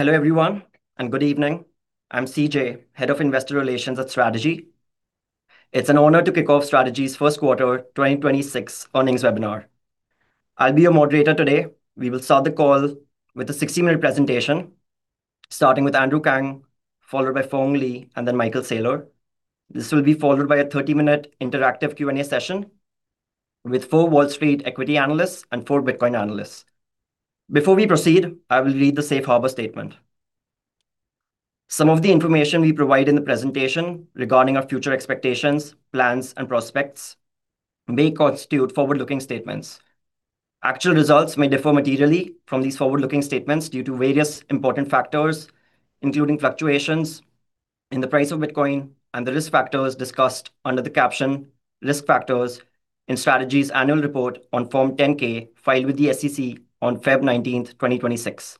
Hello everyone, and good evening. I'm CJ, Head of Investor Relations at Strategy. It's an honor to kick off Strategy's first quarter 2026 earnings webinar. I'll be your moderator today. We will start the call with a 60-minute presentation, starting with Andrew Kang, followed by Phong Le, and then Michael Saylor. This will be followed by a 30-minute interactive Q&A session with four Wall Street equity analysts and 4 Bitcoin analysts. Before we proceed, I will read the safe harbor statement. Some of the information we provide in the presentation regarding our future expectations, plans, and prospects may constitute forward-looking statements. Actual results may differ materially from these forward-looking statements due to various important factors, including fluctuations in the price of Bitcoin and the risk factors discussed under the caption "Risk Factors" in Strategy's annual report on Form 10-K filed with the SEC on February 19th, 2026,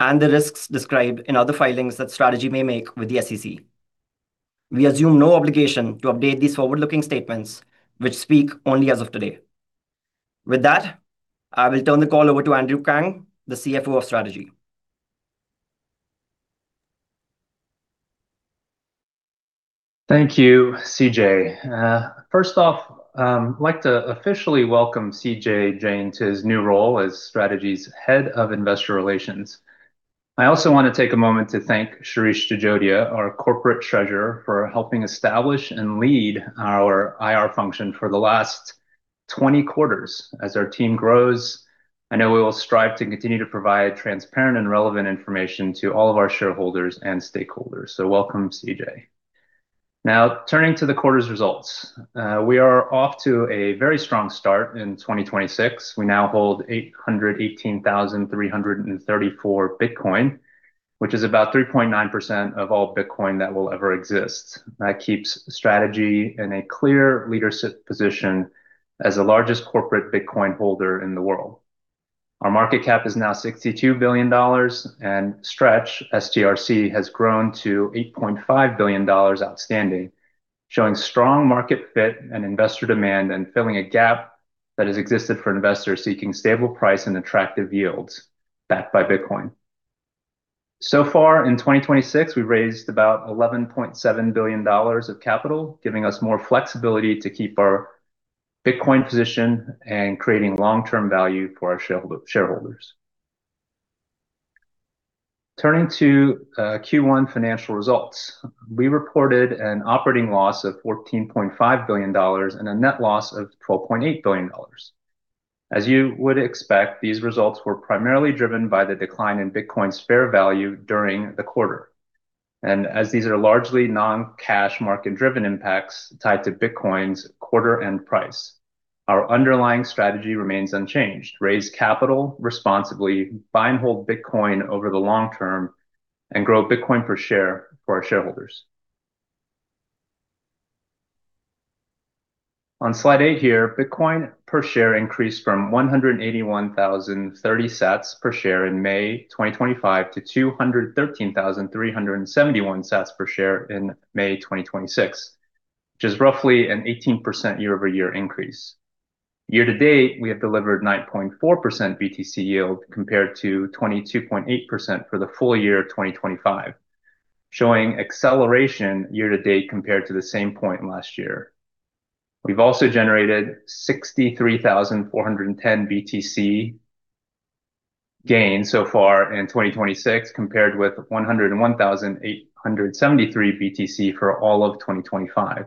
and the risks described in other filings that Strategy may make with the SEC. We assume no obligation to update these forward-looking statements, which speak only as of today. With that, I will turn the call over to Andrew Kang, the CFO of Strategy. Thank you, CJ. First off, I'd like to officially welcome Chaitanya Jain to his new role as Strategy's Head of Investor Relations. I also wanna take a moment to thank Shirish Jajodia, our Corporate Treasurer, for helping establish and lead our IR function for the last 20 quarters. As our team grows, I know we will strive to continue to provide transparent and relevant information to all of our shareholders and stakeholders. Welcome, CJ. Now turning to the quarter's results. We are off to a very strong start in 2026. We now hold 818,334 Bitcoin, which is about 3.9% of all Bitcoin that will ever exist. That keeps Strategy in a clear leadership position as the largest corporate Bitcoin holder in the world. Our market cap is now $62 billion, Stretch, STRC, has grown to $8.5 billion outstanding, showing strong market fit and investor demand and filling a gap that has existed for investors seeking stable price and attractive yields backed by Bitcoin. So far in 2026, we've raised about $11.7 billion of capital, giving us more flexibility to keep our Bitcoin position and creating long-term value for our shareholders. Turning to Q1 financial results. We reported an operating loss of $14.5 billion and a net loss of $12.8 billion. As you would expect, these results were primarily driven by the decline in Bitcoin's fair value during the quarter. As these are largely non-cash market driven impacts tied to Bitcoin's quarter-end price, our underlying strategy remains unchanged. Raise capital responsibly, buy and hold Bitcoin over the long term, and grow Bitcoin per share for our shareholders. On slide eight here, Bitcoin per share increased from 181,030 sats per share in May 2025 to 213,371 sats per share in May 2026, which is roughly an 18% year-over-year increase. Year-to-date, we have delivered 9.4% BTC yield compared to 22.8% for the full year 2025, showing acceleration year-to-date compared to the same point last year. We've also generated 63,410 BTC gain so far in 2026, compared with 101,873 BTC for all of 2025.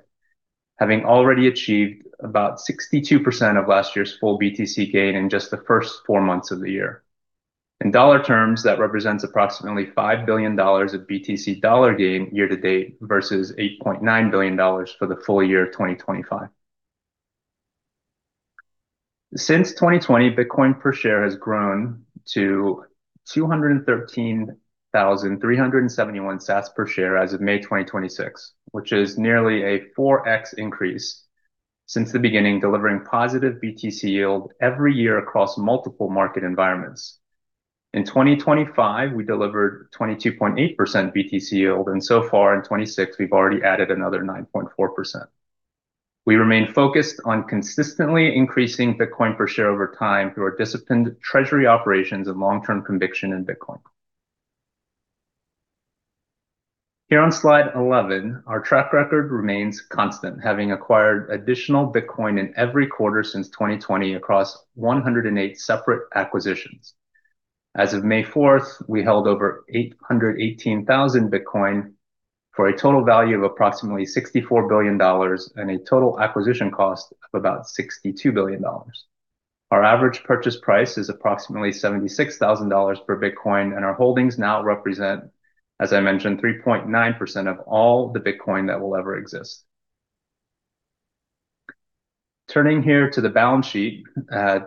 Having already achieved about 62% of last year's full BTC Gain in just the first four months of the year. In dollar terms, that represents approximately $5 billion of BTC $ gain year-to-date versus $8.9 billion for the full year 2025. Since 2020, Bitcoin per share has grown to 213,371 sats per share as of May 2026, which is nearly a 4x increase since the beginning, delivering positive BTC yield every year across multiple market environments. In 2025, we delivered 22.8% BTC yield. So far in 2026, we've already added another 9.4%. We remain focused on consistently increasing Bitcoin per share over time through our disciplined treasury operations and long-term conviction in Bitcoin. Here on slide 11, our track record remains constant, having acquired additional Bitcoin in every quarter since 2020 across 108 separate acquisitions. As of May 4, we held over 818,000 Bitcoin for a total value of approximately $64 billion and a total acquisition cost of about $62 billion. Our average purchase price is approximately $76,000 per Bitcoin, and our holdings now represent, as I mentioned, 3.9% of all the Bitcoin that will ever exist. Turning here to the balance sheet,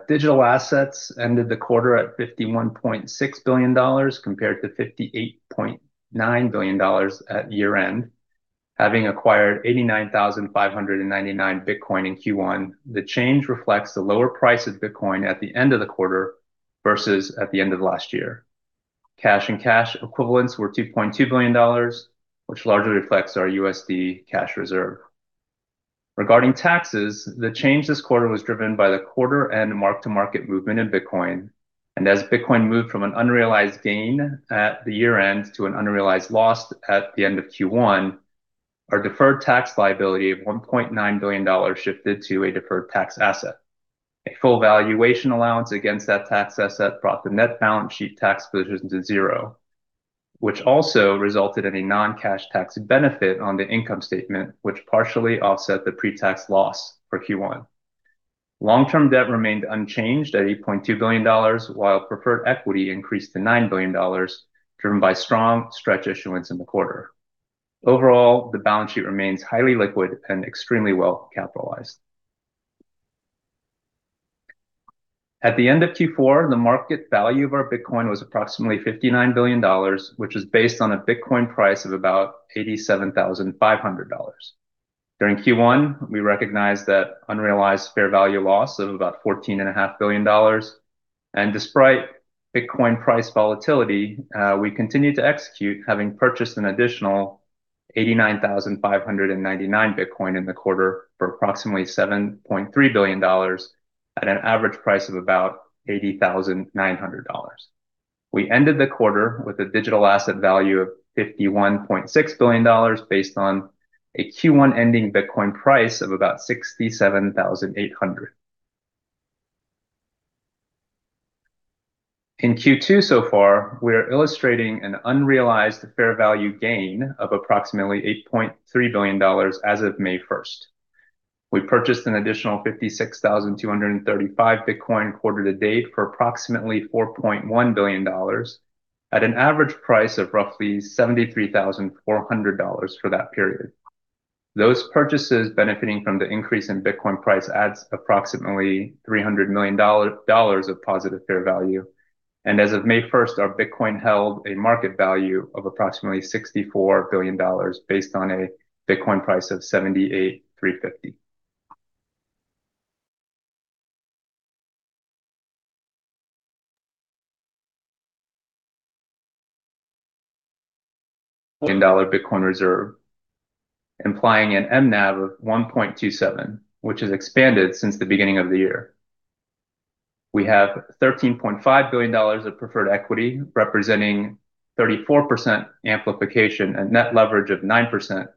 digital assets ended the quarter at $51.6 billion compared to $58.9 billion at year-end. Having acquired 89,599 Bitcoin in Q1, the change reflects the lower price of Bitcoin at the end of the quarter versus at the end of last year. Cash and cash equivalents were $2.2 billion, which largely reflects our USD cash reserve. Regarding taxes, the change this quarter was driven by the quarter-end mark-to-market movement in Bitcoin. As Bitcoin moved from an unrealized gain at the year-end to an unrealized loss at the end of Q1, our deferred tax liability of $1.9 billion shifted to a deferred tax asset. A full valuation allowance against that tax asset brought the net balance sheet tax positions to zero, which also resulted in a non-cash tax benefit on the income statement, which partially offset the pre-tax loss for Q1. Long-term debt remained unchanged at $8.2 billion, while preferred equity increased to $9 billion, driven by strong Stretch issuance in the quarter. Overall, the balance sheet remains highly liquid and extremely well-capitalized. At the end of Q4, the market value of our Bitcoin was approximately $59 billion, which is based on a Bitcoin price of about $87,500. During Q1, we recognized that unrealized fair value loss of about $14.5 billion. Despite Bitcoin price volatility, we continued to execute, having purchased an additional 89,599 Bitcoin in the quarter for approximately $7.3 billion at an average price of about $80,900. We ended the quarter with a digital asset value of $51.6 billion based on a Q1 ending Bitcoin price of about $67,800. In Q2 so far, we are illustrating an unrealized fair value gain of approximately $8.3 billion as of May 1st. We purchased an additional 56,235 Bitcoin quarter-to-date for approximately $4.1 billion at an average price of roughly $73,400 for that period. Those purchases benefiting from the increase in Bitcoin price adds approximately $300 million dollars of positive fair value. As of May 1st, our Bitcoin held a market value of approximately $64 billion based on a Bitcoin price of $78,350. Billion-dollar Bitcoin reserve, implying an mNAV of 1.27, which has expanded since the beginning of the year. We have $13.5 billion of preferred equity, representing 34% amplification and net leverage of 9%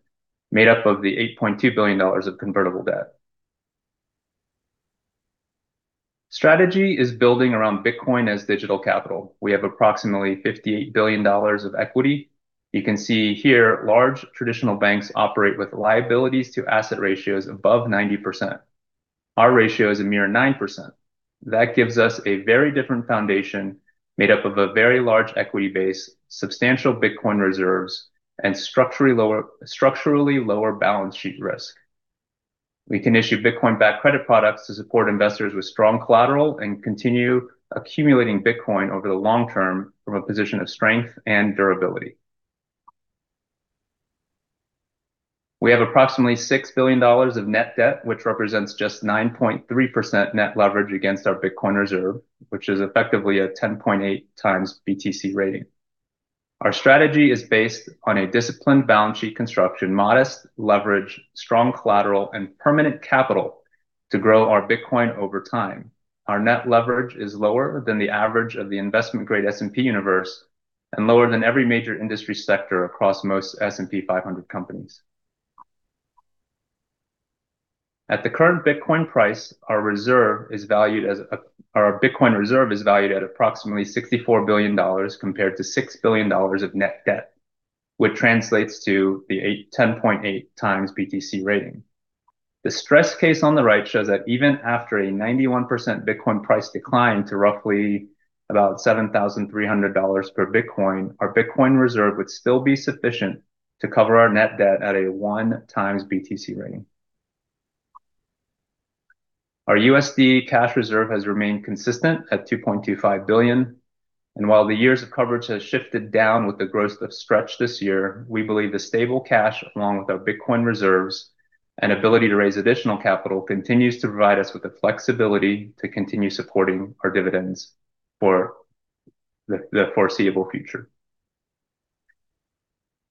made up of the $8.2 billion of convertible debt. Strategy is building around Bitcoin as digital capital. We have approximately $58 billion of equity. You can see here large traditional banks operate with liabilities to asset ratios above 90%. Our ratio is a mere 9%. That gives us a very different foundation made up of a very large equity base, substantial Bitcoin reserves, and structurally lower balance sheet risk. We can issue Bitcoin-backed credit products to support investors with strong collateral and continue accumulating Bitcoin over the long term from a position of strength and durability. We have approximately $6 billion of net debt, which represents just 9.3% net leverage against our Bitcoin reserve, which is effectively a 10.8x BTC rating. Our strategy is based on a disciplined balance sheet construction, modest leverage, strong collateral, and permanent capital to grow our Bitcoin over time. Our net leverage is lower than the average of the investment-grade S&P universe and lower than every major industry sector across most S&P 500 companies. At the current Bitcoin price, our Bitcoin reserve is valued at approximately $64 billion compared to $6 billion of net debt, which translates to the 10.8x BTC rating. The stress case on the right shows that even after a 91% Bitcoin price decline to roughly about $7,300 per Bitcoin, our Bitcoin reserve would still be sufficient to cover our net debt at a 1x BTC rating. Our USD cash reserve has remained consistent at $2.25 billion. While the years of coverage has shifted down with the growth of Stretch this year, we believe the stable cash along with our Bitcoin reserves and ability to raise additional capital continues to provide us with the flexibility to continue supporting our dividends for the foreseeable future.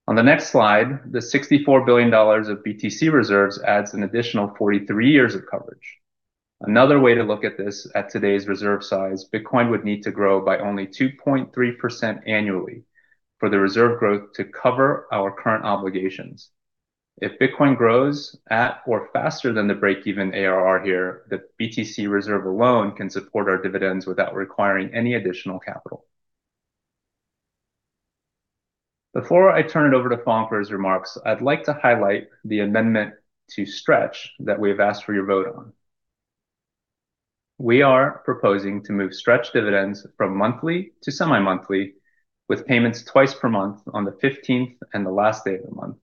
On the next slide, the $64 billion of BTC reserves adds an additional 43 years of coverage. Another way to look at this, at today's reserve size, Bitcoin would need to grow by only 2.3% annually for the reserve growth to cover our current obligations. If Bitcoin grows at or faster than the break-even ARR here, the BTC reserve alone can support our dividends without requiring any additional capital. Before I turn it over to Phong for his remarks, I'd like to highlight the amendment to Stretch that we have asked for your vote on. We are proposing to move Stretch dividends from monthly to semi-monthly, with payments twice per month on the 15th and the last day of the month,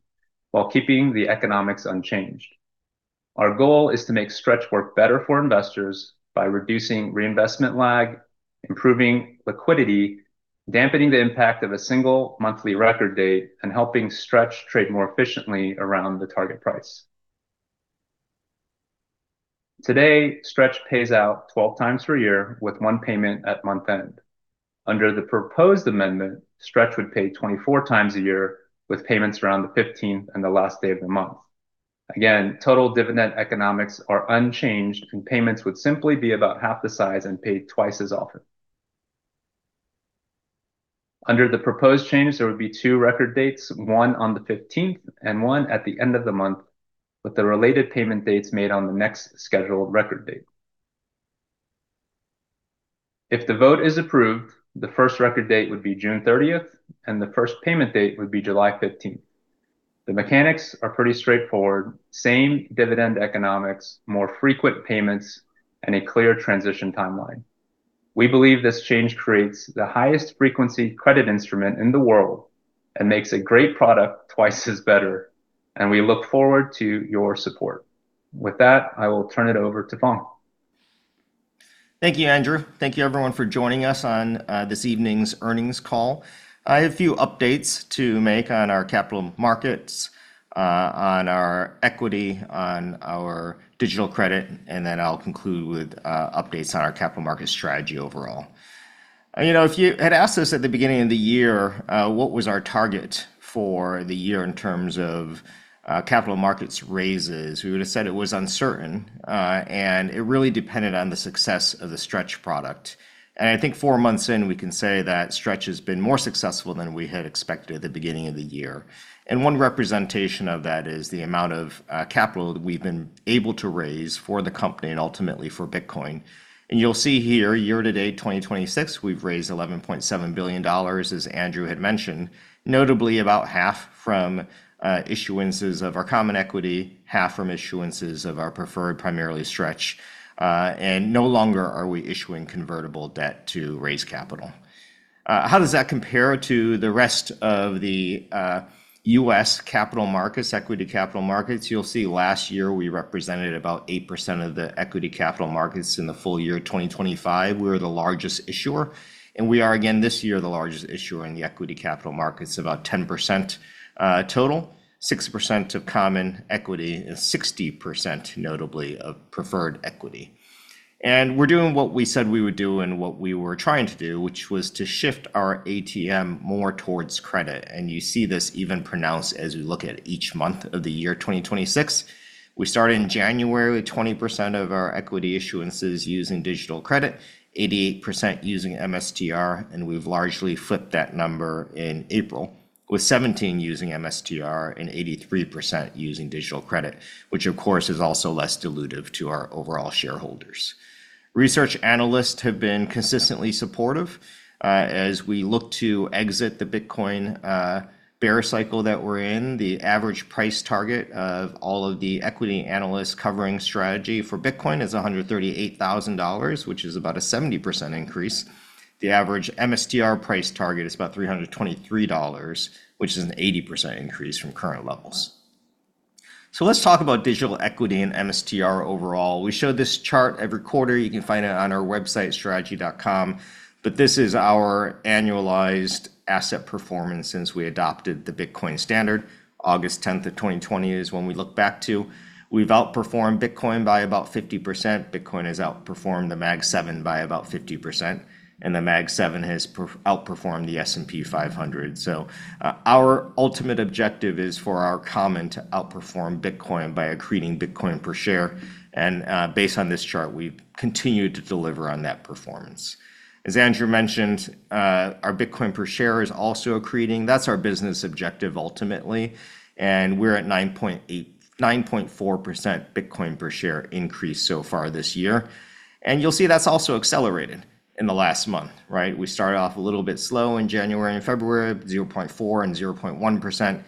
while keeping the economics unchanged. Our goal is to make Stretch work better for investors by reducing reinvestment lag, improving liquidity, dampening the impact of a single monthly record date, and helping Stretch trade more efficiently around the target price. Today, Stretch pays out 12x per year with one payment at month-end. Under the proposed amendment, Stretch would pay 24 times a year with payments around the 15th and the last day of the month. Again, total dividend economics are unchanged, and payments would simply be about half the size and paid twice as often. Under the proposed change, there would be two record dates, one on the 15th and one at the end of the month, with the related payment dates made on the next scheduled record date. If the vote is approved, the first record date would be June 30th and the first payment date would be July 15th. The mechanics are pretty straightforward. Same dividend economics, more frequent payments, and a clear transition timeline. We believe this change creates the highest frequency credit instrument in the world and makes a great product twice as better, and we look forward to your support. With that, I will turn it over to Phong. Thank you, Andrew. Thank you everyone for joining us on this evening's earnings call. I have a few updates to make on our capital markets, on our equity, on our digital credit, and then I'll conclude with updates on our capital market strategy overall. You know, if you had asked us at the beginning of the year, what was our target for the year in terms of capital markets raises, we would have said it was uncertain, and it really depended on the success of the Stretch product. I think four months in, we can say that Stretch has been more successful than we had expected at the beginning of the year. One representation of that is the amount of capital that we've been able to raise for the company and ultimately for Bitcoin. You'll see here year-to-date 2026, we've raised $11.7 billion, as Andrew had mentioned, notably about half from issuances of our common equity, half from issuances of our preferred, primarily Stretch. No longer are we issuing convertible debt to raise capital. How does that compare to the rest of the U.S. capital markets, equity capital markets? You'll see last year we represented about 8% of the equity capital markets in the full year of 2025. We were the largest issuer, we are again this year the largest issuer in the equity capital markets, about 10% total, 6% of common equity, and 60% notably of preferred equity. We're doing what we said we would do and what we were trying to do, which was to shift our ATM more towards credit. You see this even pronounced as we look at each month of the year 2026. We started in January with 20% of our equity issuances using digital credit, 88% using MSTR, and we've largely flipped that number in April, with 17 using MSTR and 83% using digital credit, which of course is also less dilutive to our overall shareholders. Research analysts have been consistently supportive. As we look to exit the Bitcoin bear cycle that we're in, the average price target of all of the equity analysts covering Strategy for Bitcoin is $138,000, which is about a 70% increase. The average MSTR price target is about $323, which is an 80% increase from current levels. Let's talk about digital equity and MSTR overall. We show this chart every quarter. You can find it on our website, strategy.com. This is our annualized asset performance since we adopted the Bitcoin standard. August 10th of 2020 is when we look back to. We've outperformed Bitcoin by about 50%. Bitcoin has outperformed the Magnificent Seven by about 50%, and the Magnificent Seven has outperformed the S&P 500. Our ultimate objective is for our common to outperform Bitcoin by accreting Bitcoin per share, and based on this chart, we've continued to deliver on that performance. As Andrew mentioned, our Bitcoin per share is also accreting. That's our business objective ultimately, and we're at 9.4% Bitcoin per share increase so far this year. You'll see that's also accelerated in the last month, right? We started off a little bit slow in January and February, 0.4% and 0.1%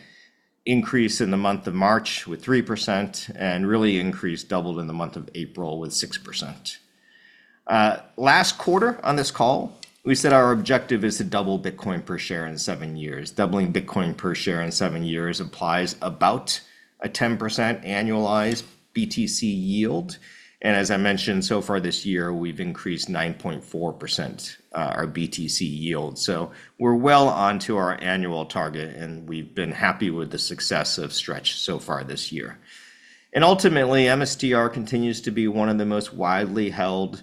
increase in the month of March with 3%, and really increased, doubled in the month of April with 6%. Last quarter on this call, we said our objective is to double Bitcoin per share in seven years. Doubling Bitcoin per share in seven years implies about a 10% annualized BTC yield. As I mentioned, so far this year, we've increased 9.4%, our BTC yield. We're well onto our annual target, and we've been happy with the success of Stretch so far this year. Ultimately, MSTR continues to be one of the most widely held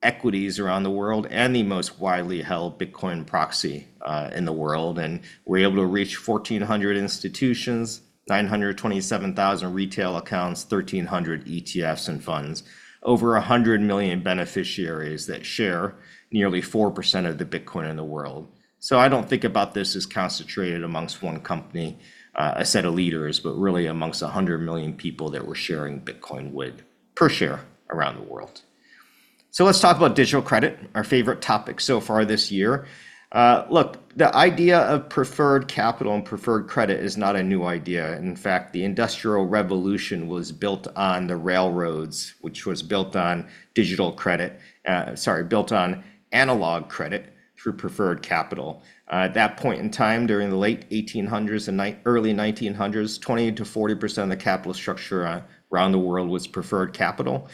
equities around the world and the most widely held Bitcoin proxy in the world. We're able to reach 1,400 institutions, 927,000 retail accounts, 1,300 ETFs and funds, over 100 million beneficiaries that share nearly 4% of the Bitcoin in the world. I don't think about this as concentrated among one company, a set of leaders, but really among 100 million people that we're sharing Bitcoin with per share around the world. Let's talk about digital credit, our favorite topic so far this year. Look, the idea of preferred capital and preferred credit is not a new idea. In fact, the Industrial Revolution was built on the railroads, which was built on analog credit through preferred capital. At that point in time, during the late 1800s and early 1900s, 20%-40% of the capital structure around the world was preferred capital.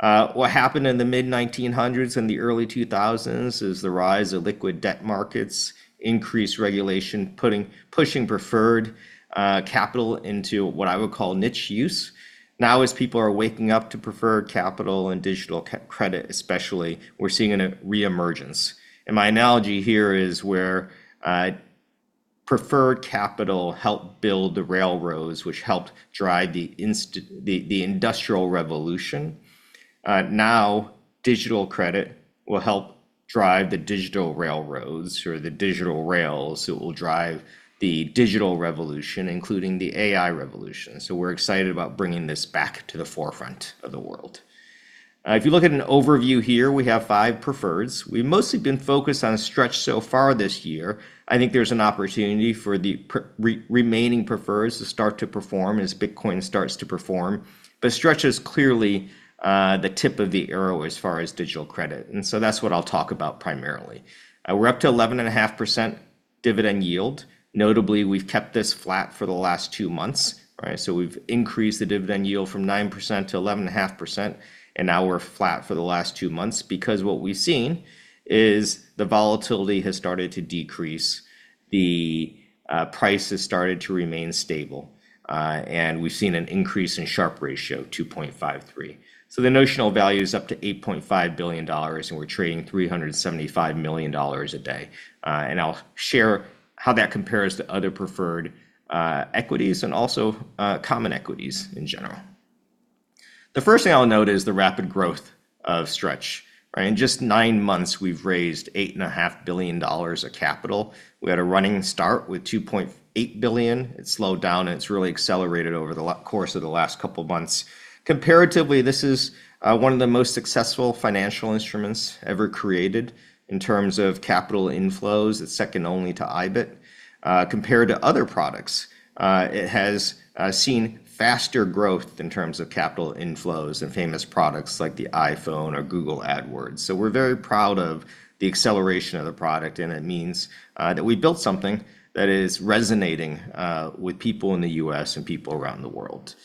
What happened in the mid-1900s and the early 2000s is the rise of liquid debt markets, increased regulation, pushing preferred capital into what I would call niche use. Now, as people are waking up to preferred capital and digital credit especially, we're seeing a reemergence. My analogy here is where preferred capital helped build the railroads, which helped drive the Industrial Revolution. Now digital credit will help drive the digital railroads or the digital rails. It will drive the digital revolution, including the AI revolution. We're excited about bringing this back to the forefront of the world. If you look at an overview here, we have five preferreds. We've mostly been focused on Stretch so far this year. I think there's an opportunity for the remaining preferreds to start to perform as Bitcoin starts to perform. Stretch is clearly the tip of the arrow as far as digital credit, and so that's what I'll talk about primarily. We're up to 11.5% dividend yield. Notably, we've kept this flat for the last two months, right? We've increased the dividend yield from 9%-11.5%, and now we're flat for the last two months because what we've seen is the volatility has started to decrease. The price has started to remain stable, and we've seen an increase in Sharpe ratio, 2.53. The notional value is up to $8.5 billion, and we're trading $375 million a day. I'll share how that compares to other preferred equities and also common equities in general. The first thing I'll note is the rapid growth of Stretch, right? In just nine months, we've raised $8.5 billion of capital. We had a running start with $2.8 billion. It slowed down, and it's really accelerated over the course of the last couple months. Comparatively, this is one of the most successful financial instruments ever created in terms of capital inflows. It's second only to IBIT. Compared to other products, it has seen faster growth in terms of capital inflows than famous products like the iPhone or Google Ads. We're very proud of the acceleration of the product, and it means that we built something that is resonating with people in the U.S. and people around the world.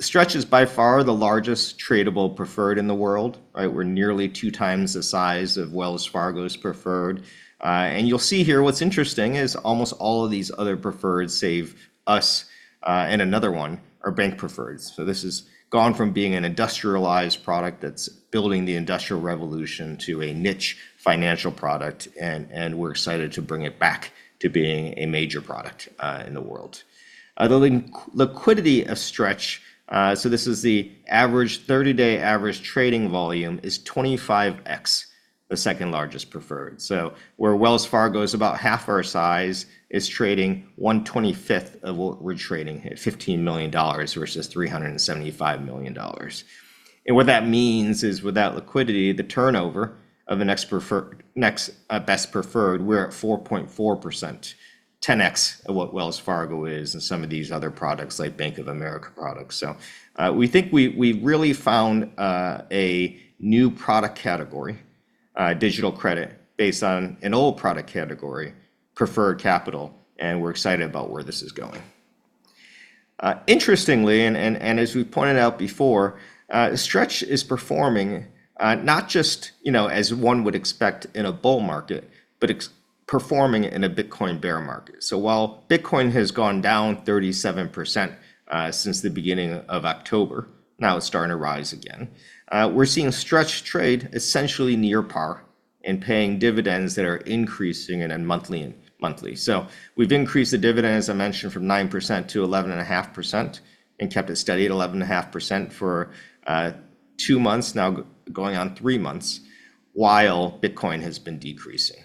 Stretch is by far the largest tradable preferred in the world, right? We're nearly 2x the size of Wells Fargo's preferred. You'll see here what's interesting is almost all of these other preferreds save us and another one are bank preferreds. This has gone from being an industrialized product that's building the Industrial Revolution to a niche financial product, and we're excited to bring it back to being a major product in the world. The liquidity of Stretch, this is the average 30-day average trading volume is 25x the second-largest preferred. Where Wells Fargo is about half our size, it's trading 1/25 of what we're trading at, $15 million versus $375 million. What that means is with that liquidity, the turnover of the next best preferred, we're at 4.4%, 10x of what Wells Fargo is and some of these other products like Bank of America products. We think we really found a new product category, digital credit, based on an old product category, preferred capital, and we're excited about where this is going. Interestingly, as we pointed out before, Stretch is performing, not just, you know, as one would expect in a bull market but it's performing in a Bitcoin bear market. While Bitcoin has gone down 37% since the beginning of October, now it's starting to rise again, we're seeing Stretch trade essentially near par and paying dividends that are increasing in a monthly and monthly. We've increased the dividend, as I mentioned, from 9%-11.5% and kept it steady at 11.5% for two months, now going on three months, while Bitcoin has been decreasing.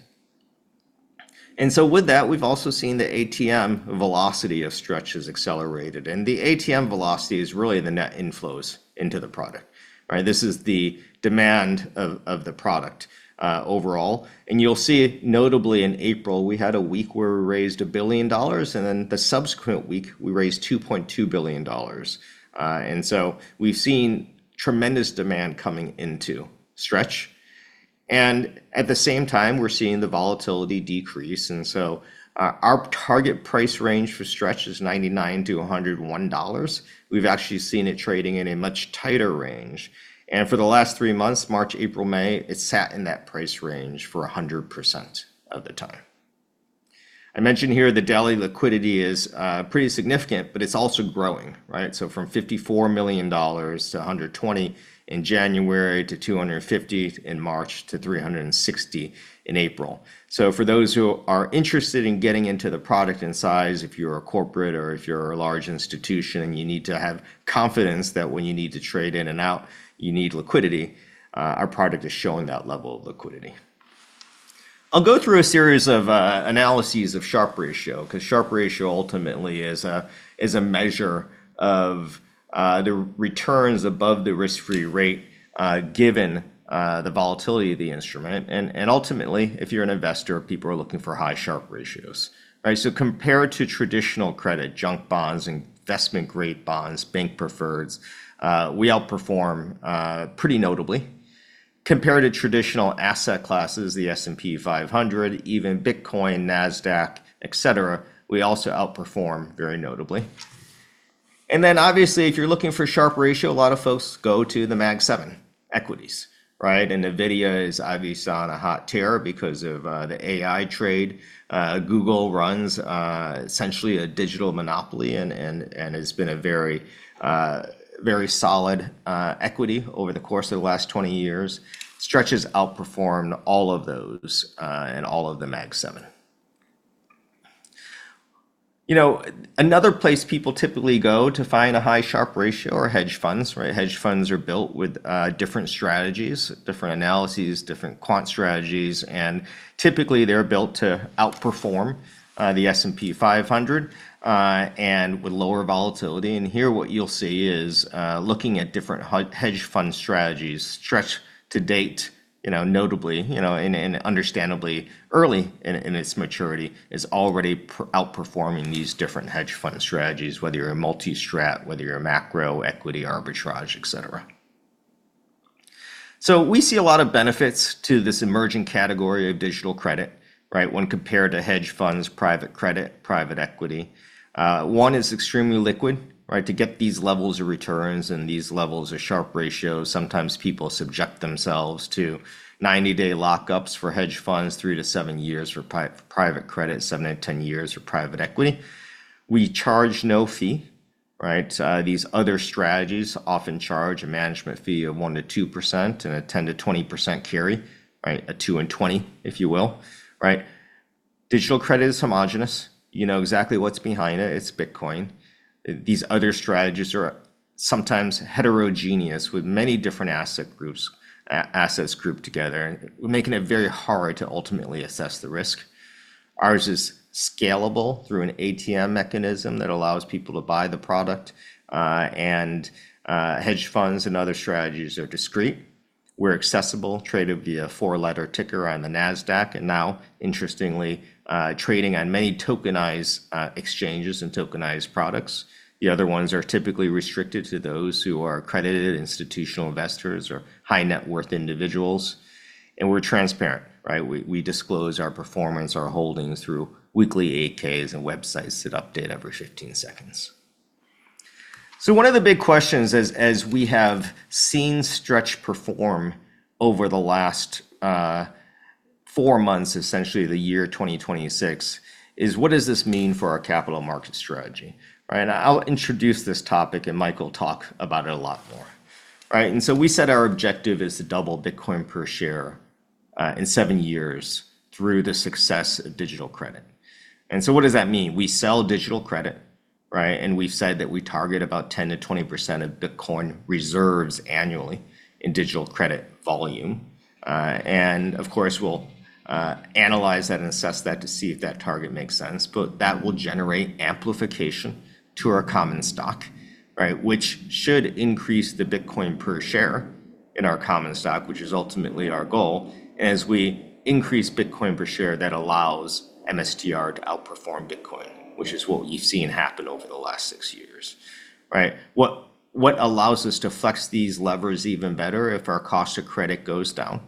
With that, we've also seen the ATM velocity of Stretch has accelerated, and the ATM velocity is really the net inflows into the product. Right? This is the demand of the product overall. You'll see notably in April, we had a week where we raised $1 billion, and then the subsequent week we raised $2.2 billion. We've seen tremendous demand coming into Stretch. At the same time, we're seeing the volatility decrease, and so our target price range for Stretch is $99-$101. We've actually seen it trading in a much tighter range. For the last three months, March, April, May, it sat in that price range for 100% of the time. I mentioned here the daily liquidity is pretty significant, but it's also growing, right? From $54 million to $120 million in January to $250 million in March to $360 million in April. For those who are interested in getting into the product and size, if you're a corporate or if you're a large institution, you need to have confidence that when you need to trade in and out, you need liquidity. Our product is showing that level of liquidity. I'll go through a series of analyses of Sharpe ratio, 'cause Sharpe ratio ultimately is a measure of the returns above the risk-free rate, given the volatility of the instrument. Ultimately, if you're an investor, people are looking for high Sharpe ratios, right? Compared to traditional credit, junk bonds, investment-grade bonds, bank preferreds, we outperform pretty notably. Compared to traditional asset classes, the S&P 500, even Bitcoin, Nasdaq, et cetera, we also outperform very notably. Obviously, if you're looking for Sharpe ratio, a lot of folks go to the Magnificent Seven equities, right? NVIDIA is obviously on a hot tear because of the AI trade. Google runs essentially a digital monopoly and has been a very solid equity over the course of the last 20 years. Stretch has outperformed all of those and all of the Magnificent Seven. You know, another place people typically go to find a high Sharpe ratio are hedge funds, right? Hedge funds are built with different strategies, different analyses, different quant strategies, and typically they're built to outperform the S&P 500 and with lower volatility. Here what you'll see is looking at different hedge fund strategies, Stretch to date, you know, notably and understandably early in its maturity is already outperforming these different hedge fund strategies, whether you're a multi-strategy, whether you're a macro equity arbitrage, et cetera. We see a lot of benefits to this emerging category of digital credit, right? When compared to hedge funds, private credit, private equity, one, it's extremely liquid, right? To get these levels of returns and these levels of Sharpe ratios, sometimes people subject themselves to 90-day lockups for hedge funds, three to seven years for private credit, seven to 10 years for private equity. We charge no fee, right? These other strategies often charge a management fee of 1%-2% and a 10%-20% carry, right? A 2% and 20%, if you will, right? Digital credit is homogenous. You know exactly what's behind it. It's Bitcoin. These other strategies are sometimes heterogeneous with many different asset groups assets grouped together, making it very hard to ultimately assess the risk. Ours is scalable through an ATM mechanism that allows people to buy the product, and hedge funds and other strategies are discreet. We're accessible, traded via four-letter ticker on the Nasdaq, and now interestingly, trading on many tokenized exchanges and tokenized products. The other ones are typically restricted to those who are accredited institutional investors or high net worth individuals. We're transparent, right? We disclose our performance, our holdings through weekly Form 8-Ks and websites that update every 15 seconds. One of the big questions as we have seen Stretch perform over the last four months, essentially the year 2026, is what does this mean for our capital market strategy? Right? I'll introduce this topic and Mike will talk about it a lot more. Right? We said our objective is to double Bitcoin per share in seven years through the success of digital credit. What does that mean? We sell digital credit, right? We've said that we target about 10%-20% of Bitcoin reserves annually in digital credit volume. Of course, we'll analyze that and assess that to see if that target makes sense. That will generate amplification to our common stock, right? Which should increase the Bitcoin per share in our common stock, which is ultimately our goal. As we increase Bitcoin per share, that allows MSTR to outperform Bitcoin, which is what we've seen happen over the last six years. Right? What allows us to flex these levers even better if our cost of credit goes down,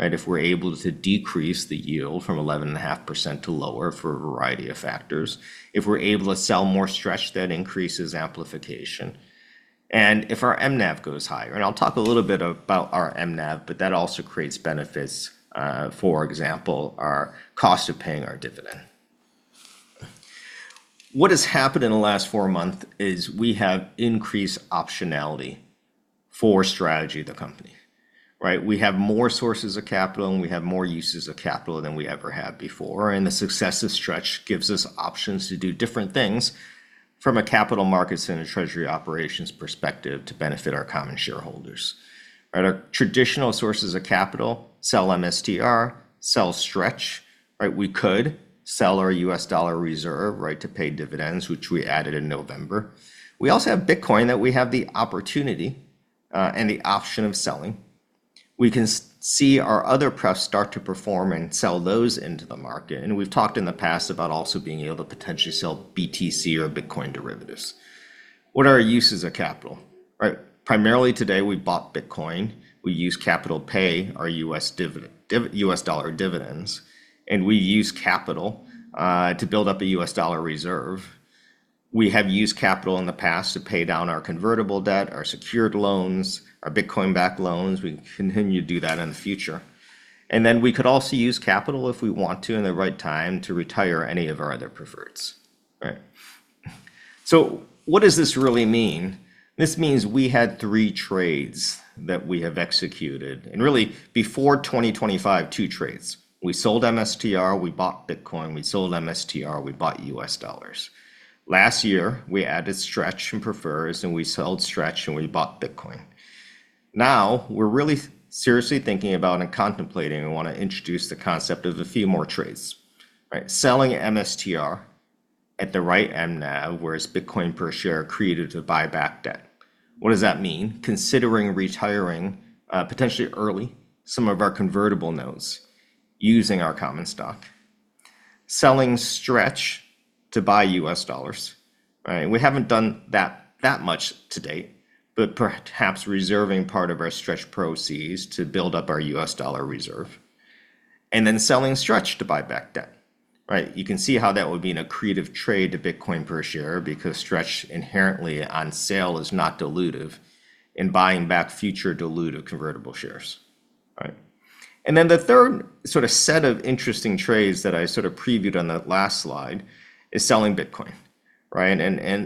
right? If we're able to decrease the yield from 11.5% to lower for a variety of factors, if we're able to sell more Stretch, that increases amplification. If our mNAV goes higher, and I'll talk a little bit about our mNAV, but that also creates benefits, for example, our cost of paying our dividend. What has happened in the last four months is we have increased optionality for Strategy, the company, right? We have more sources of capital, and we have more uses of capital than we ever have before. The success of Stretch gives us options to do different things from a capital markets and a treasury operations perspective to benefit our common shareholders. Right? Our traditional sources of capital sell MSTR, sell Stretch, right? We could sell our U.S. dollar reserve, right? To pay dividends, which we added in November. We also have Bitcoin that we have the opportunity, and the option of selling. We can see our other preferreds start to perform and sell those into the market. We've talked in the past about also being able to potentially sell BTC or Bitcoin derivatives. What are our uses of capital, right? Primarily today, we bought Bitcoin. We used capital to pay our U.S. dollar dividends, and we used capital to build up a U.S. dollar reserve. We have used capital in the past to pay down our convertible debt, our secured loans, our Bitcoin-backed loans. We continue to do that in the future. We could also use capital if we want to in the right time to retire any of our other preferreds, right? What does this really mean? This means we had three trades that we have executed, and really before 2025, two trades. We sold MSTR, we bought Bitcoin, we sold MSTR, we bought U.S. dollars. Last year, we added Stretch in preferreds, and we sold Stretch, and we bought Bitcoin. Now, we're really seriously thinking about and contemplating and wanna introduce the concept of a few more trades, right? Selling MSTR at the right mNAV, whereas Bitcoin per share accretive to buyback debt. What does that mean? Considering retiring, potentially early some of our convertible notes using our common stock. Selling Stretch to buy U.S. dollars, right? We haven't done that much to date, but perhaps reserving part of our Stretch proceeds to build up our U.S. dollar reserve, and then selling Stretch to buyback debt, right? You can see how that would be an accretive trade to Bitcoin per share because Stretch inherently on sale is not dilutive in buying back future dilutive convertible shares. Right? Then the third sort of set of interesting trades that I sort of previewed on the last slide is selling Bitcoin, right?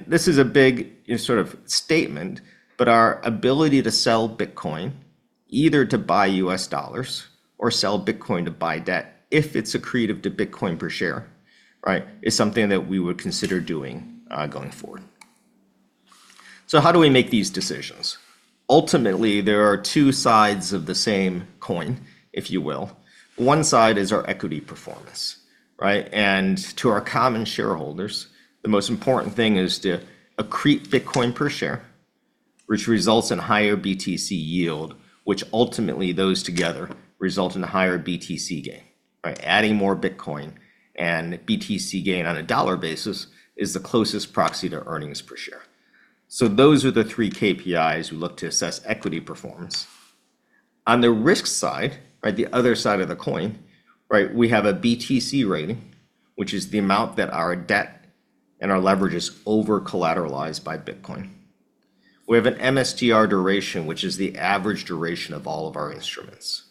This is a big sort of statement, but our ability to sell Bitcoin either to buy U.S. dollars or sell Bitcoin to buyback debt, if it's accretive to Bitcoin per share, right? It's something that we would consider doing, going forward. How do we make these decisions? Ultimately, there are two sides of the same coin, if you will. One side is our equity performance, right? To our common shareholders, the most important thing is to accrete Bitcoin per share, which results in higher BTC yield, which ultimately those together result in a higher BTC gain, right? Adding more Bitcoin and BTC gain on a dollar basis is the closest proxy to earnings per share. Those are the three KPIs we look to assess equity performance. On the risk side, right, the other side of the coin, right, we have a BTC rating, which is the amount that our debt and our leverage is over-collateralized by Bitcoin. We have an MSTR duration, which is the average duration of all of our instruments,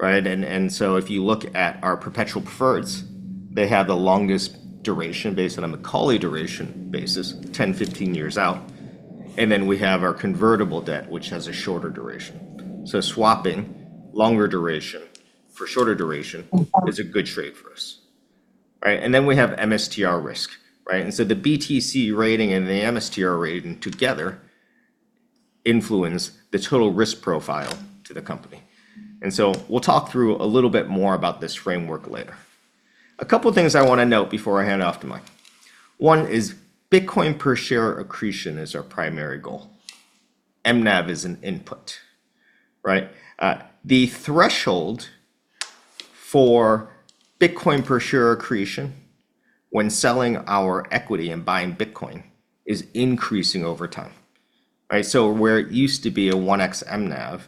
right? If you look at our perpetual preferreds, they have the longest duration based on a Macaulay duration basis, 10, 15 years out. Then we have our convertible debt, which has a shorter duration. Swapping longer duration for shorter duration is a good trade for us, right? Then we have MSTR risk, right? The BTC rating and the MSTR rating together influence the total risk profile to the company. We'll talk through a little bit more about this framework later. A couple things I wanna note before I hand it off to Mike. One is Bitcoin per share accretion is our primary goal. mNAV is an input, right? The threshold for Bitcoin per share accretion when selling our equity and buying Bitcoin is increasing over time, right? Where it used to be a 1x mNAV,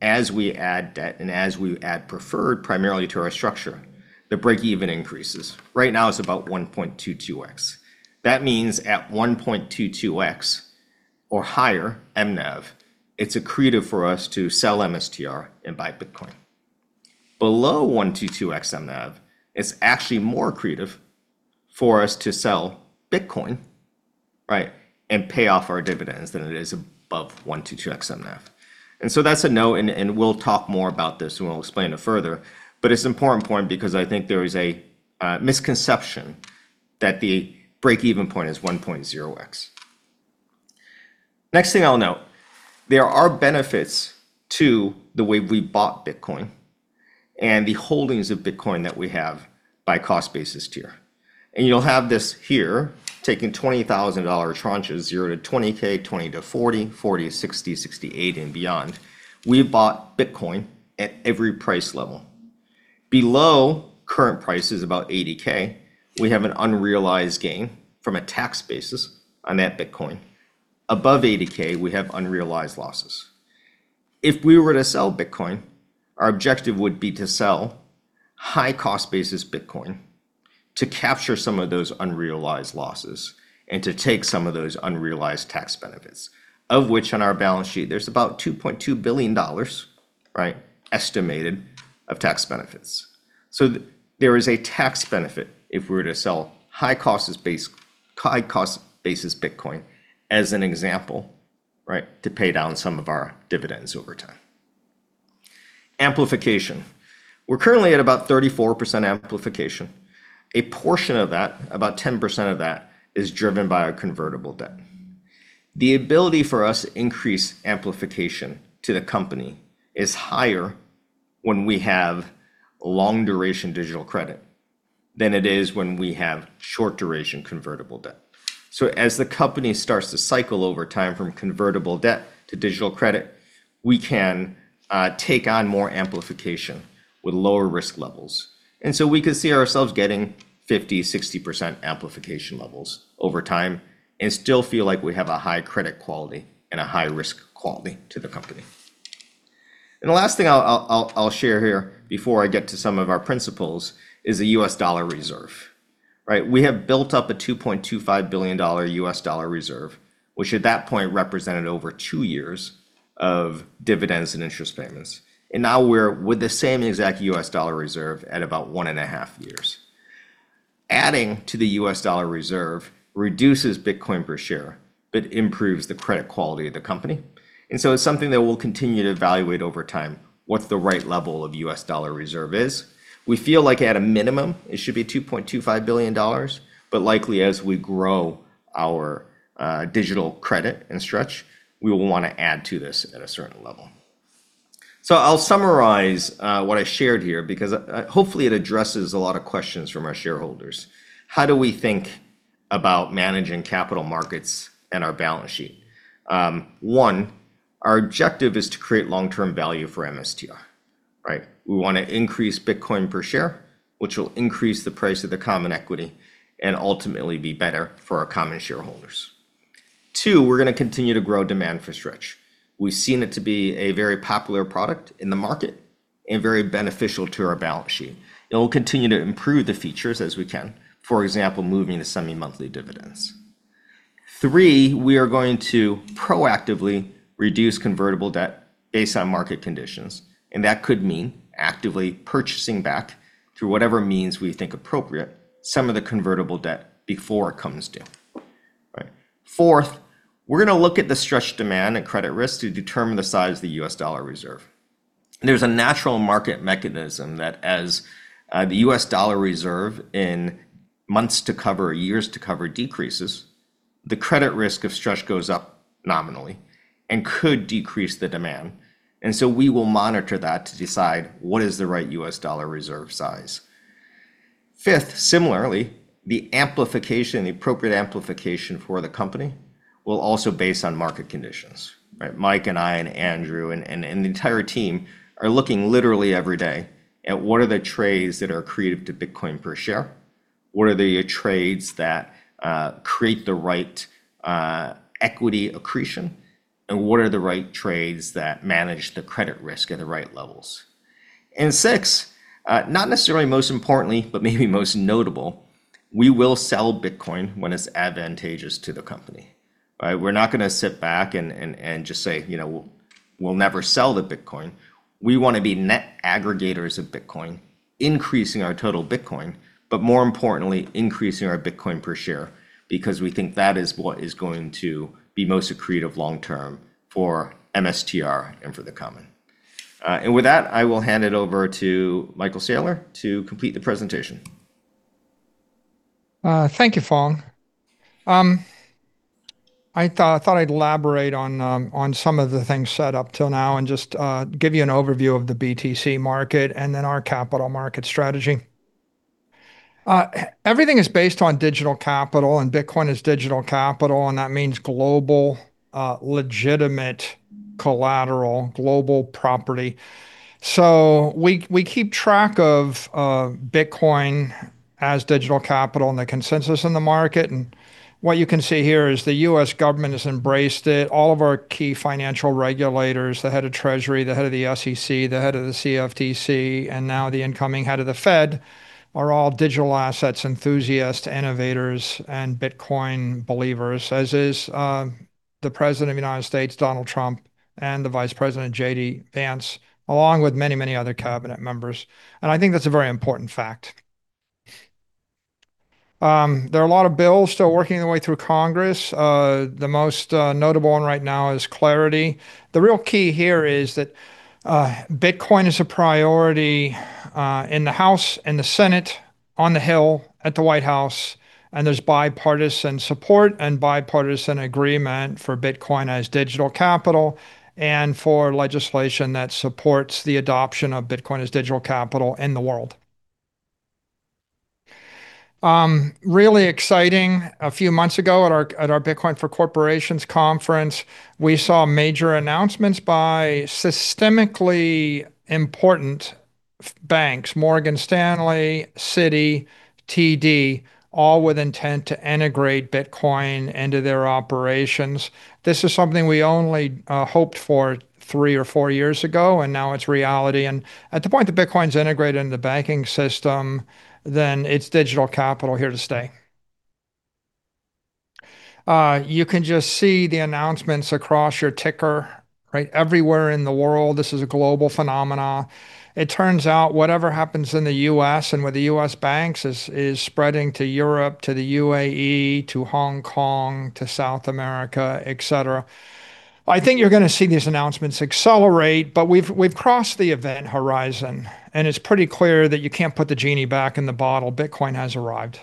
as we add debt and as we add preferred primarily to our structure, the break-even increases. Right now it's about 1.22x. That means at 1.22x or higher mNAV, it's accretive for us to sell MSTR and buy Bitcoin. Below 1.22x mNAV, it's actually more accretive for us to sell Bitcoin, right, and pay off our dividends than it is above 1.22x mNAV. That's a note and we'll talk more about this and we'll explain it further, but it's an important point because I think there is a misconception that the break-even point is 1.0x. Next thing I'll note, there are benefits to the way we bought Bitcoin and the holdings of Bitcoin that we have by cost basis tier. You'll have this here, taking $20,000 tranches, $0 to $20,000, $20,000 to $40,000, $40,000 to $60,000, $60,000 to $80,000 and beyond. We bought Bitcoin at every price level. Below current prices, about $80,000, we have an unrealized gain from a tax basis on that Bitcoin. Above $80,000, we have unrealized losses. If we were to sell Bitcoin, our objective would be to sell high cost basis Bitcoin to capture some of those unrealized losses and to take some of those unrealized tax benefits, of which on our balance sheet there's about $2.2 billion, right, estimated of tax benefits. There is a tax benefit if we were to sell high-cost-basis Bitcoin as an example, right, to pay down some of our dividends over time. Amplification. We're currently at about 34% amplification. A portion of that, about 10% of that, is driven by our convertible debt. The ability for us to increase amplification to the company is higher when we have long duration digital credit than it is when we have short duration convertible debt. As the company starts to cycle over time from convertible debt to digital credit, we can take on more amplification with lower risk levels. We could see ourselves getting 50%, 60% amplification levels over time and still feel like we have a high credit quality and a high risk quality to the company. The last thing I'll share here before I get to some of our principles is the U.S. dollar reserve, right? We have built up a $2.25 billion U.S. dollar reserve, which at that point represented over two years of dividends and interest payments. Now we're with the same exact U.S. dollar reserve at about one and a half years. Adding to the U.S. dollar reserve reduces Bitcoin per share, but improves the credit quality of the company. It's something that we'll continue to evaluate over time, what the right level of U.S. dollar reserve is. We feel like at a minimum it should be $2.25 billion, but likely as we grow our digital credit and Stretch, we will wanna add to this at a certain level. I'll summarize what I shared here because hopefully it addresses a lot of questions from our shareholders. How do we think about managing capital markets and our balance sheet? One, our objective is to create long-term value for MSTR, right? We wanna increase Bitcoin per share, which will increase the price of the common equity and ultimately be better for our common shareholders. Two, we're gonna continue to grow demand for Stretch. We've seen it to be a very popular product in the market and very beneficial to our balance sheet. It will continue to improve the features as we can. For example, moving to semi-monthly dividends. Three, we are going to proactively reduce convertible debt based on market conditions, and that could mean actively purchasing back through whatever means we think appropriate some of the convertible debt before it comes due. Right. Fourth, we're gonna look at the Stretch demand and credit risk to determine the size of the U.S. dollar reserve. There's a natural market mechanism that as the U.S. dollar reserve in months to cover, years to cover decreases, the credit risk of Stretch goes up nominally and could decrease the demand. We will monitor that to decide what is the right U.S. dollar reserve size. Fifth, similarly, the amplification, the appropriate amplification for the company will also be based on market conditions, right? Mike and I and Andrew and the entire team are looking literally every day at what are the trades that are accretive to Bitcoin per share, what are the trades that create the right equity accretion, and what are the right trades that manage the credit risk at the right levels. Six, not necessarily most importantly, but maybe most notable, we will sell Bitcoin when it's advantageous to the company, right? We're not gonna sit back and just say, you know, "We'll never sell the Bitcoin." We wanna be net aggregators of Bitcoin, increasing our total Bitcoin, but more importantly, increasing our Bitcoin per share, because we think that is what is going to be most accretive long term for MSTR and for the common. With that, I will hand it over to Michael Saylor to complete the presentation. Thank you, Phong. I thought I'd elaborate on some of the things said up till now and just give you an overview of the BTC market and then our capital market strategy. Everything is based on digital capital, and Bitcoin is digital capital, and that means global legitimate collateral, global property. We keep track of Bitcoin as digital capital and the consensus in the market. What you can see here is the U.S. government has embraced it. All of our key financial regulators, the Head of Treasury, the Head of the SEC, the Head of the CFTC, and now the incoming Head of the Fed, are all digital assets enthusiasts, innovators, and Bitcoin believers, as is the President of the United States, Donald Trump, and the Vice President, JD Vance, along with many, many other cabinet members. I think that's a very important fact. There are a lot of bills still working their way through Congress. The most notable one right now is Clarity Act. The real key here is that Bitcoin is a priority in the House and the Senate, on the Hill, at the White House, and there's bipartisan support and bipartisan agreement for Bitcoin as digital capital and for legislation that supports the adoption of Bitcoin as digital capital in the world. Really exciting, a few months ago at our Bitcoin for Corporations conference, we saw major announcements by systemically important banks, Morgan Stanley, Citi, TD, all with intent to integrate Bitcoin into their operations. This is something we only hoped for three or four years ago, and now it's reality. At the point that Bitcoin's integrated into the banking system, then it's digital capital here to stay. You can just see the announcements across your ticker, right? Everywhere in the world, this is a global phenomenon. It turns out whatever happens in the U.S. and with the U.S. banks is spreading to Europe, to the UAE, to Hong Kong, to South America, et cetera. I think you're gonna see these announcements accelerate, but we've crossed the event horizon, and it's pretty clear that you can't put the genie back in the bottle. Bitcoin has arrived.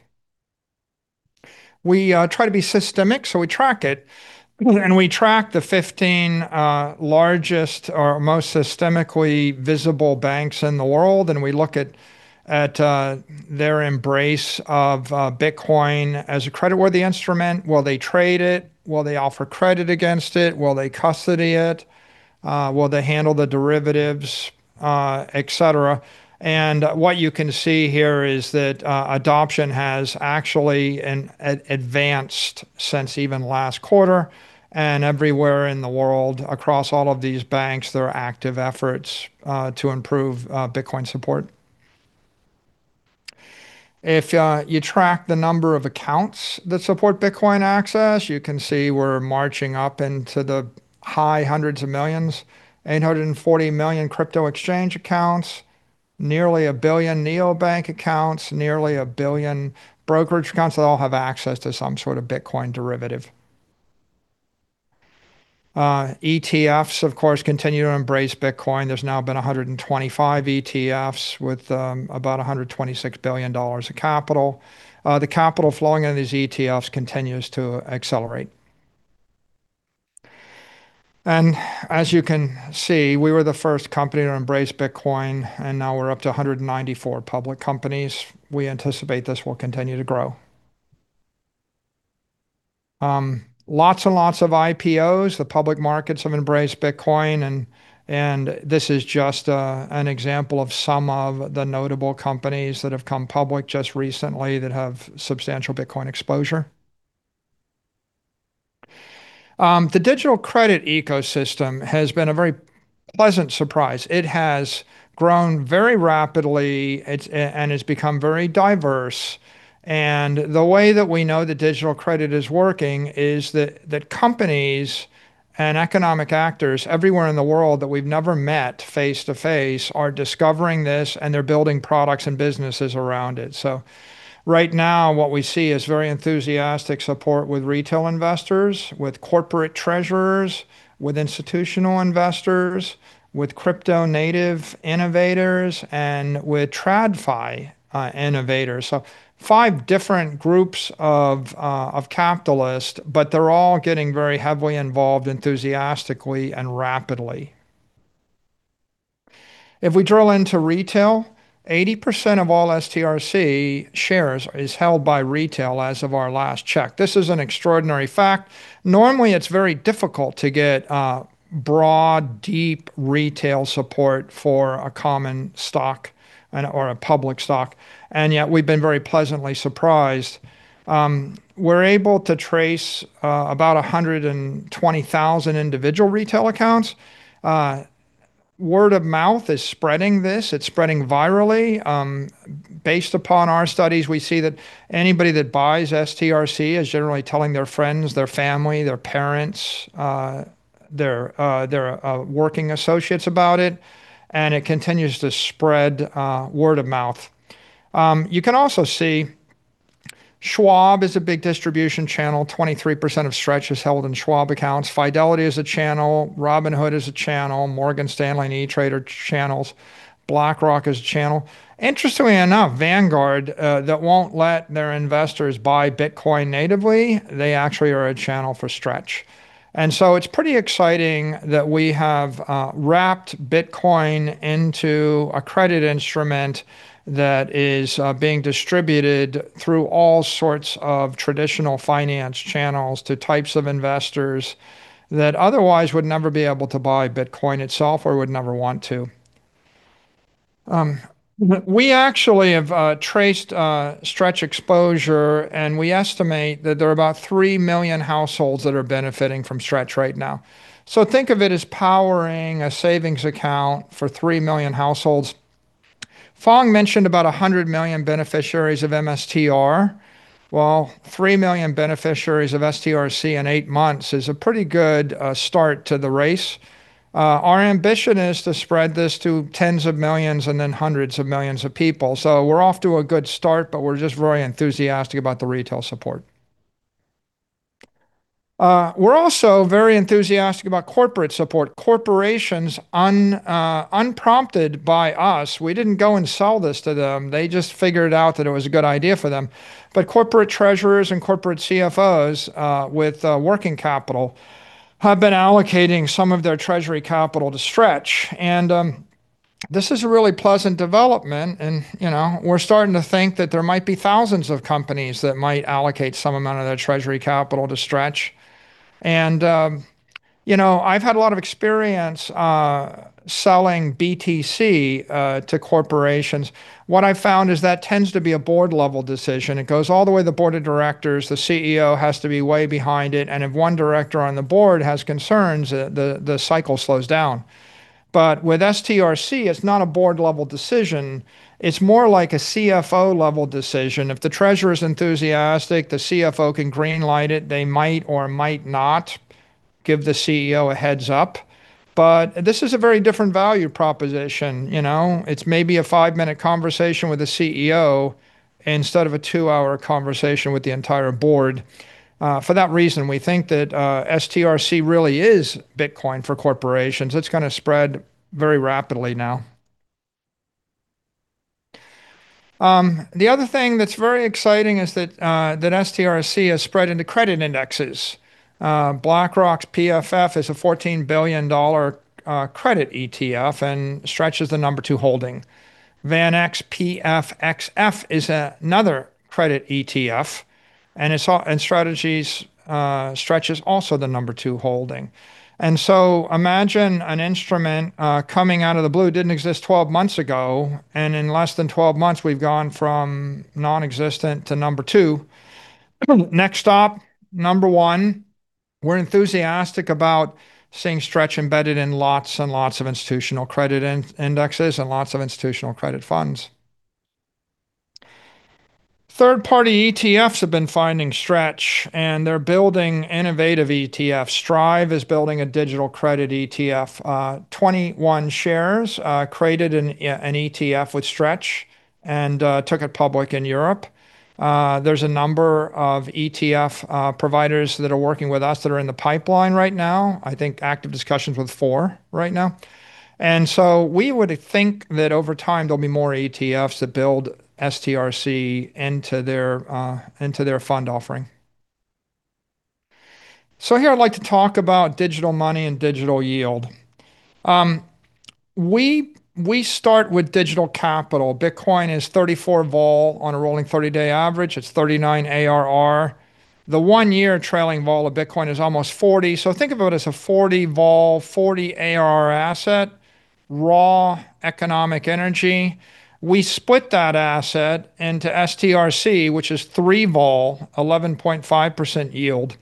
We try to be systemic, so we track it. We track the 15 largest or most systemically visible banks in the world, and we look at their embrace of Bitcoin as a credit-worthy instrument. Will they trade it? Will they offer credit against it? Will they custody it? Will they handle the derivatives, et cetera? What you can see here is that adoption has actually advanced since even last quarter. Everywhere in the world across all of these banks, there are active efforts to improve Bitcoin support. If you track the number of accounts that support Bitcoin access, you can see we're marching up into the high hundreds of millions. 840 million crypto exchange accounts, nearly 1 billion neobank accounts, nearly 1 billion brokerage accounts that all have access to some sort of Bitcoin derivative. ETFs, of course, continue to embrace Bitcoin. There's now been 125 ETFs with about $126 billion of capital. The capital flowing into these ETFs continues to accelerate. As you can see, we were the first company to embrace Bitcoin, and now we're up to 194 public companies. We anticipate this will continue to grow. Lots and lots of IPOs. The public markets have embraced Bitcoin, and this is just an example of some of the notable companies that have come public just recently that have substantial Bitcoin exposure. The digital credit ecosystem has been a very pleasant surprise. It has grown very rapidly. It's become very diverse, and the way that we know that digital credit is working is that companies and economic actors everywhere in the world that we've never met face-to-face are discovering this, and they're building products and businesses around it. Right now, what we see is very enthusiastic support with retail investors, with corporate treasurers, with institutional investors, with crypto native innovators, and with TradFi innovators. Five different groups of capitalists, but they're all getting very heavily involved enthusiastically and rapidly. If we drill into retail, 80% of all STRC shares is held by retail as of our last check. This is an extraordinary fact. Normally, it's very difficult to get a broad, deep retail support for a common stock and/or a public stock, and yet we've been very pleasantly surprised. We're able to trace about 120,000 individual retail accounts. Word of mouth is spreading this. It's spreading virally. Based upon our studies, we see that anybody that buys STRC is generally telling their friends, their family, their parents, their working associates about it, and it continues to spread word of mouth. You can also see Charles Schwab is a big distribution channel. 23% of Stretch is held in Charles Schwab accounts. Fidelity Investments is a channel. Robinhood is a channel. Morgan Stanley and E*TRADE are channels. BlackRock is a channel. Interestingly enough, Vanguard that won't let their investors buy Bitcoin natively, they actually are a channel for Stretch. It's pretty exciting that we have wrapped Bitcoin into a credit instrument that is being distributed through all sorts of traditional finance channels to types of investors that otherwise would never be able to buy Bitcoin itself or would never want to. We actually have traced Stretch exposure, and we estimate that there are about 3 million households that are benefiting from Stretch right now. Think of it as powering a savings account for 3 million households. Phong mentioned about 100 million beneficiaries of MSTR. Well, 3 million beneficiaries of STRC in eight months is a pretty good start to the race. Our ambition is to spread this to tens of millions and then hundreds of millions of people, so we're off to a good start, but we're just very enthusiastic about the retail support. We're also very enthusiastic about corporate support. Corporations unprompted by us, we didn't go and sell this to them. They just figured out that it was a good idea for them. Corporate treasurers and corporate CFOs with working capital have been allocating some of their treasury capital to Stretch, and this is a really pleasant development and, you know, we're starting to think that there might be thousands of companies that might allocate some amount of their treasury capital to Stretch. You know, I've had a lot of experience selling BTC to corporations. What I've found is that tends to be a board-level decision. It goes all the way to the board of directors. The CEO has to be way behind it, and if one director on the board has concerns, the cycle slows down. With STRC, it's not a board-level decision. It's more like a CFO-level decision. If the treasurer is enthusiastic, the CFO can green-light it. They might or might not give the CEO a heads-up, but this is a very different value proposition, you know? It's maybe a five-minute conversation with the CEO instead of a two-hour conversation with the entire board. For that reason, we think that STRC really is Bitcoin for corporations. It's gonna spread very rapidly now. The other thing that's very exciting is that STRC has spread into credit indexes. BlackRock's PFF is a $14 billion credit ETF, and Stretch is the number two holding. VanEck's PFXF is another credit ETF, and Strategy's Stretch is also the number two holding. Imagine an instrument coming out of the blue, didn't exist 12 months ago, and in less than 12 months we've gone from nonexistent to number two. Next stop, number one. We're enthusiastic about seeing Stretch embedded in lots and lots of institutional credit indexes and lots of institutional credit funds. Third-party ETFs have been finding Stretch, and they're building innovative ETFs. Strive is building a digital credit ETF. 21shares created an ETF with Stretch and took it public in Europe. There's a number of ETF providers that are working with us that are in the pipeline right now. I think active discussions with four right now. We would think that over time there'll be more ETFs that build STRC into their fund offering. Here I'd like to talk about digital money and digital yield. We start with digital capital. Bitcoin is 34 vol on a rolling 30-day average. It's 39 ARR. The one-year trailing vol of Bitcoin is almost 40. Think about it as a 40 vol, 40 ARR asset. Raw economic energy. We split that asset into STRC, which is 3 vol, 11.5% yield,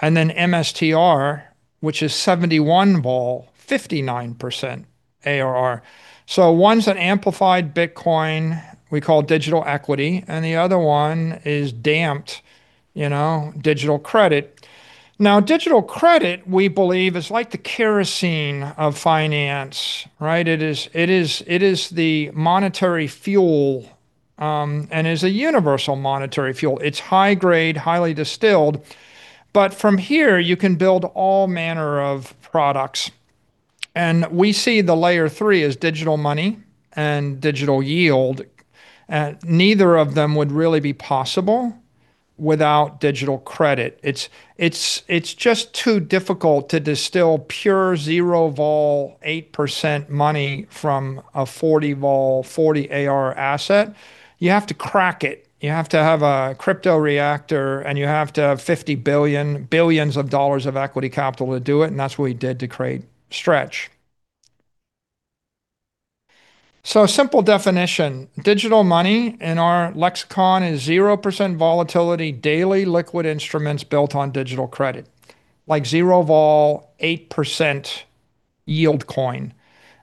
and then MSTR, which is 71 vol, 59% ARR. One's an amplified Bitcoin we call digital equity, and the other one is damped, you know, digital credit. Now, digital credit, we believe, is like the kerosene of finance, right? It is the monetary fuel and is a universal monetary fuel. It's high grade, highly distilled, but from here you can build all manner of products. We see the Layer 3 as digital money and digital yield. Neither of them would really be possible without digital credit. It's just too difficult to distill pure zero vol 8% money from a 40 vol, 40 AR asset. You have to crack it. You have to have a crypto reactor, and you have to have $50 billion of equity capital to do it, and that's what we did to create Stretch. Simple definition. Digital money in our lexicon is 0% volatility daily liquid instruments built on digital credit, like zero vol 8% yield coin.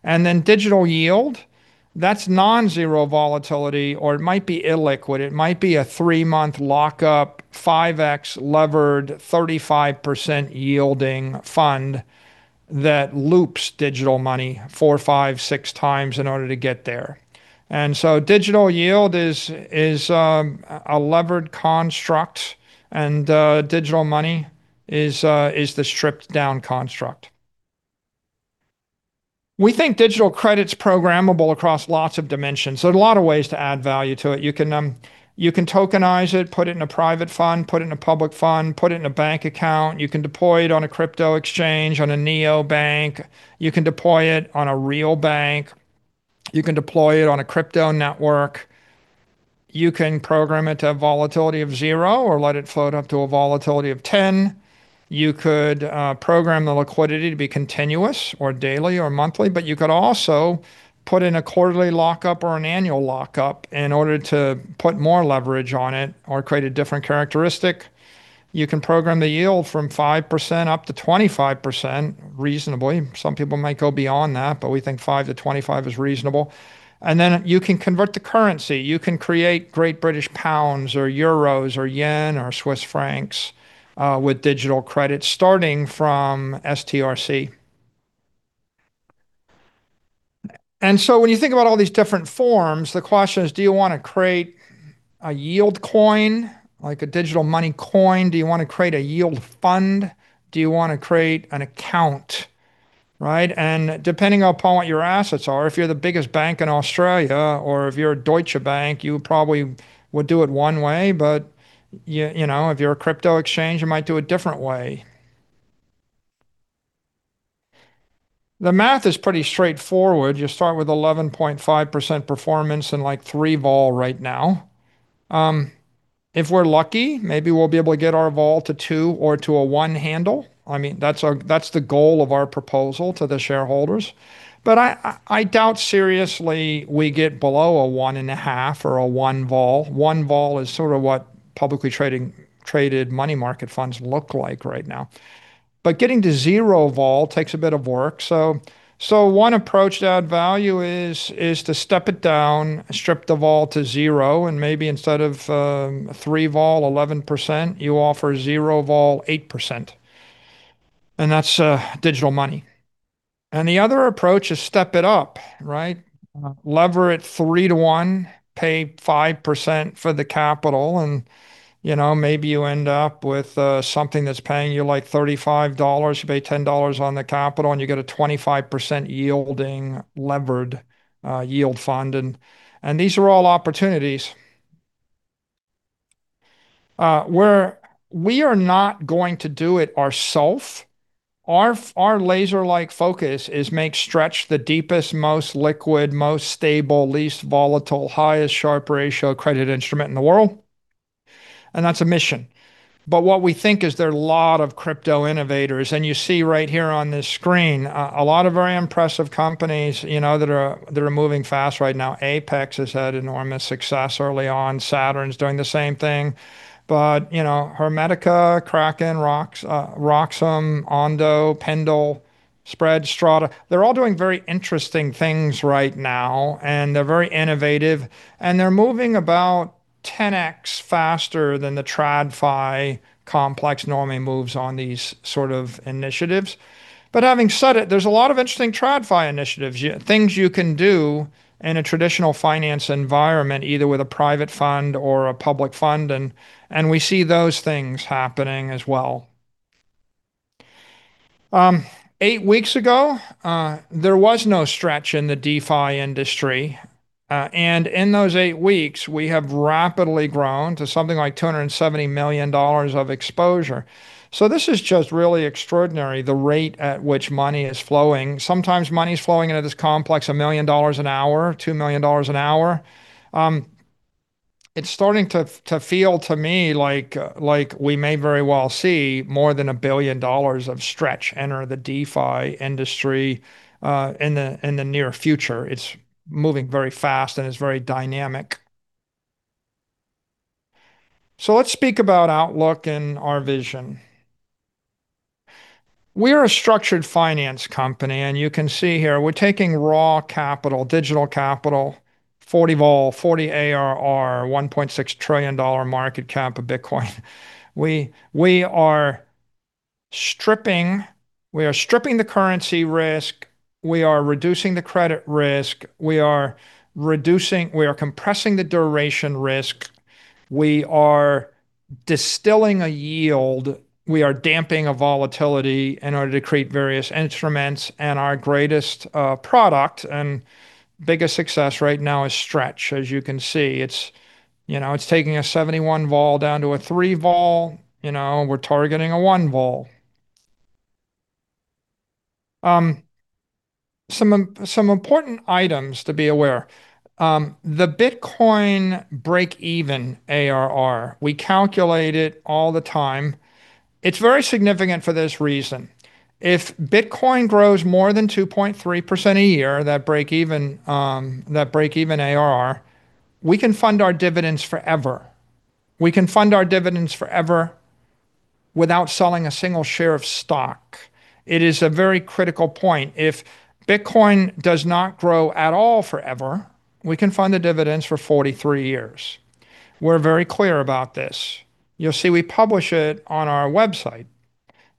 Then digital yield, that's non-zero volatility or it might be illiquid. It might be a three-month lockup, 5x levered, 35% yielding fund that loops digital money 4x, 5x, 6x in order to get there. Digital yield is a levered construct and digital money is the stripped down construct. We think digital credit's programmable across lots of dimensions. There are a lot of ways to add value to it. You can tokenize it, put it in a private fund, put it in a public fund, put it in a bank account. You can deploy it on a crypto exchange, on a neobank. You can deploy it on a real bank. You can deploy it on a crypto network. You can program it to a volatility of zero or let it float up to a volatility of 10. You could program the liquidity to be continuous or daily or monthly. You could also put in a quarterly lockup or an annual lockup in order to put more leverage on it or create a different characteristic. You can program the yield from 5%-25%, reasonably. Some people might go beyond that, but we think 5%-25% is reasonable. Then you can convert to currency. You can create great British pounds or euros or yen or Swiss francs with digital credit starting from STRC. When you think about all these different forms, the question is, do you wanna create a yield coin, like a digital money coin? Do you wanna create a yield fund? Do you wanna create an account, right? Depending upon what your assets are, if you're the biggest bank in Australia or if you're Deutsche Bank, you probably would do it one way. You know, if you're a crypto exchange, you might do a different way. The math is pretty straightforward. You start with 11.5% performance and like 3 vol right now. If we're lucky, maybe we'll be able to get our vol to 2 or to a 1 handle. I mean, that's our the goal of our proposal to the shareholders. I doubt seriously we get below a 1.5 vol or a 1 vol. 1 vol is sort of what publicly traded money market funds look like right now. Getting to zero vol takes a bit of work. One approach to add value is to step it down, strip the vol to zero, and maybe instead of 3 vol, 11%, you offer 0 vol 8%, and that's digital money. The other approach is step it up, right? Lever it 3-to-1, pay 5% for the capital and, you know, maybe you end up with something that's paying you like $35, you pay $10 on the capital, and you get a 25% yielding-levered yield fund and these are all opportunities. We are not going to do it ourselves. Our laser-like focus is make Stretch the deepest, most liquid, most stable, least volatile, highest Sharpe ratio credit instrument in the world, and that's a mission. What we think is there are a lot of crypto innovators, and you see right here on this screen, a lot of very impressive companies, you know, that are moving fast right now. Apex has had enormous success early on. Saturn's doing the same thing. You know, Hermetica, Kraken, RockX, Roxom, Ondo Finance, Pendle, Spreads, Strata, they're all doing very interesting things right now, and they're very innovative, and they're moving about 10x faster than the TradFi complex normally moves on these sort of initiatives. Having said it, there's a lot of interesting TradFi initiatives, things you can do in a traditional finance environment, either with a private fund or a public fund, and we see those things happening as well. Eight weeks ago, there was no Stretch in the DeFi industry. In those eight weeks, we have rapidly grown to something like $270 million of exposure. This is just really extraordinary, the rate at which money is flowing. Sometimes money's flowing into this complex $1 million an hour, $2 million an hour. It's starting to feel to me like we may very well see more than $1 billion of Stretch enter the DeFi industry in the near future. It's moving very fast, and it's very dynamic. Let's speak about outlook and our vision. We're a structured finance company, and you can see here we're taking raw capital, digital capital, 40 vol, 40 ARR, $1.6 trillion market cap of Bitcoin. We are stripping the currency risk, we are reducing the credit risk, we are compressing the duration risk, we are distilling a yield, we are damping a volatility in order to create various instruments. Our greatest product and biggest success right now is Stretch. As you can see, it's taking a 71 vol down to a 3 vol. We're targeting a 1 vol. Some important items to be aware. The Bitcoin breakeven ARR, we calculate it all the time. It's very significant for this reason. If Bitcoin grows more than 2.3% a year, that breakeven ARR, we can fund our dividends forever. We can fund our dividends forever without selling a single share of stock. It is a very critical point. If Bitcoin does not grow at all forever, we can fund the dividends for 43 years. We're very clear about this. You'll see we publish it on our website,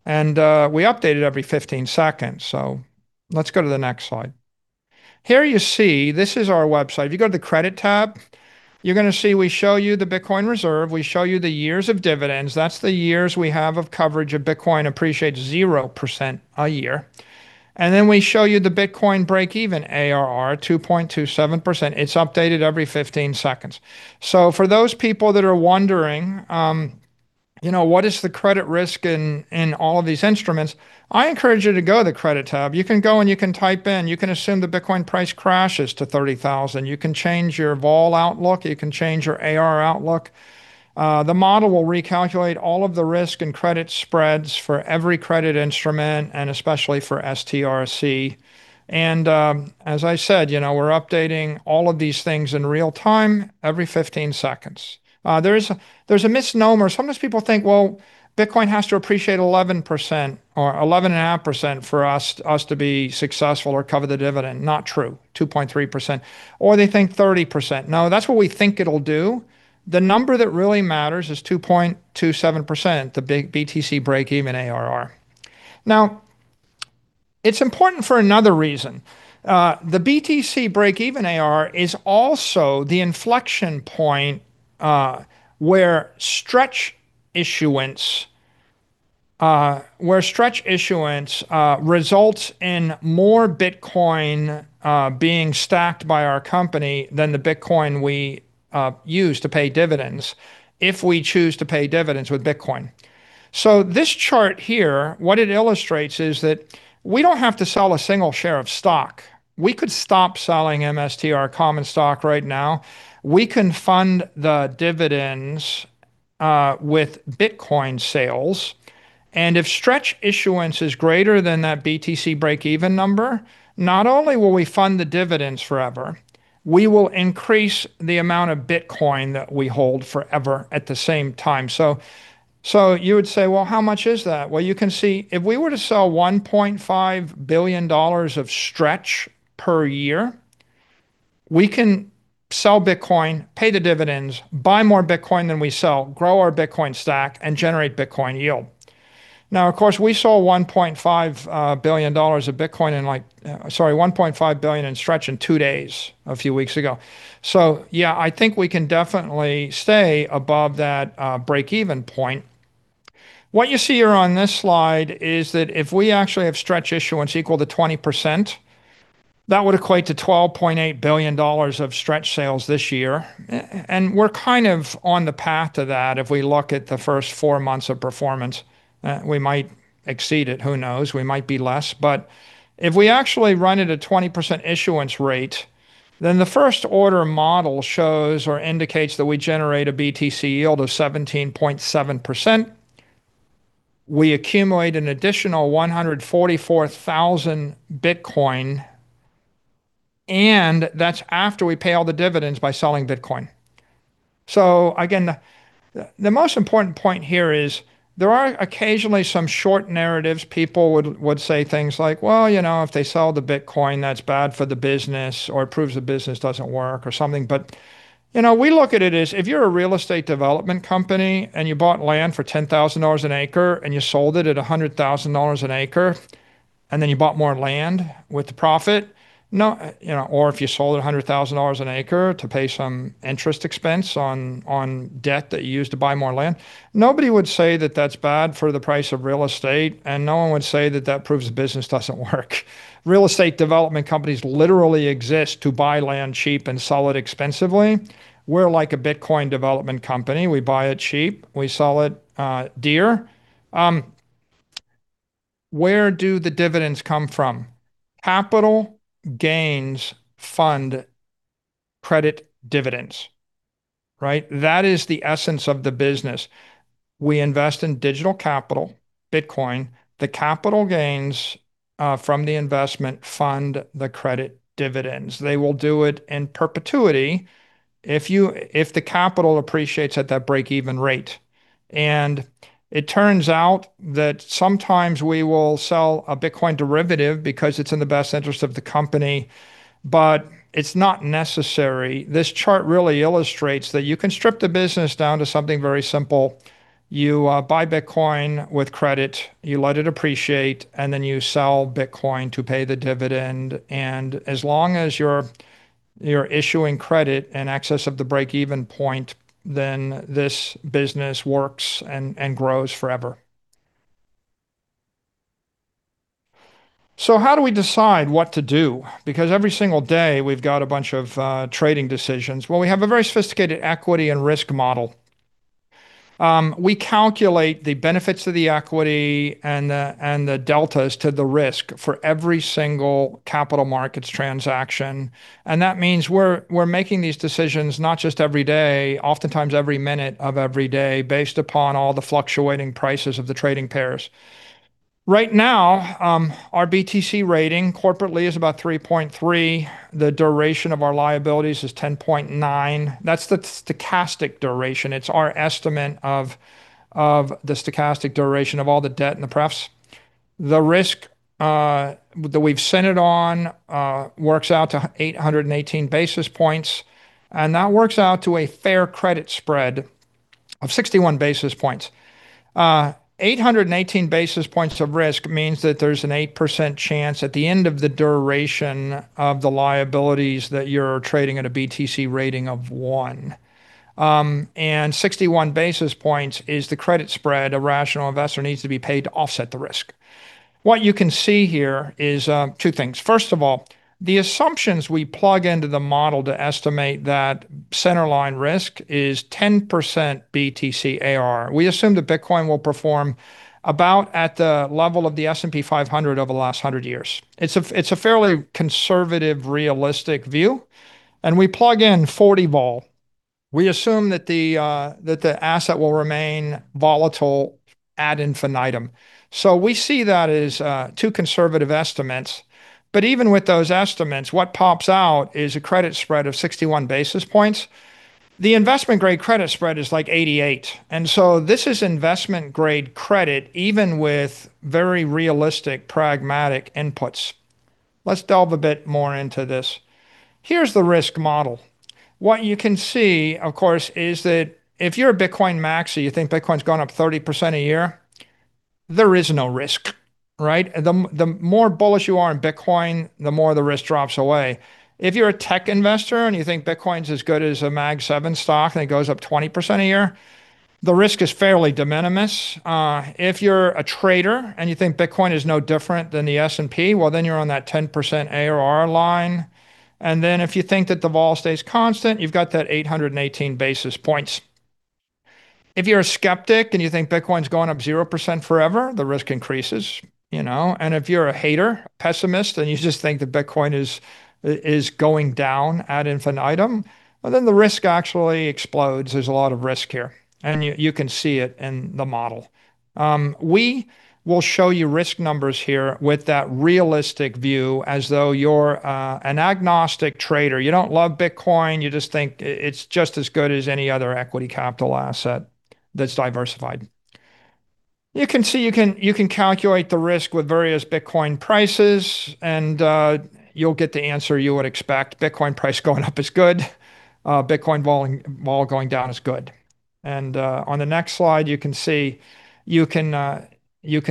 and we update it every 15 seconds. Let's go to the next slide. Here you see this is our website. If you go to the Credit tab, you're gonna see we show you the Bitcoin reserve, we show you the years of dividends. That's the years we have of coverage if Bitcoin appreciates 0% a year. Then we show you the Bitcoin breakeven ARR, 2.27%. It's updated every 15 seconds. For those people that are wondering, you know, what is the credit risk in all of these instruments, I encourage you to go to the Credit tab. You can go and you can type in. You can assume the Bitcoin price crashes to $30,000. You can change your vol outlook. You can change your ARR outlook. The model will recalculate all of the risk and credit spreads for every credit instrument and especially for STRC. As I said, you know, we're updating all of these things in real time every 15 seconds. There's a misnomer. Sometimes people think, well, Bitcoin has to appreciate 11% or 11.5% for us to be successful or cover the dividend. Not true. 2.3%. Or they think 30%. No, that's what we think it'll do. The number that really matters is 2.27%, the big BTC breakeven ARR. Now, it's important for another reason. The BTC breakeven ARR is also the inflection point, where Stretch issuance results in more Bitcoin being stacked by our company than the Bitcoin we use to pay dividends if we choose to pay dividends with Bitcoin. This chart here, what it illustrates is that we don't have to sell a single share of stock. We could stop selling MSTR common stock right now. We can fund the dividends with Bitcoin sales. If Stretch issuance is greater than that BTC breakeven number, not only will we fund the dividends forever, we will increase the amount of Bitcoin that we hold forever at the same time. You would say, "Well, how much is that?" Well, you can see if we were to sell $1.5 billion of Stretch per year, we can sell Bitcoin, pay the dividends, buy more Bitcoin than we sell, grow our Bitcoin stack, and generate Bitcoin yield. Now, of course, we saw $1.5 billion in Stretch in two days a few weeks ago. Yeah, I think we can definitely stay above that breakeven point. What you see here on this slide is that if we actually have Stretch issuance equal to 20%, that would equate to $12.8 billion of Stretch sales this year. We're kind of on the path to that if we look at the first four months of performance. We might exceed it. Who knows? We might be less. If we actually run at a 20% issuance rate, then the first-order model shows or indicates that we generate a BTC yield of 17.7%. We accumulate an additional 144,000 Bitcoin, and that's after we pay all the dividends by selling Bitcoin. Again, the most important point here is there are occasionally some short narratives. People would say things like, "Well, you know, if they sell the Bitcoin, that's bad for the business," or it proves the business doesn't work or something. You know, we look at it as if you're a real estate development company and you bought land for $10,000 an acre and you sold it at $100,000 an acre, and then you bought more land with the profit. No, you know, or if you sold it at $100,000 an acre to pay some interest expense on debt that you used to buy more land, nobody would say that that's bad for the price of real estate, and no one would say that that proves the business doesn't work. Real estate development companies literally exist to buy land cheap and sell it expensively. We're like a Bitcoin development company. We buy it cheap. We sell it dear. Where do the dividends come from? Capital gains fund credit dividends, right? That is the essence of the business. We invest in digital capital, Bitcoin. The capital gains from the investment fund the credit dividends. They will do it in perpetuity if you, if the capital appreciates at that break-even rate. It turns out that sometimes we will sell a Bitcoin derivative because it's in the best interest of the company, but it's not necessary. This chart really illustrates that you can strip the business down to something very simple. You buy Bitcoin with credit, you let it appreciate, and then you sell Bitcoin to pay the dividend. As long as you're issuing credit in excess of the break-even point, then this business works and grows forever. How do we decide what to do? Because every single day we've got a bunch of trading decisions. Well, we have a very sophisticated equity and risk model. We calculate the benefits of the equity and the deltas to the risk for every single capital markets transaction, and that means we're making these decisions not just every day, oftentimes every minute of every day based upon all the fluctuating prices of the trading pairs. Right now, our BTC rating corporately is about 3.3x. The duration of our liabilities is 10.9. That's the stochastic duration. It's our estimate of the stochastic duration of all the debt and the preferreds. The risk that we've centered on works out to 818 basis points, and that works out to a fair credit spread of 61 basis points. 818 basis points of risk means that there's an 8% chance at the end of the duration of the liabilities that you're trading at a BTC rating of 1x. 61 basis points is the credit spread a rational investor needs to be paid to offset the risk. What you can see here is two things. First of all, the assumptions we plug into the model to estimate that centerline risk is 10% BTC ARR. We assume that Bitcoin will perform about at the level of the S&P 500 over the last 100 years. It's a fairly conservative, realistic view. We plug in 40 vol. We assume that the asset will remain volatile ad infinitum. We see that as two conservative estimates. Even with those estimates, what pops out is a credit spread of 61 basis points. The investment-grade credit spread is, like, 88 basis points, this is investment-grade credit even with very realistic, pragmatic inputs. Let's delve a bit more into this. Here's the risk model. What you can see, of course, is that if you're a Bitcoin maximalist, you think Bitcoin's going up 30% a year, there is no risk, right? The more bullish you are on Bitcoin, the more the risk drops away. If you're a tech investor and you think Bitcoin's as good as a Magnificent Seven stock and it goes up 20% a year, the risk is fairly de minimis. If you're a trader and you think Bitcoin is no different than the S&P, well, you're on that 10% ARR line. Then if you think that the vol stays constant, you've got that 818 basis points. If you're a skeptic and you think Bitcoin's going up 0% forever, the risk increases, you know? If you're a hater, pessimist, and you just think that Bitcoin is going down ad infinitum, well, then the risk actually explodes. There's a lot of risk here, and you can see it in the model. We will show you risk numbers here with that realistic view as though you're an agnostic trader. You don't love Bitcoin. You just think it's just as good as any other equity capital asset that's diversified. You can see, you can calculate the risk with various Bitcoin prices and, you'll get the answer you would expect. Bitcoin price going up is good. Bitcoin vol going down is good. On the next slide, you can see, you can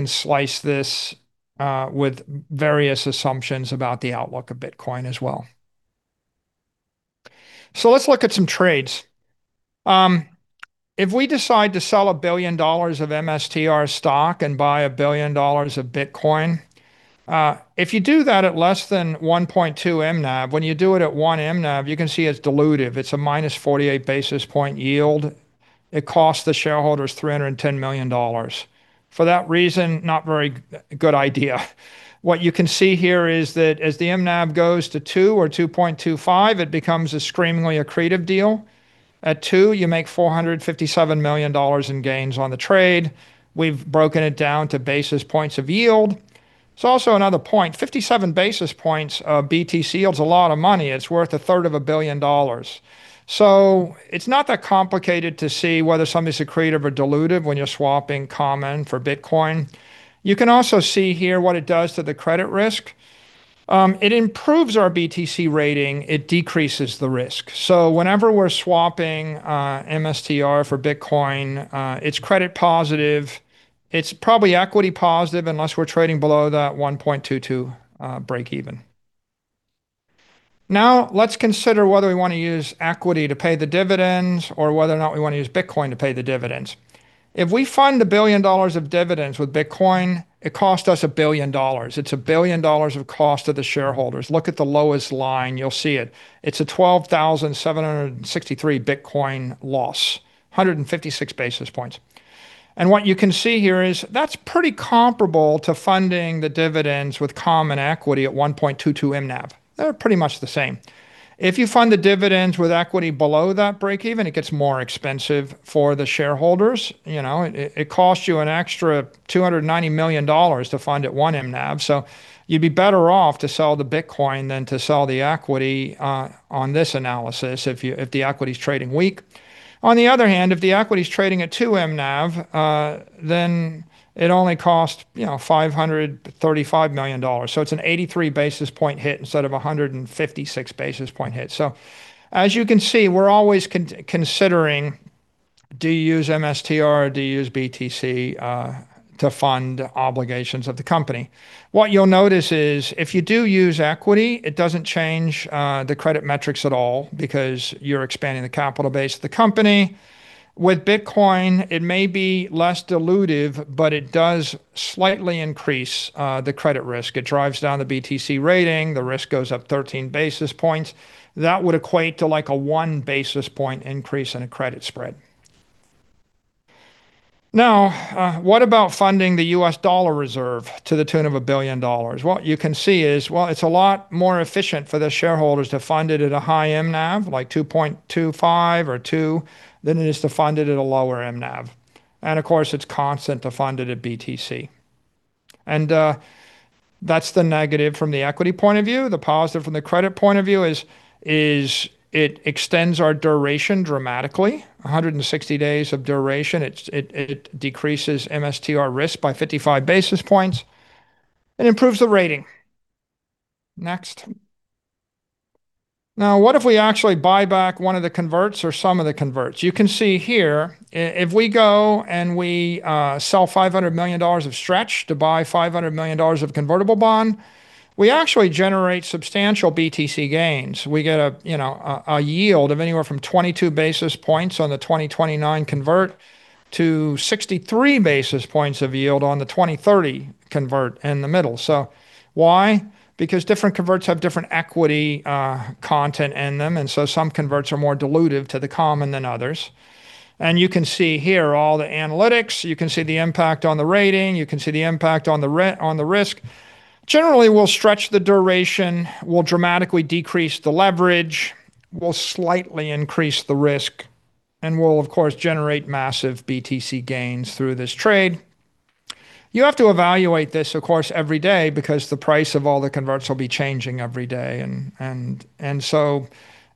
slice this with various assumptions about the outlook of Bitcoin as well. Let's look at some trades. If we decide to sell $1 billion of MSTR stock and buy $1 billion of Bitcoin, if you do that at less than 1.2 mNAV, when you do it at 1 mNAV, you can see it's dilutive. It's a minus 48-basis point yield. It costs the shareholders $310 million. For that reason, not very good idea. What you can see here is that as the mNAV goes to 2 or 2.25, it becomes extremely accretive deal. At 2, you make $457 million in gains on the trade. We've broken it down to basis points of yield. There's also another point. 57 basis points of BTC yields a lot of money. It's worth a third of $1 billion. It's not that complicated to see whether something's accretive or dilutive when you're swapping common for Bitcoin. You can also see here what it does to the credit risk. It improves our BTC rating. It decreases the risk. Whenever we're swapping MSTR for Bitcoin, it's credit positive. It's probably equity positive unless we're trading below that 1.22 break even. Now, let's consider whether we wanna use equity to pay the dividends or whether or not we wanna use Bitcoin to pay the dividends. If we fund $1 billion of dividends with Bitcoin, it costs us $1 billion. It's $1 billion of cost to the shareholders. Look at the lowest line. You'll see it. It's a 12,763 Bitcoin loss. 156 basis points. What you can see here is that's pretty comparable to funding the dividends with common equity at 1.22 mNAV. They're pretty much the same. If you fund the dividends with equity below that breakeven, it gets more expensive for the shareholders. You know, it costs you an extra $290 million to fund at 1 mNAV, so you'd be better off to sell the Bitcoin than to sell the equity on this analysis if the equity's trading weak. On the other hand, if the equity's trading at 2 mNAV, it only costs, you know, $535 million. It's an 83 basis point hit instead of a 156 basis point hit. As you can see, we're always considering do you use MSTR or do you use BTC to fund obligations of the company. What you'll notice is if you do use equity, it doesn't change the credit metrics at all because you're expanding the capital base of the company. With Bitcoin, it may be less dilutive, but it does slightly increase the credit risk. It drives down the BTC rating. The risk goes up 13 basis points. That would equate to like a one-basis point increase in a credit spread. What about funding the U.S. dollar reserve to the tune of $1 billion? What you can see is, well, it's a lot more efficient for the shareholders to fund it at a high mNAV, like 2.25 or 2, than it is to fund it at a lower mNAV. That's the negative from the equity point of view. The positive from the credit point of view is it extends our duration dramatically, 160 days of duration. It decreases MSTR risk by 55 basis points and improves the rating. Next. What if we actually buy back one of the converts or some of the converts? You can see here if we go and we sell $500 million of Stretch to buy $500 million of convertible bond, we actually generate substantial BTC gains. We get a yield of anywhere from 22 basis points on the 2029 convert to 63 basis points of yield on the 2030 convert in the middle. Why? Because different converts have different equity content in them, and some converts are more dilutive to the common than others. You can see here all the analytics. You can see the impact on the rating. You can see the impact on the risk. Generally, we'll stretch the duration, we'll dramatically decrease the leverage, we'll slightly increase the risk, and we'll of course generate massive BTC gains through this trade. You have to evaluate this, of course, every day because the price of all the converts will be changing every day and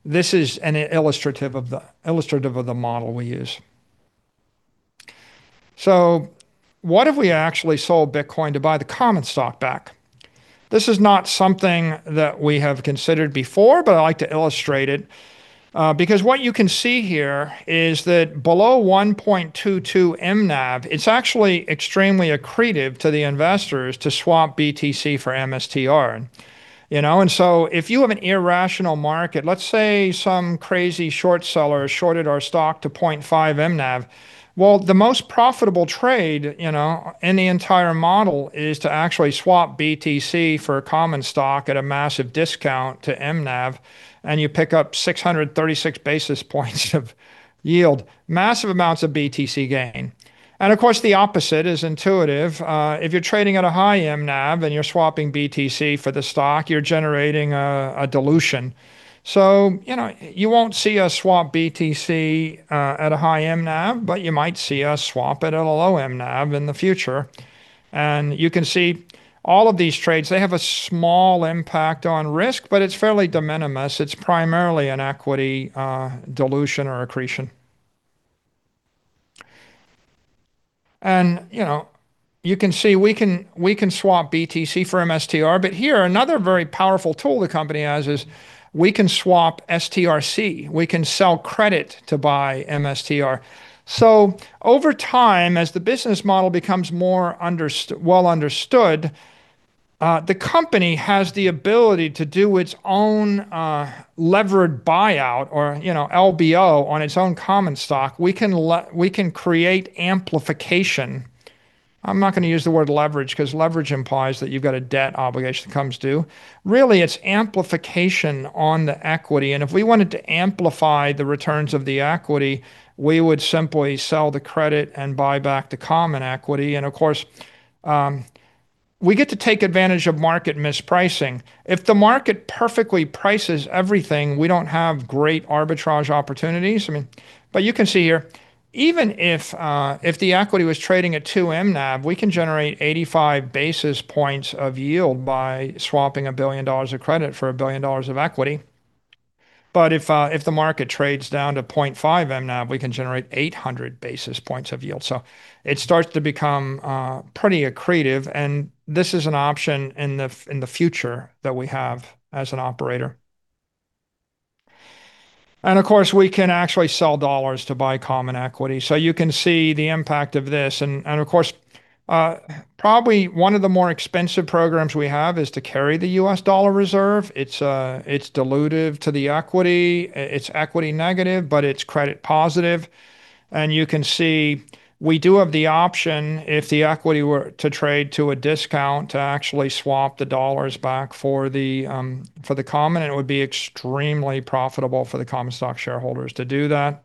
this is illustrative of the model we use. What if we actually sold Bitcoin to buy the common stock back? This is not something that we have considered before, but I like to illustrate it, because what you can see here is that below 1.22 mNAV, it's actually extremely accretive to the investors to swap BTC for MSTR. You know? If you have an irrational market, let's say some crazy short seller shorted our stock to 0.5 mNAV, well, the most profitable trade, you know, in the entire model is to actually swap BTC for a common stock at a massive discount to mNAV, and you pick up 636 basis points of yield. Massive amounts of BTC gain. Of course, the opposite is intuitive. If you're trading at a high mNAV and you're swapping BTC for the stock, you're generating a dilution. You know, you won't see us swap BTC at a high mNAV, but you might see us swap it at a low mNAV in the future. You can see all of these trades, they have a small impact on risk, but it's fairly de minimis. It's primarily an equity dilution or accretion. You know, you can see we can swap BTC for MSTR, but here, another very powerful tool the company has is we can swap STRC. We can sell credit to buy MSTR. Over time, as the business model becomes more well-understood, the company has the ability to do its own levered buyout or, you know, LBO on its own common stock. We can create amplification. I'm not gonna use the word leverage, 'cause leverage implies that you've got a debt obligation that comes due. Really, it's amplification on the equity. If we wanted to amplify the returns of the equity, we would simply sell the credit and buy back the common equity. Of course, we get to take advantage of market mispricing. If the market perfectly prices everything, we don't have great arbitrage opportunities. I mean, you can see here, even if the equity was trading at 2 mNAV, we can generate 85 basis points of yield by swapping $1 billion of credit for $1 billion of equity. If the market trades down to 0.5 mNAV, we can generate 800 basis points of yield. It starts to become pretty accretive, and this is an option in the future that we have as an operator. Of course, we can actually sell dollars to buy common equity. You can see the impact of this and, of course, probably one of the more expensive programs we have is to carry the U.S. dollar reserve. It's dilutive to the equity. It's equity negative, but it's credit positive. You can see we do have the option, if the equity were to trade to a discount, to actually swap the dollars back for the common, and it would be extremely profitable for the common stock shareholders to do that.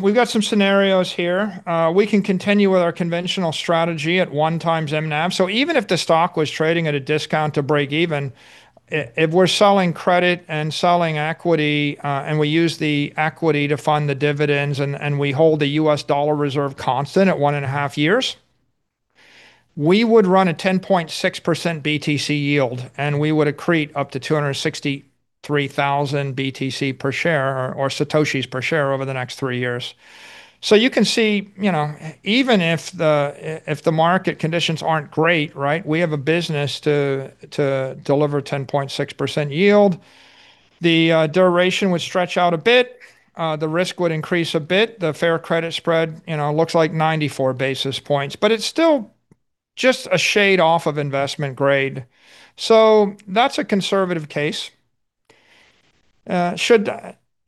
We've got some scenarios here. We can continue with our conventional strategy at 1x mNAV. Even if the stock was trading at a discount to break even, if we're selling credit and selling equity, and we use the equity to fund the dividends and we hold the U.S. dollar reserve constant at one and a half years, we would run a 10.6% BTC yield, and we would accrete up to 263,000 BTC per share or satoshis per share over the next three years. You can see, you know, even if the market conditions aren't great, right? We have a business to deliver 10.6% yield. The duration would stretch out a bit. The risk would increase a bit. The fair credit spread, you know, looks like 94 basis points, but it's still just a shade off of investment grade. That's a conservative case.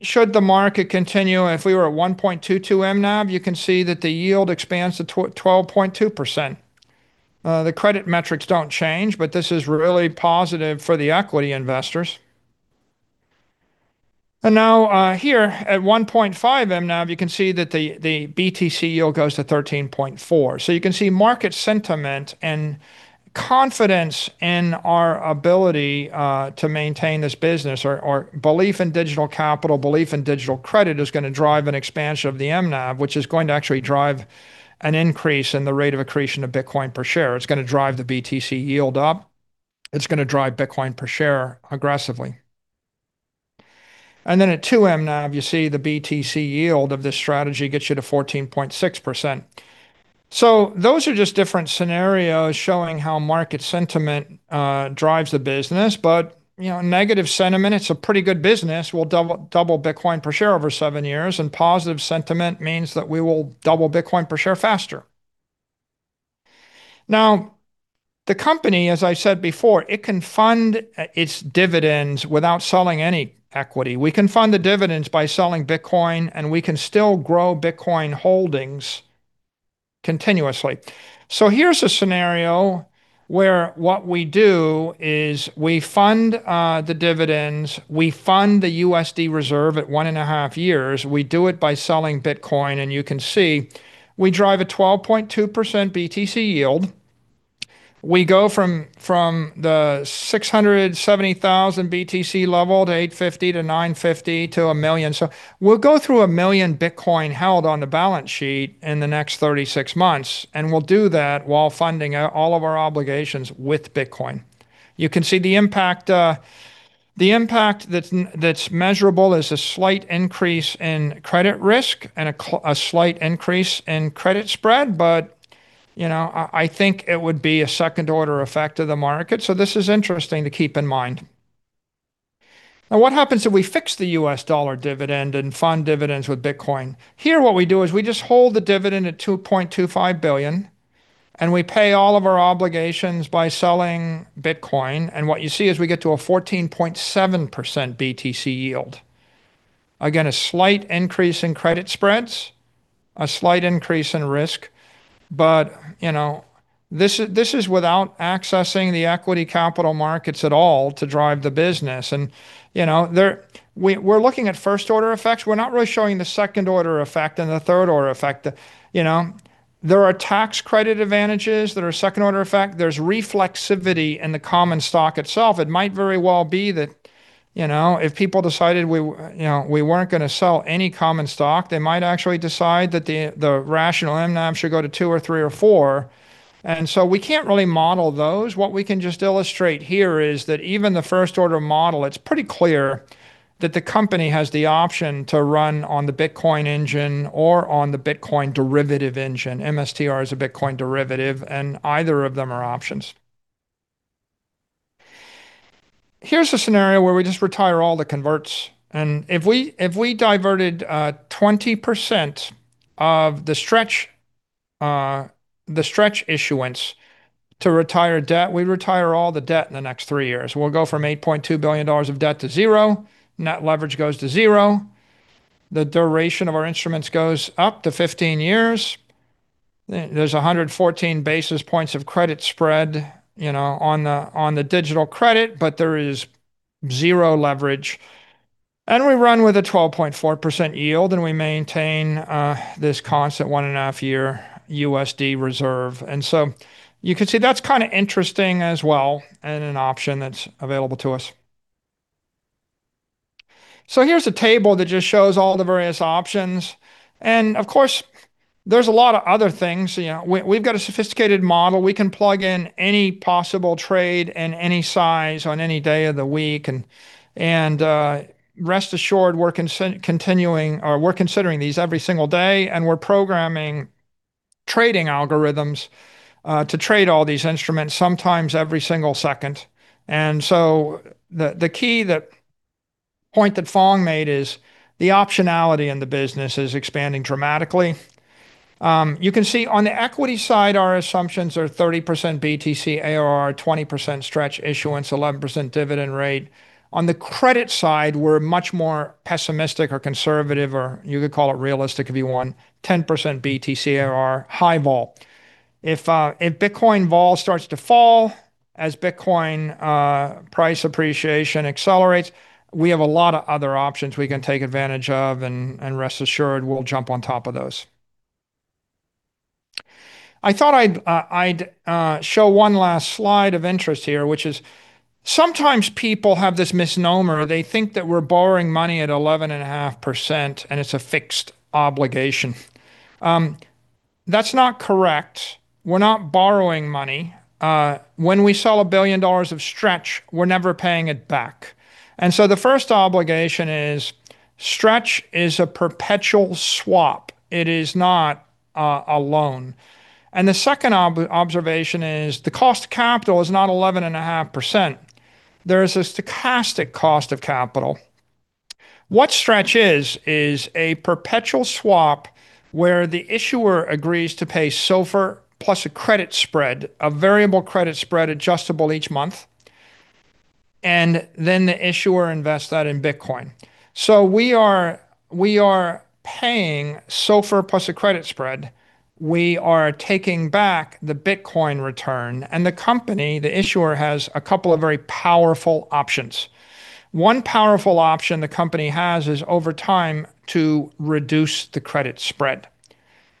Should the market continue, if we were at 1.22 mNAV, you can see that the yield expands to 12.2%. The credit metrics don't change, but this is really positive for the equity investors. Now, here at 1.5 mNAV, you can see that the BTC yield goes to 13.4%. You can see market sentiment and confidence in our ability to maintain this business or belief in digital capital, belief in digital credit is gonna drive an expansion of the mNAV, which is going to actually drive an increase in the rate of accretion of Bitcoin per share. It's gonna drive the BTC yield up. It's gonna drive Bitcoin per share aggressively. Then at 2 mNAV, you see the BTC yield of this strategy gets you to 14.6%. Those are just different scenarios showing how market sentiment drives the business. You know, negative sentiment, it's a pretty good business. We'll double Bitcoin per share over seven years, and positive sentiment means that we will double Bitcoin per share faster. The company, as I said before, it can fund its dividends without selling any equity. We can fund the dividends by selling Bitcoin, and we can still grow Bitcoin holdings continuously. Here's a scenario where what we do is we fund the dividends, we fund the USD reserve at one and a half years. We do it by selling Bitcoin, and you can see we drive a 12.2% BTC yield. We go from the 670,000 BTC level to 850,000-950,000-1 million. We'll go through 1 million Bitcoin held on the balance sheet in the next 36 months, and we'll do that while funding all of our obligations with Bitcoin. You can see the impact, the impact that's measurable is a slight increase in credit risk and a slight increase in credit spread. You know, I think it would be a second order effect of the market. This is interesting to keep in mind. What happens if we fix the U.S. dollar dividend and fund dividends with Bitcoin? Here what we do is we just hold the dividend at $2.25 billion, and we pay all of our obligations by selling Bitcoin. What you see is we get to a 14.7% BTC yield. A slight increase in credit spreads, a slight increase in risk, you know, this is without accessing the equity capital markets at all to drive the business. You know, we're looking at first order effects. We're not really showing the second order effect and the third order effect. You know, there are tax credit advantages that are second order effect. There's reflexivity in the common stock itself. It might very well be that, you know, if people decided we weren't gonna sell any common stock, they might actually decide that the rational mNAV should go to 2 or 3 or 4. We can't really model those. What we can just illustrate here is that even the first order model, it's pretty clear that the company has the option to run on the Bitcoin engine or on the Bitcoin derivative engine. MSTR is a Bitcoin derivative, and either of them are options. Here's a scenario where we just retire all the converts. If we diverted 20% of the Stretch issuance to retire debt, we retire all the debt in the next three years. We'll go from $8.2 billion of debt to $0. Net leverage goes to 0%. The duration of our instruments goes up to 15 years. There's 114 basis points of credit spread, you know, on the digital credit, but there is 0% leverage. We run with a 12.4% yield, and we maintain this constant one and a half-year USD reserve. You can see that's kinda interesting as well and an option that's available to us. Here's a table that just shows all the various options. Of course, there's a lot of other things. You know, we've got a sophisticated model. We can plug in any possible trade and any size on any day of the week. Rest assured, we're considering these every single day, and we're programming trading algorithms to trade all these instruments, sometimes every single second. The key point that Phong made is the optionality in the business is expanding dramatically. You can see on the equity side, our assumptions are 30% BTCAR, 20% Stretch issuance, 11% dividend rate. On the credit side, we're much more pessimistic or conservative, or you could call it realistic if you want, 10% BTCAR, high vol. If Bitcoin vol starts to fall. As Bitcoin price appreciation accelerates, we have a lot of other options we can take advantage of, and rest assured we'll jump on top of those. I thought I'd show one last slide of interest here, which is sometimes people have this misnomer. They think that we're borrowing money at 11.5% and it's a fixed obligation. That's not correct. We're not borrowing money. When we sell $1 billion of Stretch, we're never paying it back. The first obligation is Stretch is a perpetual swap. It is not a loan. The second observation is the cost of capital is not 11.5%. There is a stochastic cost of capital. What Stretch is a perpetual swap where the issuer agrees to pay SOFR plus a credit spread, a variable credit spread adjustable each month, and then the issuer invests that in Bitcoin. We are paying SOFR plus a credit spread. We are taking back the Bitcoin return, and the company, the issuer, has a couple of very powerful options. One powerful option the company has is over time to reduce the credit spread.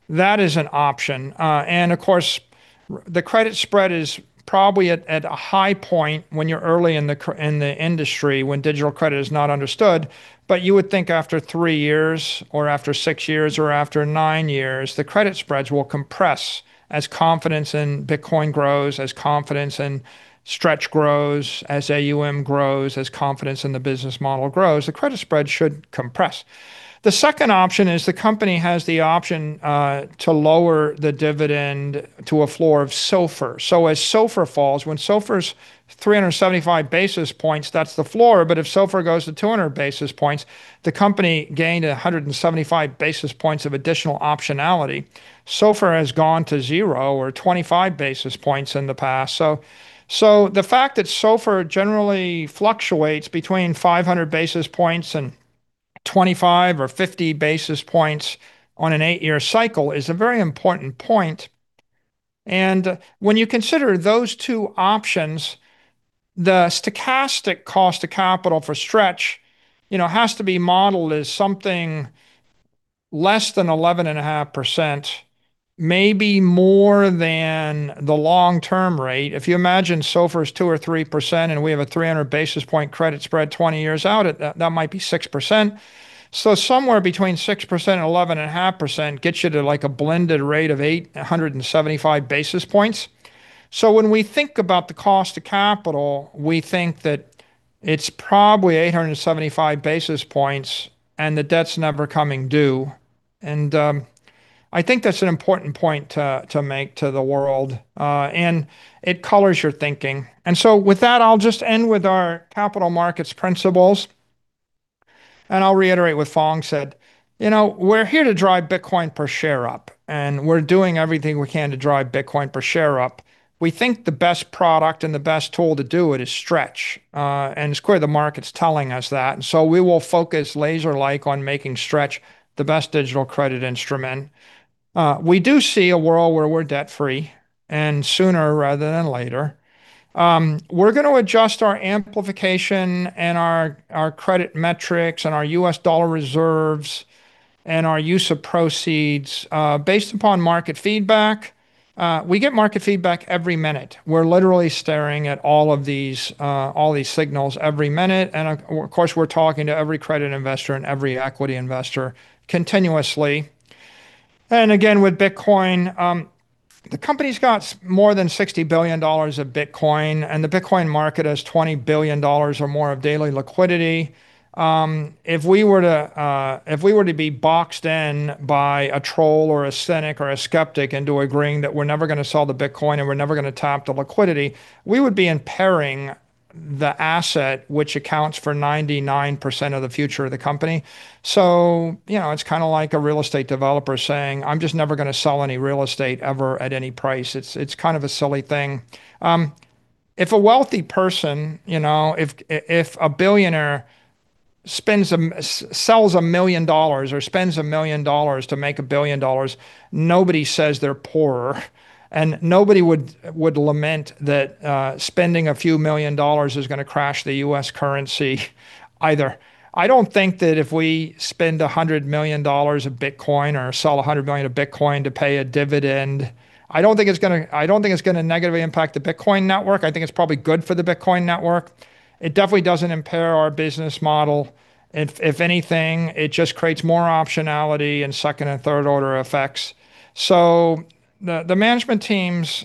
That is an option. Of course, the credit spread is probably at a high point when you're early in the industry when digital credit is not understood. You would think after three years or after six years or after nine years, the credit spreads will compress as confidence in Bitcoin grows, as confidence in Stretch grows, as AUM grows, as confidence in the business model grows. The credit spread should compress. The second option is the company has the option to lower the dividend to a floor of SOFR. As SOFR falls, when SOFR's 375 basis points, that's the floor. If SOFR goes to 200 basis points, the company gained 175 basis points of additional optionality. SOFR has gone to 0 basis points or 25 basis points in the past. The fact that SOFR generally fluctuates between 500 basis points and 25 basis points or 50 basis points on an eight-year cycle is a very important point. When you consider those two options, the stochastic cost of capital for Stretch, you know, has to be modeled as something less than 11.5%, maybe more than the long-term rate. If you imagine SOFR is 2% or 3% and we have a 300 basis point credit spread 20 years out, at that might be 6%. Somewhere between 6%-11.5% gets you to like a blended rate of 875 basis points. When we think about the cost of capital, we think that it's probably 875 basis points, and the debt's never coming due. I think that's an important point to make to the world. It colors your thinking. With that, I'll just end with our capital markets principles, and I'll reiterate what Phong said. You know, we're here to drive Bitcoin per share up, and we're doing everything we can to drive Bitcoin per share up. We think the best product and the best tool to do it is Stretch. It's clear the market's telling us that. We will focus laser-like on making Stretch the best digital credit instrument. We do see a world where we're debt-free, and sooner rather than later. We're gonna adjust our amplification and our credit metrics and our U.S. dollar reserves and our use of proceeds based upon market feedback. We get market feedback every minute. We're literally staring at all of these signals every minute. Of course, we're talking to every credit investor and every equity investor continuously. With Bitcoin, the company's got more than $60 billion of Bitcoin, and the Bitcoin market has $20 billion or more of daily liquidity. If we were to be boxed in by a troll or a cynic or a skeptic into agreeing that we're never gonna sell the Bitcoin and we're never gonna tap the liquidity, we would be impairing the asset which accounts for 99% of the future of the company. You know, it's kinda like a real estate developer saying, "I'm just never gonna sell any real estate ever at any price." It's kind of a silly thing. If a wealthy person, you know, if a billionaire sells $1 million or spends $1 million to make $1 billion, nobody says they're poorer. Nobody would lament that spending a few $1 million is gonna crash the U.S. currency either. I don't think that if we spend $100 million of Bitcoin or sell $100 million of Bitcoin to pay a dividend, I don't think it's gonna negatively impact the Bitcoin network. I think it's probably good for the Bitcoin network. It definitely doesn't impair our business model. If anything, it just creates more optionality and second and third order effects. The management team's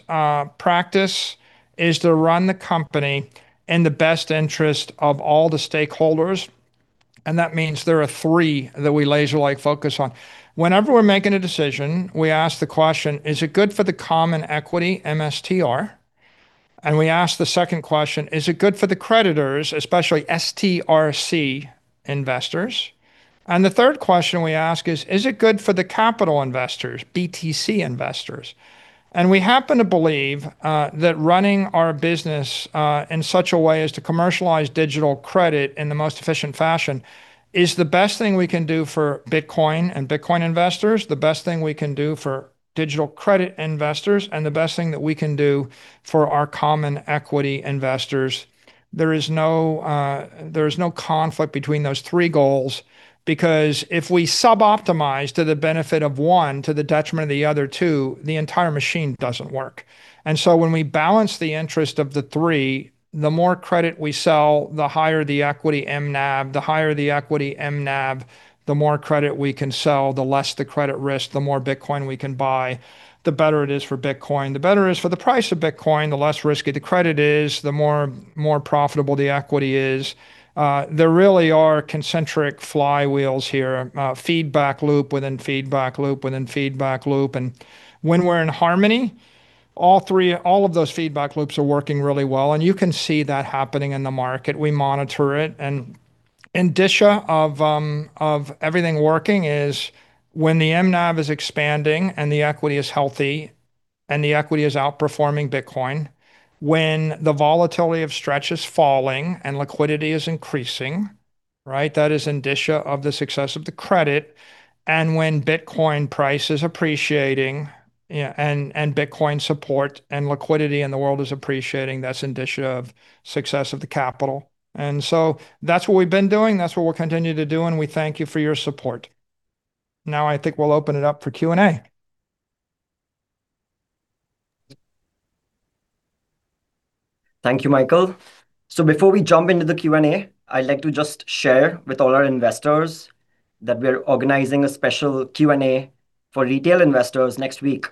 practice is to run the company in the best interest of all the stakeholders, and that means there are three that we laser-like focus on. Whenever we're making a decision, we ask the question, "Is it good for the common equity, MSTR?" We ask the second question, "Is it good for the creditors, especially STRC investors?" The third question we ask is, "Is it good for the capital investors, BTC investors?" We happen to believe that running our business in such a way as to commercialize digital credit in the most efficient fashion is the best thing we can do for Bitcoin and Bitcoin investors, the best thing we can do for digital credit investors, and the best thing that we can do for our common equity investors. There is no conflict between those three goals because if we sub-optimize to the benefit of one to the detriment of the other two, the entire machine doesn't work. When we balance the interest of the three, the more credit we sell, the higher the equity mNAV. The higher the equity mNAV, the more credit we can sell, the less the credit risk, the more Bitcoin we can buy, the better it is for Bitcoin. The better it is for the price of Bitcoin, the less risky the credit is, the more profitable the equity is. There really are concentric flywheels here, feedback loop within feedback loop within feedback loop. When we're in harmony, all three of those feedback loops are working really well, and you can see that happening in the market. We monitor it. Indicia of everything working is when the mNAV is expanding and the equity is healthy, and the equity is outperforming Bitcoin, when the volatility of Stretch is falling and liquidity is increasing, right? That is indicia of the success of the credit, and when Bitcoin price is appreciating, yeah, and Bitcoin support and liquidity in the world is appreciating, that's indicia of success of the capital. That's what we've been doing. That's what we'll continue to do, and we thank you for your support. Now I think we'll open it up for Q&A. Thank you, Michael. Before we jump into the Q&A, I'd like to just share with all our investors that we're organizing a special Q&A for retail investors next week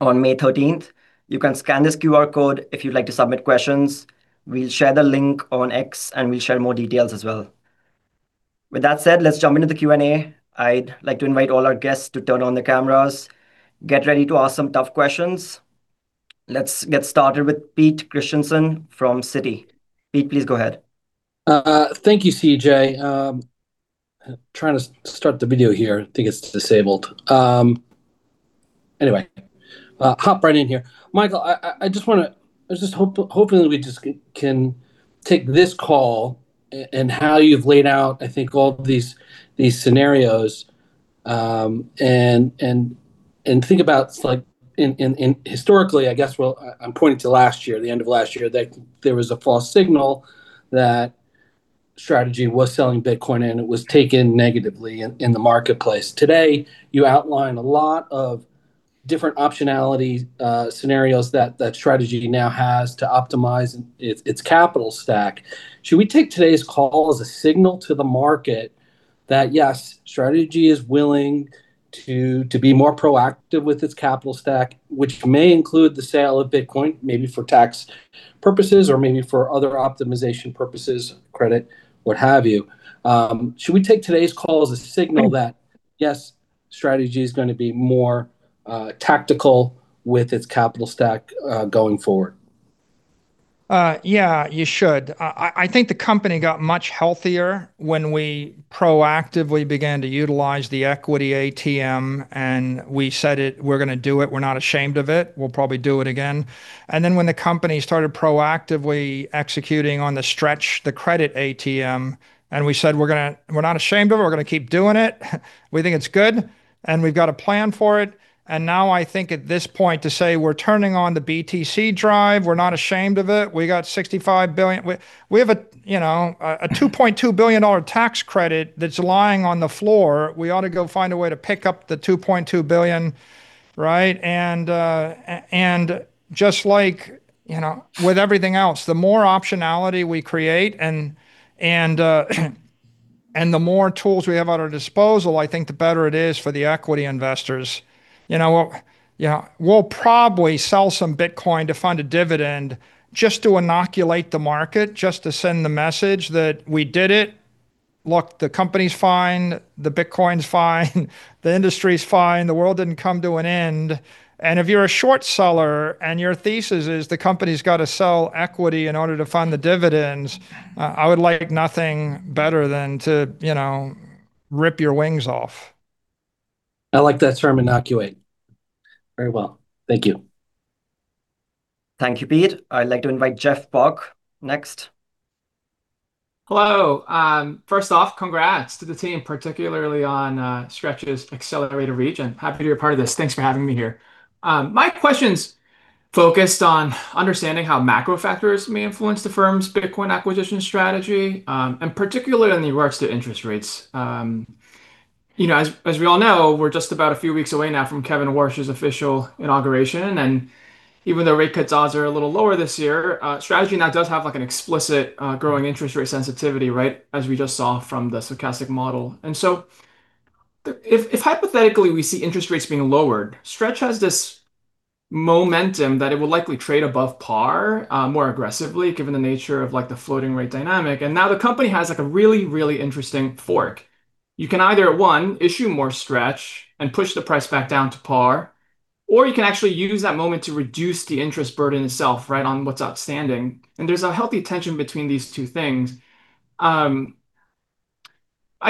on May 13th. You can scan this QR code if you'd like to submit questions. We'll share the link on X and we'll share more details as well. With that said, let's jump into the Q&A. I'd like to invite all our guests to turn on their cameras. Get ready to ask some tough questions. Let's get started with Pete Christiansen from Citi. Pete, please go ahead. Thank you, CJ. Trying to start the video here. I think it's disabled. Anyway, I'll hop right in here. Michael, I was just hoping that we can take this call and how you've laid out, I think all these scenarios, and think about like historically, I guess, well, I'm pointing to last year, the end of last year, that there was a false signal that Strategy was selling Bitcoin and it was taken negatively in the marketplace. Today, you outlined a lot of different optionality scenarios that Strategy now has to optimize its capital stack. Should we take today's call as a signal to the market that, yes, Strategy is willing to be more proactive with its capital stack, which may include the sale of Bitcoin, maybe for tax purposes or maybe for other optimization purposes, credit, what have you? Should we take today's call as a signal that, yes, Strategy is gonna be more tactical with its capital stack going forward? Yeah, you should. I think the company got much healthier when we proactively began to utilize the equity ATM, and we said it, we're gonna do it. We're not ashamed of it. We'll probably do it again. When the company started proactively executing on the Stretch, the credit ATM, and we said we're gonna we're not ashamed of it. We're gonna keep doing it. We think it's good, and we've got a plan for it. Now I think at this point to say we're turning on the BTC drive, we're not ashamed of it. We got $65 billion. We have a, you know, a $2.2 billion tax credit that's lying on the floor. We ought to go find a way to pick up the $2.2 billion, right? Just like, you know, with everything else, the more optionality we create and the more tools we have at our disposal, I think the better it is for the equity investors. You know, yeah, we'll probably sell some Bitcoin to fund a dividend just to inoculate the market, just to send the message that we did it. Look, the company's fine. The Bitcoin's fine. The industry's fine. The world didn't come to an end. If you're a short seller and your thesis is the company's got to sell equity in order to fund the dividends, I would like nothing better than to, you know, rip your wings off. I like that term inoculate. Very well. Thank you. Thank you, Pete. I'd like to invite Jeff Bock next. Hello. First off, congrats to the team, particularly on Stretch's accelerated redemption. Happy to be a part of this. Thanks for having me here. My question's focused on understanding how macro factors may influence the firm's Bitcoin acquisition strategy, and particularly in regards to interest rates. You know, as we all know, we're just about a few weeks away now from Kevin Warsh's official inauguration, and even though rate cuts odds are a little lower this year, Strategy now does have, like, an explicit growing interest rate sensitivity, right, as we just saw from the stochastic model. If hypothetically we see interest rates being lowered, Stretch has this momentum that it will likely trade above par, more aggressively, given the nature of, like, the floating rate dynamic. Now the company has, like, a really, really interesting fork. You can either, one, issue more Stretch and push the price back down to par, or you can actually use that moment to reduce the interest burden itself, right, on what's outstanding. There's a healthy tension between these two things. I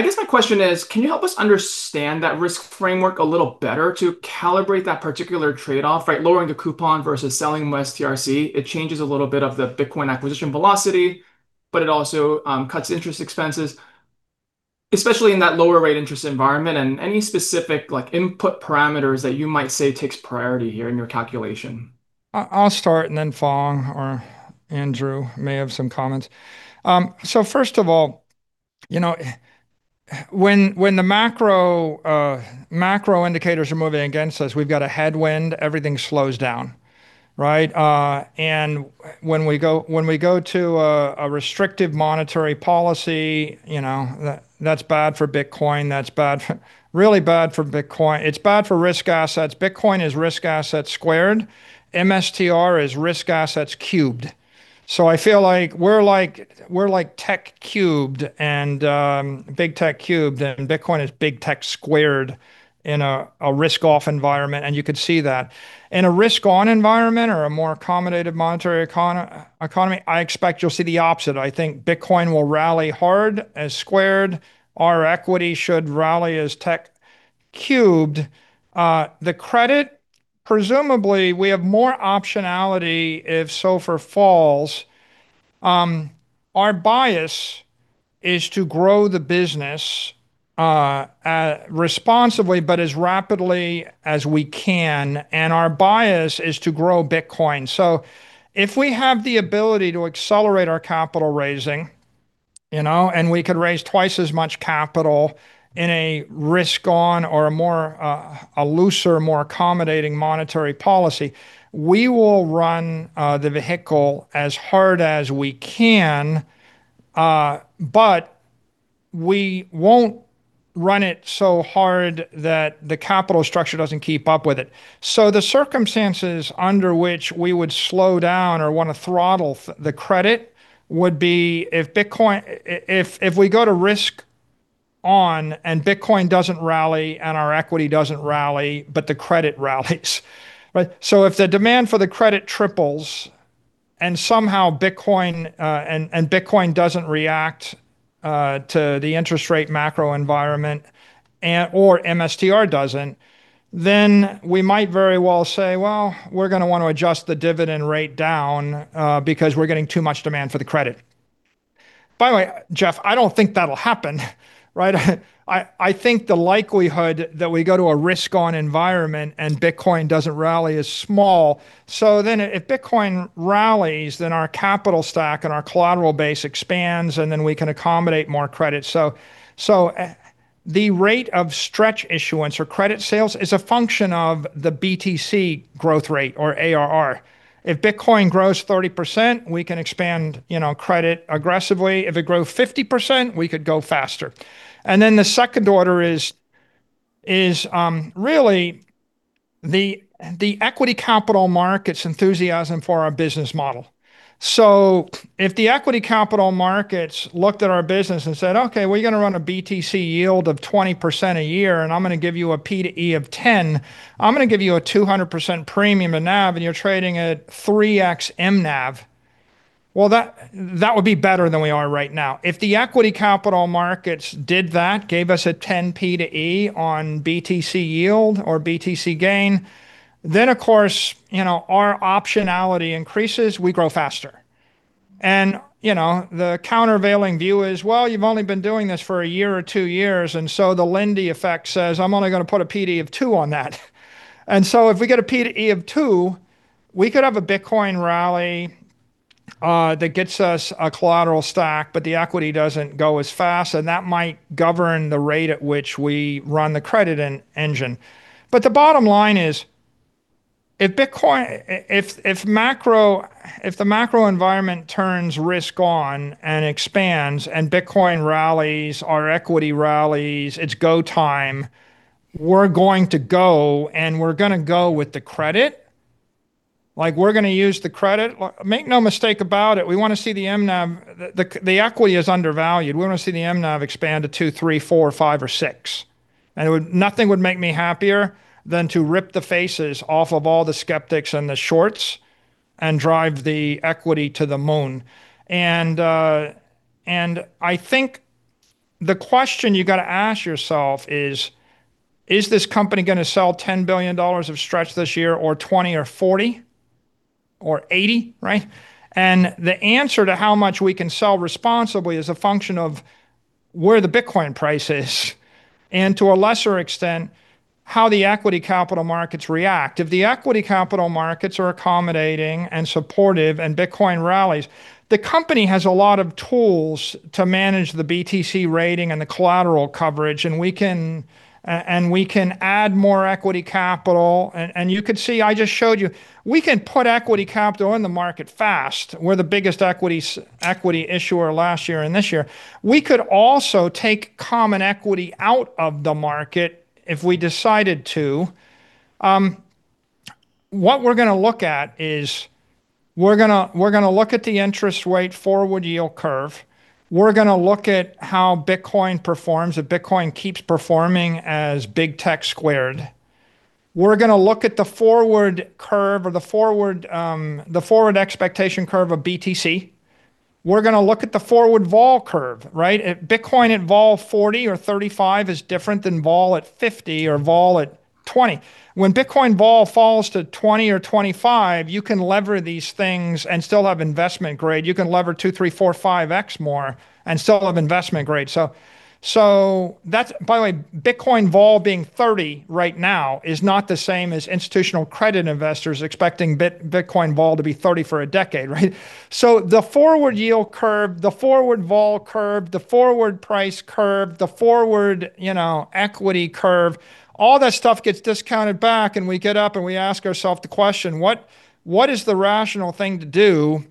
guess my question is, can you help us understand that risk framework a little better to calibrate that particular trade-off, right? Lowering the coupon versus selling more STRC, it changes a little bit of the Bitcoin acquisition velocity, but it also cuts interest expenses, especially in that lower rate interest environment. Any specific, like, input parameters that you might say takes priority here in your calculation? I'll start and then Phong or Andrew may have some comments. So first of all, you know, when the macro indicators are moving against us, we've got a headwind, everything slows down, right? When we go to a restrictive monetary policy, you know, that's really bad for Bitcoin. It's bad for risk assets. Bitcoin is risk assets squared. MSTR is risk assets cubed. So I feel like we're like tech cubed and Big Tech cubed and Bitcoin is Big Tech squared in a risk-off environment, and you could see that. In a risk-on environment or a more accommodative monetary economy, I expect you'll see the opposite. I think Bitcoin will rally hard as squared. Our equity should rally as tech cubed. The credit, presumably we have more optionality if SOFR falls. Our bias is to grow the business responsibly but as rapidly as we can, and our bias is to grow Bitcoin. If we have the ability to accelerate our capital raising, you know, and we could raise twice as much capital in a risk-on or a looser, more accommodating monetary policy, we will run the vehicle as hard as we can. We won't run it so hard that the capital structure doesn't keep up with it. The circumstances under which we would slow down or wanna throttle the credit would be if we go to risk-on and Bitcoin doesn't rally and our equity doesn't rally, but the credit rallies, right? If the demand for the credit triples and somehow Bitcoin and Bitcoin doesn't react to the interest rate macro environment and or MSTR doesn't, then we might very well say, "Well, we're gonna want to adjust the dividend rate down because we're getting too much demand for the credit." By the way, Jeff, I don't think that'll happen, right? I think the likelihood that we go to a risk-on environment and Bitcoin doesn't rally is small. If Bitcoin rallies, then our capital stack and our collateral base expands, and then we can accommodate more credit. The rate of Stretch issuance or credit sales is a function of the BTC growth rate or ARR. If Bitcoin grows 30%, we can expand, you know, credit aggressively. If it grows 50%, we could go faster. The second order is really the equity capital markets' enthusiasm for our business model. If the equity capital markets looked at our business and said, "Okay, well, you're gonna run a BTC yield of 20% a year, and I'm gonna give you a P/E ratio of 10. I'm gonna give you a 200% premium to NAV, and you're trading at 3x mNAV," well, that would be better than we are right now. If the equity capital markets did that, gave us a 10 P/E ratio on BTC yield or BTC gain, then of course, you know, our optionality increases, we grow faster. You know, the countervailing view is, well, you've only been doing this for a year or two years, and so the Lindy effect says, "I'm only gonna put a P/E ratio of 2 on that." If we get a P/E ratio of 2, we could have a Bitcoin rally that gets us a collateral stack, but the equity doesn't go as fast, and that might govern the rate at which we run the credit engine. The bottom line is if Bitcoin, if the macro environment turns risk-on and expands and Bitcoin rallies, our equity rallies, it's go time. We're going to go, and we're gonna go with the credit. Like, we're gonna use the credit. Like, make no mistake about it, we wanna see the mNAV. The equity is undervalued. We wanna see the mNAV expand to 2, 3, 4, 5 or 6. Nothing would make me happier than to rip the faces off of all the skeptics and the shorts and drive the equity to the moon. I think the question you gotta ask yourself is this company gonna sell $10 billion of Stretch this year or $20 billion or $40 billion or $80 billion, right? The answer to how much we can sell responsibly is a function of where the Bitcoin price is, and to a lesser extent, how the equity capital markets react. If the equity capital markets are accommodating and supportive and Bitcoin rallies, the company has a lot of tools to manage the BTC rating and the collateral coverage, and we can add more equity capital. You could see, I just showed you, we can put equity capital in the market fast. We're the biggest equity issuer last year and this year. We could also take common equity out of the market if we decided to. What we're gonna look at is the interest rate forward yield curve. We're gonna look at how Bitcoin performs if Bitcoin keeps performing as Big Tech squared. We're gonna look at the forward curve or the forward expectation curve of BTC. We're gonna look at the forward vol curve, right? If Bitcoin at vol 40 or 35 is different than vol at 50 or vol at 20. When Bitcoin vol falls to 20 or 25, you can lever these things and still have investment grade. You can lever 2x, 3x, 4x, 5x more and still have investment grade. That's by the way, Bitcoin vol being 30 right now is not the same as institutional credit investors expecting Bitcoin vol to be 30 for a decade, right? The forward yield curve, the forward vol curve, the forward price curve, the forward, you know, equity curve, all that stuff gets discounted back and we get up and we ask ourselves the question, what is the rational thing to do?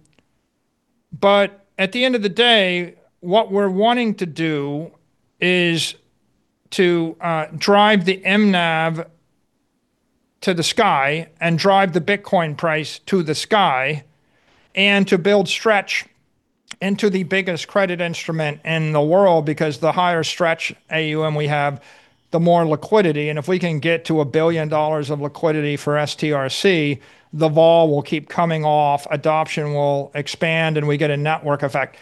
At the end of the day, what we're wanting to do is to drive the mNAV to the sky and drive the Bitcoin price to the sky, and to build Stretch into the biggest credit instrument in the world, because the higher Stretch AUM we have, the more liquidity. If we can get to $1 billion of liquidity for STRC, the vol will keep coming off, adoption will expand, and we get a network effect.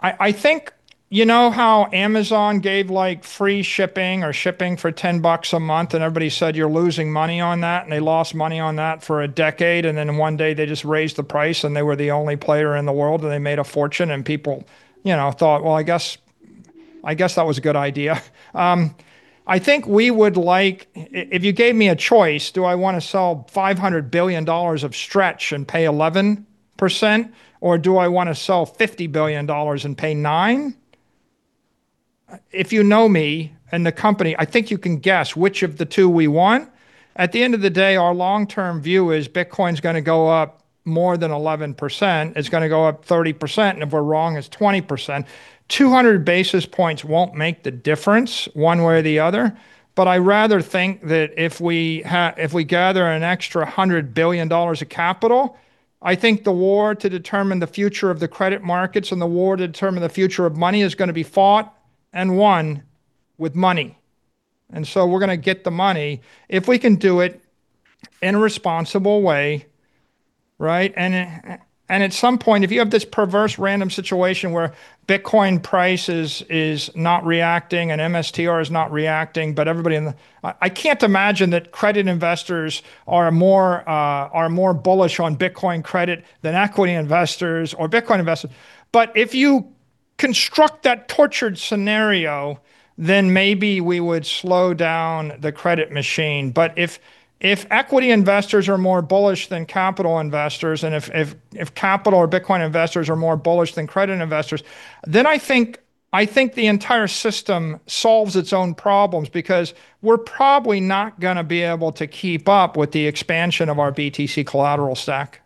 I think you know how Amazon gave, like, free shipping or shipping for $10 a month, and everybody said, "You're losing money on that," and they lost money on that for a decade, and then one day they just raised the price and they were the only player in the world and they made a fortune, and people, you know, thought, "Well, I guess that was a good idea." I think we would like if you gave me a choice, do I wanna sell $500 billion of Stretch and pay 11%, or do I wanna sell $50 billion and pay 9%? If you know me and the company, I think you can guess which of the two we want. At the end of the day, our long-term view is Bitcoin's gonna go up more than 11%. It's gonna go up 30%, and if we're wrong, it's 20%. 200 basis points won't make the difference one way or the other, but I rather think that if we gather an extra $100 billion of capital, I think the war to determine the future of the credit markets and the war to determine the future of money is gonna be fought and won with money. We're gonna get the money if we can do it in a responsible way, right? At some point, if you have this perverse random situation where Bitcoin prices is not reacting and MSTR is not reacting, but everybody, I can't imagine that credit investors are more bullish on Bitcoin credit than equity investors or Bitcoin investors. If you construct that tortured scenario, then maybe we would slow down the credit machine. If equity investors are more bullish than capital investors, and if capital or Bitcoin investors are more bullish than credit investors, then I think the entire system solves its own problems, because we're probably not gonna be able to keep up with the expansion of our BTC collateral stack.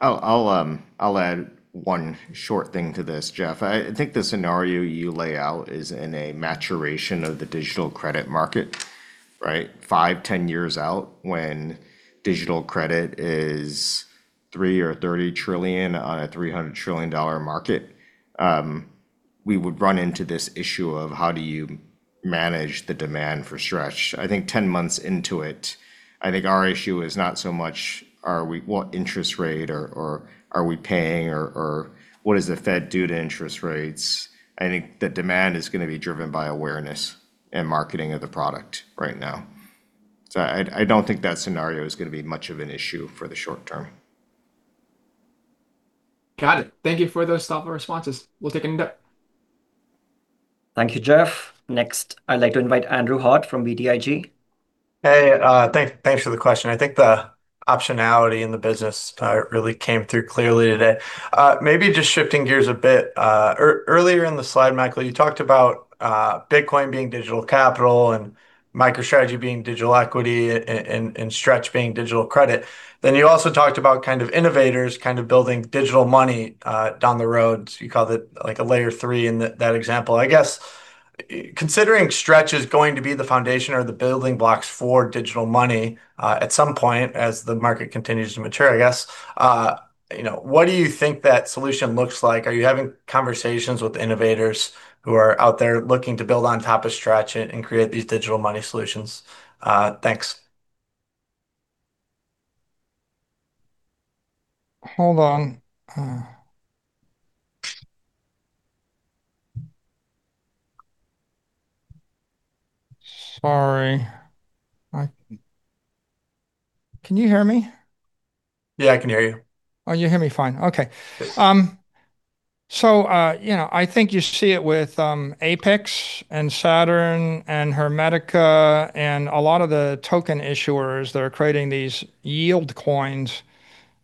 I'll add one short thing to this, Jeff. I think the scenario you lay out is in a maturation of the digital credit market, right? Five, 10 years out when digital credit is $3 trillion or $30 trillion on a $300 trillion market, we would run into this issue of how do you manage the demand for Stretch. I think 10 months into it, I think our issue is not so much what interest rate or are we paying or what does the Fed do to interest rates. I think the demand is gonna be driven by awareness and marketing of the product right now. I don't think that scenario is gonna be much of an issue for the short term. Got it. Thank you for those thoughtful responses. We'll take a note. Thank you, Jeff. Next, I'd like to invite Andrew Hart from BTIG. Hey, thanks for the question. I think the optionality in the business really came through clearly today. Maybe just shifting gears a bit. Earlier in the slide, Michael, you talked about Bitcoin being digital capital and MicroStrategy being digital equity and Stretch being digital credit. You also talked about kind of innovators kind of building digital money down the road. You called it like a Layer 3 in that example. I guess, considering Stretch is going to be the foundation or the building blocks for digital money at some point as the market continues to mature, I guess, you know, what do you think that solution looks like? Are you having conversations with innovators who are out there looking to build on top of Stretch and create these digital money solutions? Thanks. Hold on. Sorry. Can you hear me? Yeah, I can hear you. Oh, you hear me fine. Okay. Yes. You know, I think you see it with Apex and Saturn and Hermetica and a lot of the token issuers that are creating these yield coins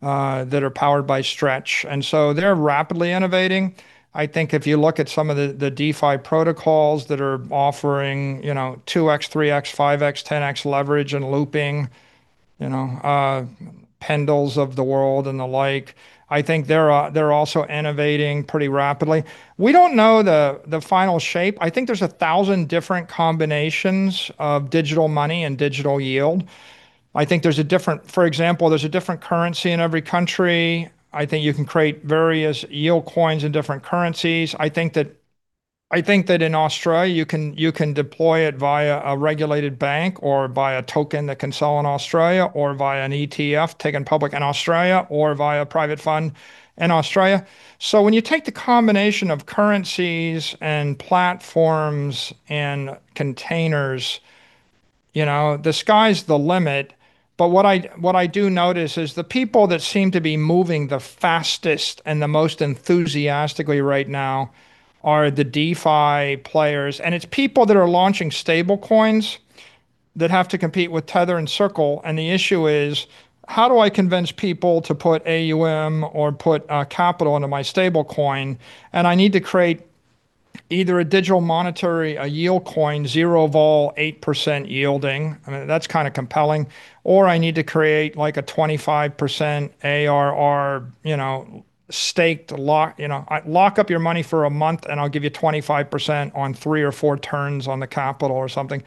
that are powered by Stretch. They're rapidly innovating. I think if you look at some of the DeFi protocols that are offering, you know, 2x, 3x, 5x, 10x leverage and looping, you know, Pendle of the world and the like, I think they're also innovating pretty rapidly. We don't know the final shape. I think there's 1,000 different combinations of digital money and digital yield. I think there's a different. For example, there's a different currency in every country. I think you can create various yield coins in different currencies. I think that in Australia you can deploy it via a regulated bank or via token that can sell in Australia, or via an ETF taken public in Australia, or via a private fund in Australia. When you take the combination of currencies and platforms and containers. You know, the sky's the limit. What I do notice is the people that seem to be moving the fastest and the most enthusiastically right now are the DeFi players, and it's people that are launching stable coins that have to compete with Tether and Circle. The issue is how do I convince people to put AUM or put capital into my stable coin? I need to create either a digital money, a yield coin, 0 vol, 8% yielding, I mean, that's kinda compelling, or I need to create, like, a 25% ARR, you know, lock up your money for a month and I'll give you 25% on three or four turns on the capital or something.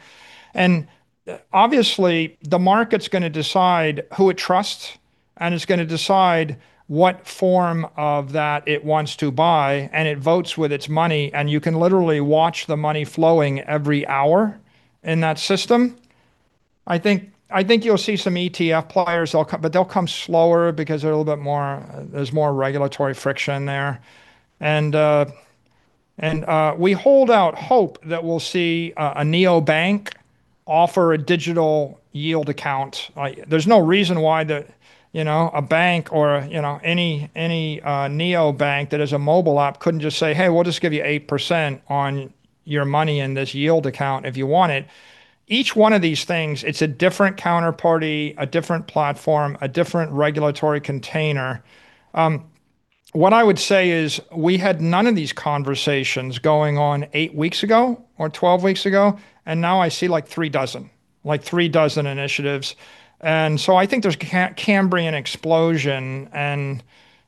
Obviously the market's gonna decide who it trusts, and it's gonna decide what form of that it wants to buy, and it votes with its money, and you can literally watch the money flowing every hour in that system. I think you'll see some ETF players. But they'll come slower because they're a little bit more, there's more regulatory friction there. We hold out hope that we'll see a neobank offer a digital yield account. There's no reason why the, you know, a bank or, you know, any neobank that has a mobile app couldn't just say, "Hey, we'll just give you 8% on your money in this yield account if you want it." Each one of these things, it's a different counterparty, a different platform, a different regulatory container. What I would say is we had none of these conversations going on eight weeks ago or 12 weeks ago, and now I see, like, three 12 initiatives. I think there's a Cambrian explosion, and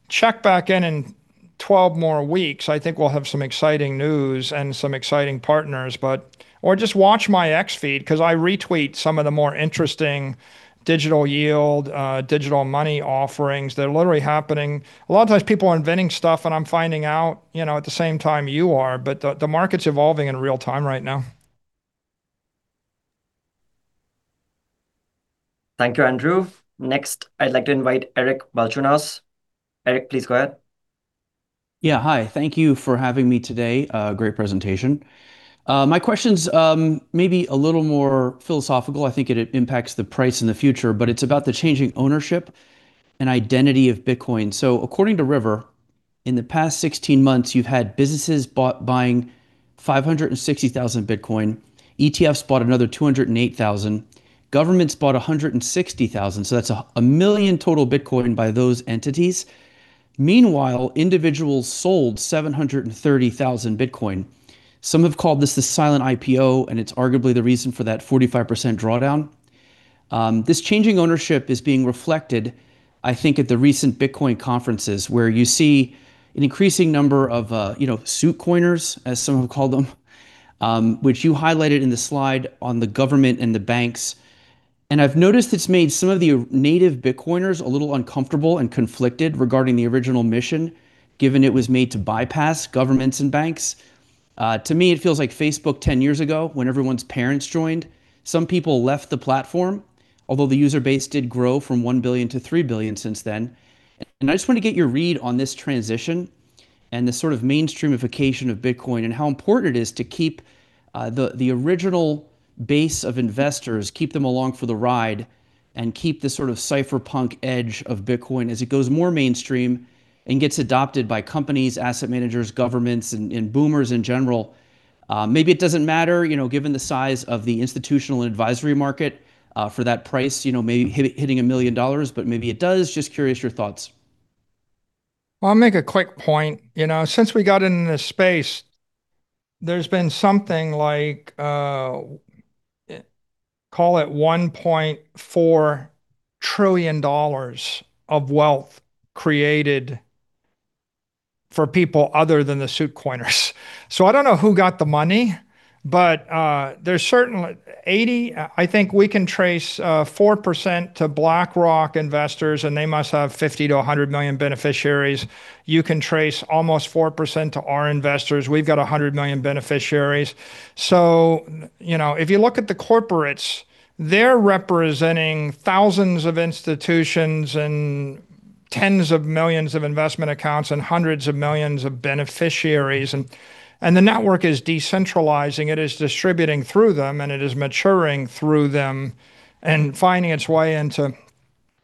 check back in 12 more weeks. I think we'll have some exciting news and some exciting partners, but just watch my X feed, 'cause I retweet some of the more interesting digital yield, digital money offerings that are literally happening. A lot of times people are inventing stuff and I'm finding out, you know, at the same time you are. The market's evolving in real time right now. Thank you, Andrew. Next, I'd like to invite Eric Balchunas. Eric, please go ahead. Yeah. Hi. Thank you for having me today. Great presentation. My question's maybe a little more philosophical. I think it impacts the price in the future, but it's about the changing ownership and identity of Bitcoin. According to River, in the past 16 months you've had businesses buying 560,000 Bitcoin. ETFs bought another 208,000. Governments bought 160,000. That's 1 million total Bitcoin by those entities. Meanwhile, individuals sold 730,000 Bitcoin. Some have called this the silent IPO, and it's arguably the reason for that 45% drawdown. This changing ownership is being reflected, I think, at the recent Bitcoin conferences, where you see an increasing number of you know, suit coiners, as some have called them, which you highlighted in the slide on the government and the banks. I've noticed it's made some of the native Bitcoiners a little uncomfortable and conflicted regarding the original mission, given it was made to bypass governments and banks. To me it feels like Facebook 10 years ago when everyone's parents joined. Some people left the platform, although the user base did grow from 1 billion to 3 billion since then. I just wanna get your read on this transition and this sort of mainstreamification of Bitcoin, and how important it is to keep the original base of investors, keep them along for the ride, and keep the sort of cypherpunk edge of Bitcoin as it goes more mainstream and gets adopted by companies, asset managers, governments, and boomers in general. Maybe it doesn't matter, you know, given the size of the institutional and advisory market, for that price, you know, maybe hitting $1 million, but maybe it does. Just curious your thoughts. Well, I'll make a quick point. You know, since we got into this space there's been something like $1.4 trillion of wealth created for people other than the shitcoiners. I don't know who got the money, but there's certainly 80% I think we can trace 4% to BlackRock investors, and they must have 50 million to 100 million beneficiaries. You can trace almost 4% to our investors. We've got 100 million beneficiaries. You know, if you look at the corporates, they're representing thousands of institutions, and tens of millions of investment accounts, and hundreds of millions of beneficiaries. The network is decentralizing. It is distributing through them, and it is maturing through them, and finding its way into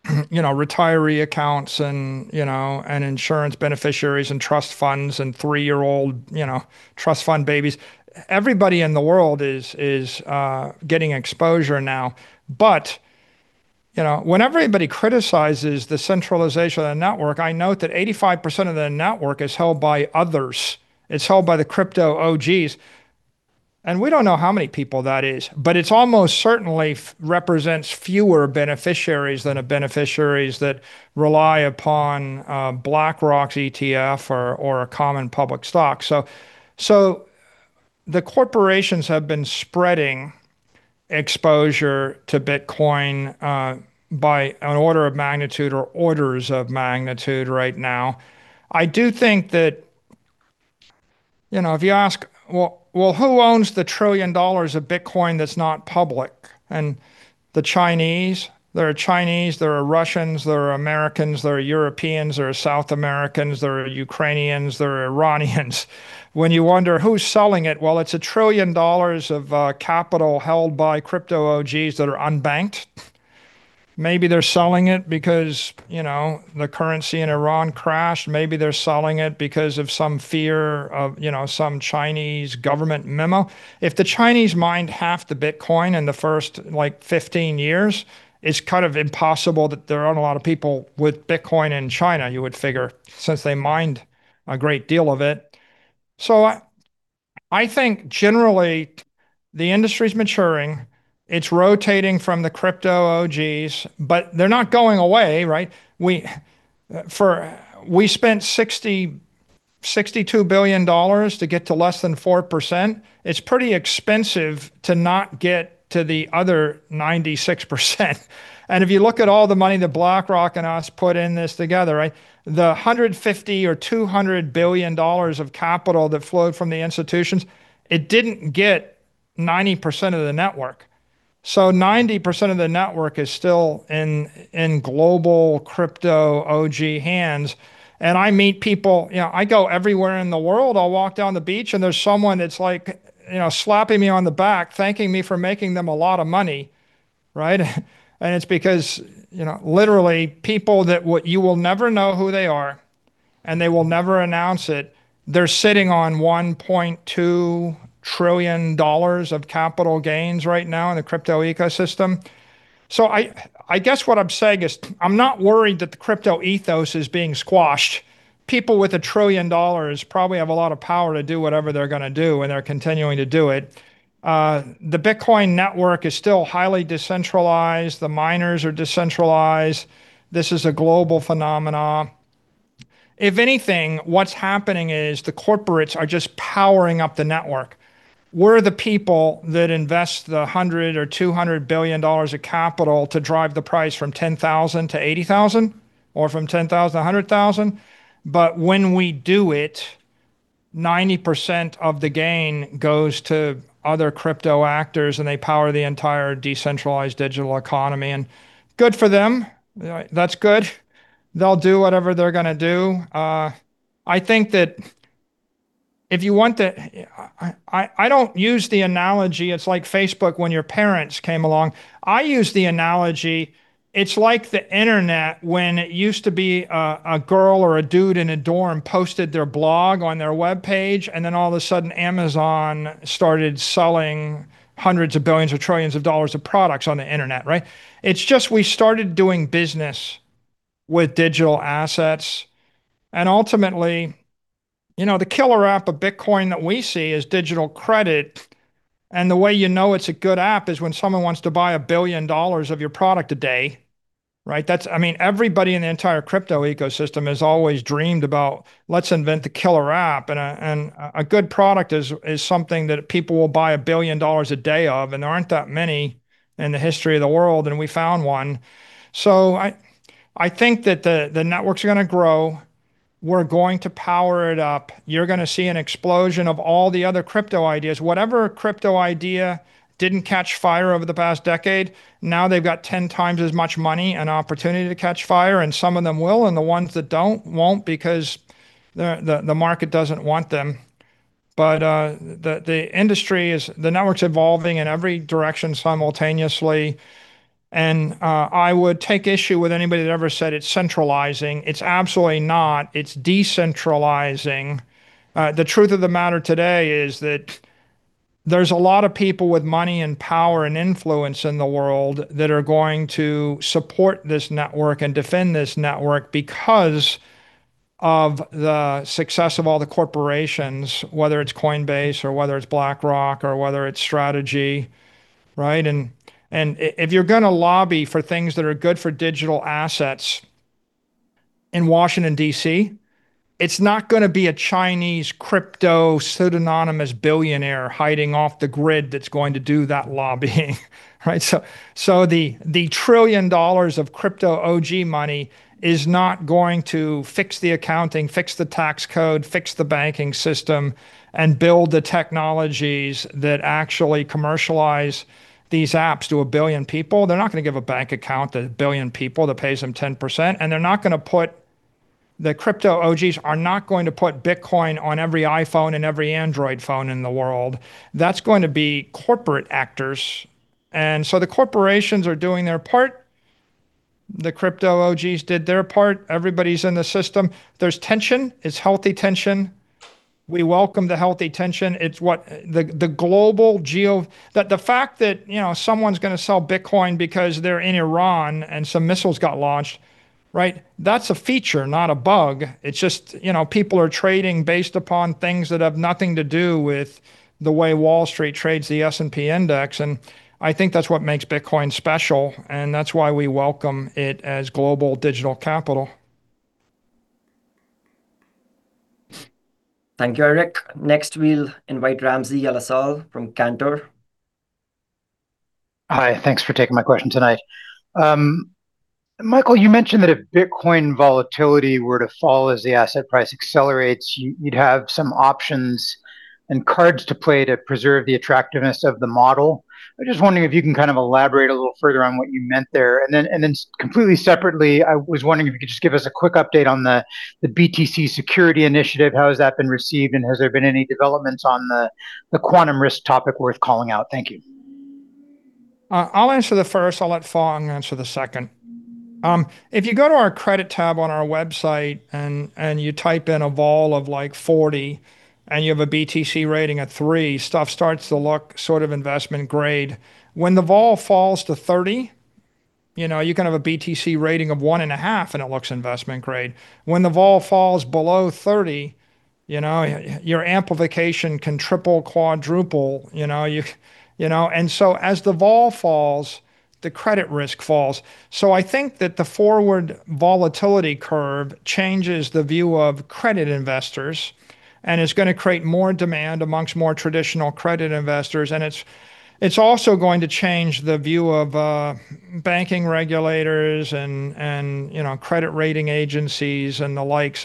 retiree accounts and insurance beneficiaries, and trust funds, and three-year-old trust fund babies. Everybody in the world is getting exposure now. You know, when everybody criticizes the centralization of the network, I note that 85% of the network is held by others. It's held by the crypto OGs. We don't know how many people that is, but it's almost certainly represents fewer beneficiaries than the beneficiaries that rely upon BlackRock's ETF or a common public stock. The corporations have been spreading exposure to Bitcoin by an order of magnitude or orders of magnitude right now. I do think that, you know, if you ask, who owns the $1 trillion of Bitcoin that's not public? The Chinese. There are Chinese, there are Russians, there are Americans, there are Europeans, there are South Americans, there are Ukrainians, there are Iranians. When you wonder who's selling it, well, it's $1 trillion of capital held by crypto OGs that are unbanked. Maybe they're selling it because, you know, the currency in Iran crashed. Maybe they're selling it because of some fear of, you know, some Chinese government memo. If the Chinese mined half the Bitcoin in the first, like, 15 years, it's kind of impossible that there aren't a lot of people with Bitcoin in China, you would figure, since they mined a great deal of it. I think generally the industry's maturing. It's rotating from the crypto OGs, but they're not going away, right? We spent $60 billion-$62 billion to get to less than 4%. It's pretty expensive to not get to the other 96%. If you look at all the money that BlackRock and us put in this together, right? The $150 billion-$200 billion of capital that flowed from the institutions, it didn't get 90% of the network. 90% of the network is still in global crypto OG hands. I meet people. You know, I go everywhere in the world. I'll walk down the beach and there's someone that's like, you know, slapping me on the back, thanking me for making them a lot of money, right? It's because, you know, literally people that you will never know who they are, and they will never announce it. They're sitting on $1.2 trillion of capital gains right now in the crypto ecosystem. I guess what I'm saying is I'm not worried that the crypto ethos is being squashed. People with $1 trillion probably have a lot of power to do whatever they're gonna do, and they're continuing to do it. The Bitcoin network is still highly decentralized. The miners are decentralized. This is a global phenomenon. If anything, what's happening is the corporates are just powering up the network. We're the people that invest the $100 billion or $200 billion of capital to drive the price from $10,000-$80,000 or from $10,000-100,000. But when we do it, 90% of the gain goes to other crypto actors, and they power the entire decentralized digital economy. Good for them. That's good. They'll do whatever they're gonna do. I think that if you want to, I don't use the analogy it's like Facebook when your parents came along. I use the analogy it's like the internet when it used to be a girl or a dude in a dorm posted their blog on their webpage, and then all of a sudden Amazon started selling hundreds of billions or trillions of dollars of products on the internet, right? It's just we started doing business with digital assets, and ultimately, you know, the killer app of Bitcoin that we see is digital credit, and the way you know it's a good app is when someone wants to buy $1 billion of your product a day, right? I mean, everybody in the entire crypto ecosystem has always dreamed about let's invent the killer app, and a good product is something that people will buy $1 billion a day of, and there aren't that many in the history of the world, and we found one. I think that the networks are gonna grow. We're going to power it up. You're gonna see an explosion of all the other crypto ideas. Whatever crypto idea didn't catch fire over the past decade, now they've got 10x as much money and opportunity to catch fire, and some of them will, and the ones that don't won't because the market doesn't want them. The industry is. The network's evolving in every direction simultaneously, and I would take issue with anybody that ever said it's centralizing. It's absolutely not. It's decentralizing. The truth of the matter today is that there's a lot of people with money and power and influence in the world that are going to support this network and defend this network because of the success of all the corporations, whether it's Coinbase or whether it's BlackRock or whether it's Strategy, right? If you're gonna lobby for things that are good for digital assets in Washington, D.C., it's not gonna be a Chinese crypto pseudonymous billionaire hiding off the grid that's going to do that lobbying, right? The $1 trillion of crypto OG money is not going to fix the accounting, fix the tax code, fix the banking system, and build the technologies that actually commercialize these apps to 1 billion people. They're not gonna give a bank account to a billion people that pays them 10%, and they're not gonna put. The crypto OGs are not going to put Bitcoin on every iPhone and every Android phone in the world. That's going to be corporate actors. The corporations are doing their part. The crypto OGs did their part. Everybody's in the system. There's tension. It's healthy tension. We welcome the healthy tension. It's the fact that, you know, someone's gonna sell Bitcoin because they're in Iran and some missiles got launched, right? That's a feature, not a bug. It's just, you know, people are trading based upon things that have nothing to do with the way Wall Street trades the S&P index, and I think that's what makes Bitcoin special, and that's why we welcome it as global digital capital. Thank you, Eric. Next, we'll invite Ramsey El-Assal from Cantor. Hi, thanks for taking my question tonight. Michael, you mentioned that if Bitcoin volatility were to fall as the asset price accelerates, you'd have some options and cards to play to preserve the attractiveness of the model. I'm just wondering if you can kind of elaborate a little further on what you meant there. Completely separately, I was wondering if you could just give us a quick update on the BTC Security Initiative. How has that been received, and has there been any developments on the quantum risk topic worth calling out? Thank you. I'll answer the first. I'll let Phong answer the second. If you go to our Credit tab on our website and you type in a vol of like 40, and you have a BTC rating at 3x, stuff starts to look sort of investment grade. When the vol falls to 30, you know, you can have a BTC rating of 1.5x and it looks investment grade. When the vol falls below 30, you know, your amplification can triple, quadruple, you know. You know? As the vol falls, the credit risk falls. I think that the forward volatility curve changes the view of credit investors, and it's gonna create more demand amongst more traditional credit investors, and it's also going to change the view of banking regulators and, you know, credit rating agencies and the like.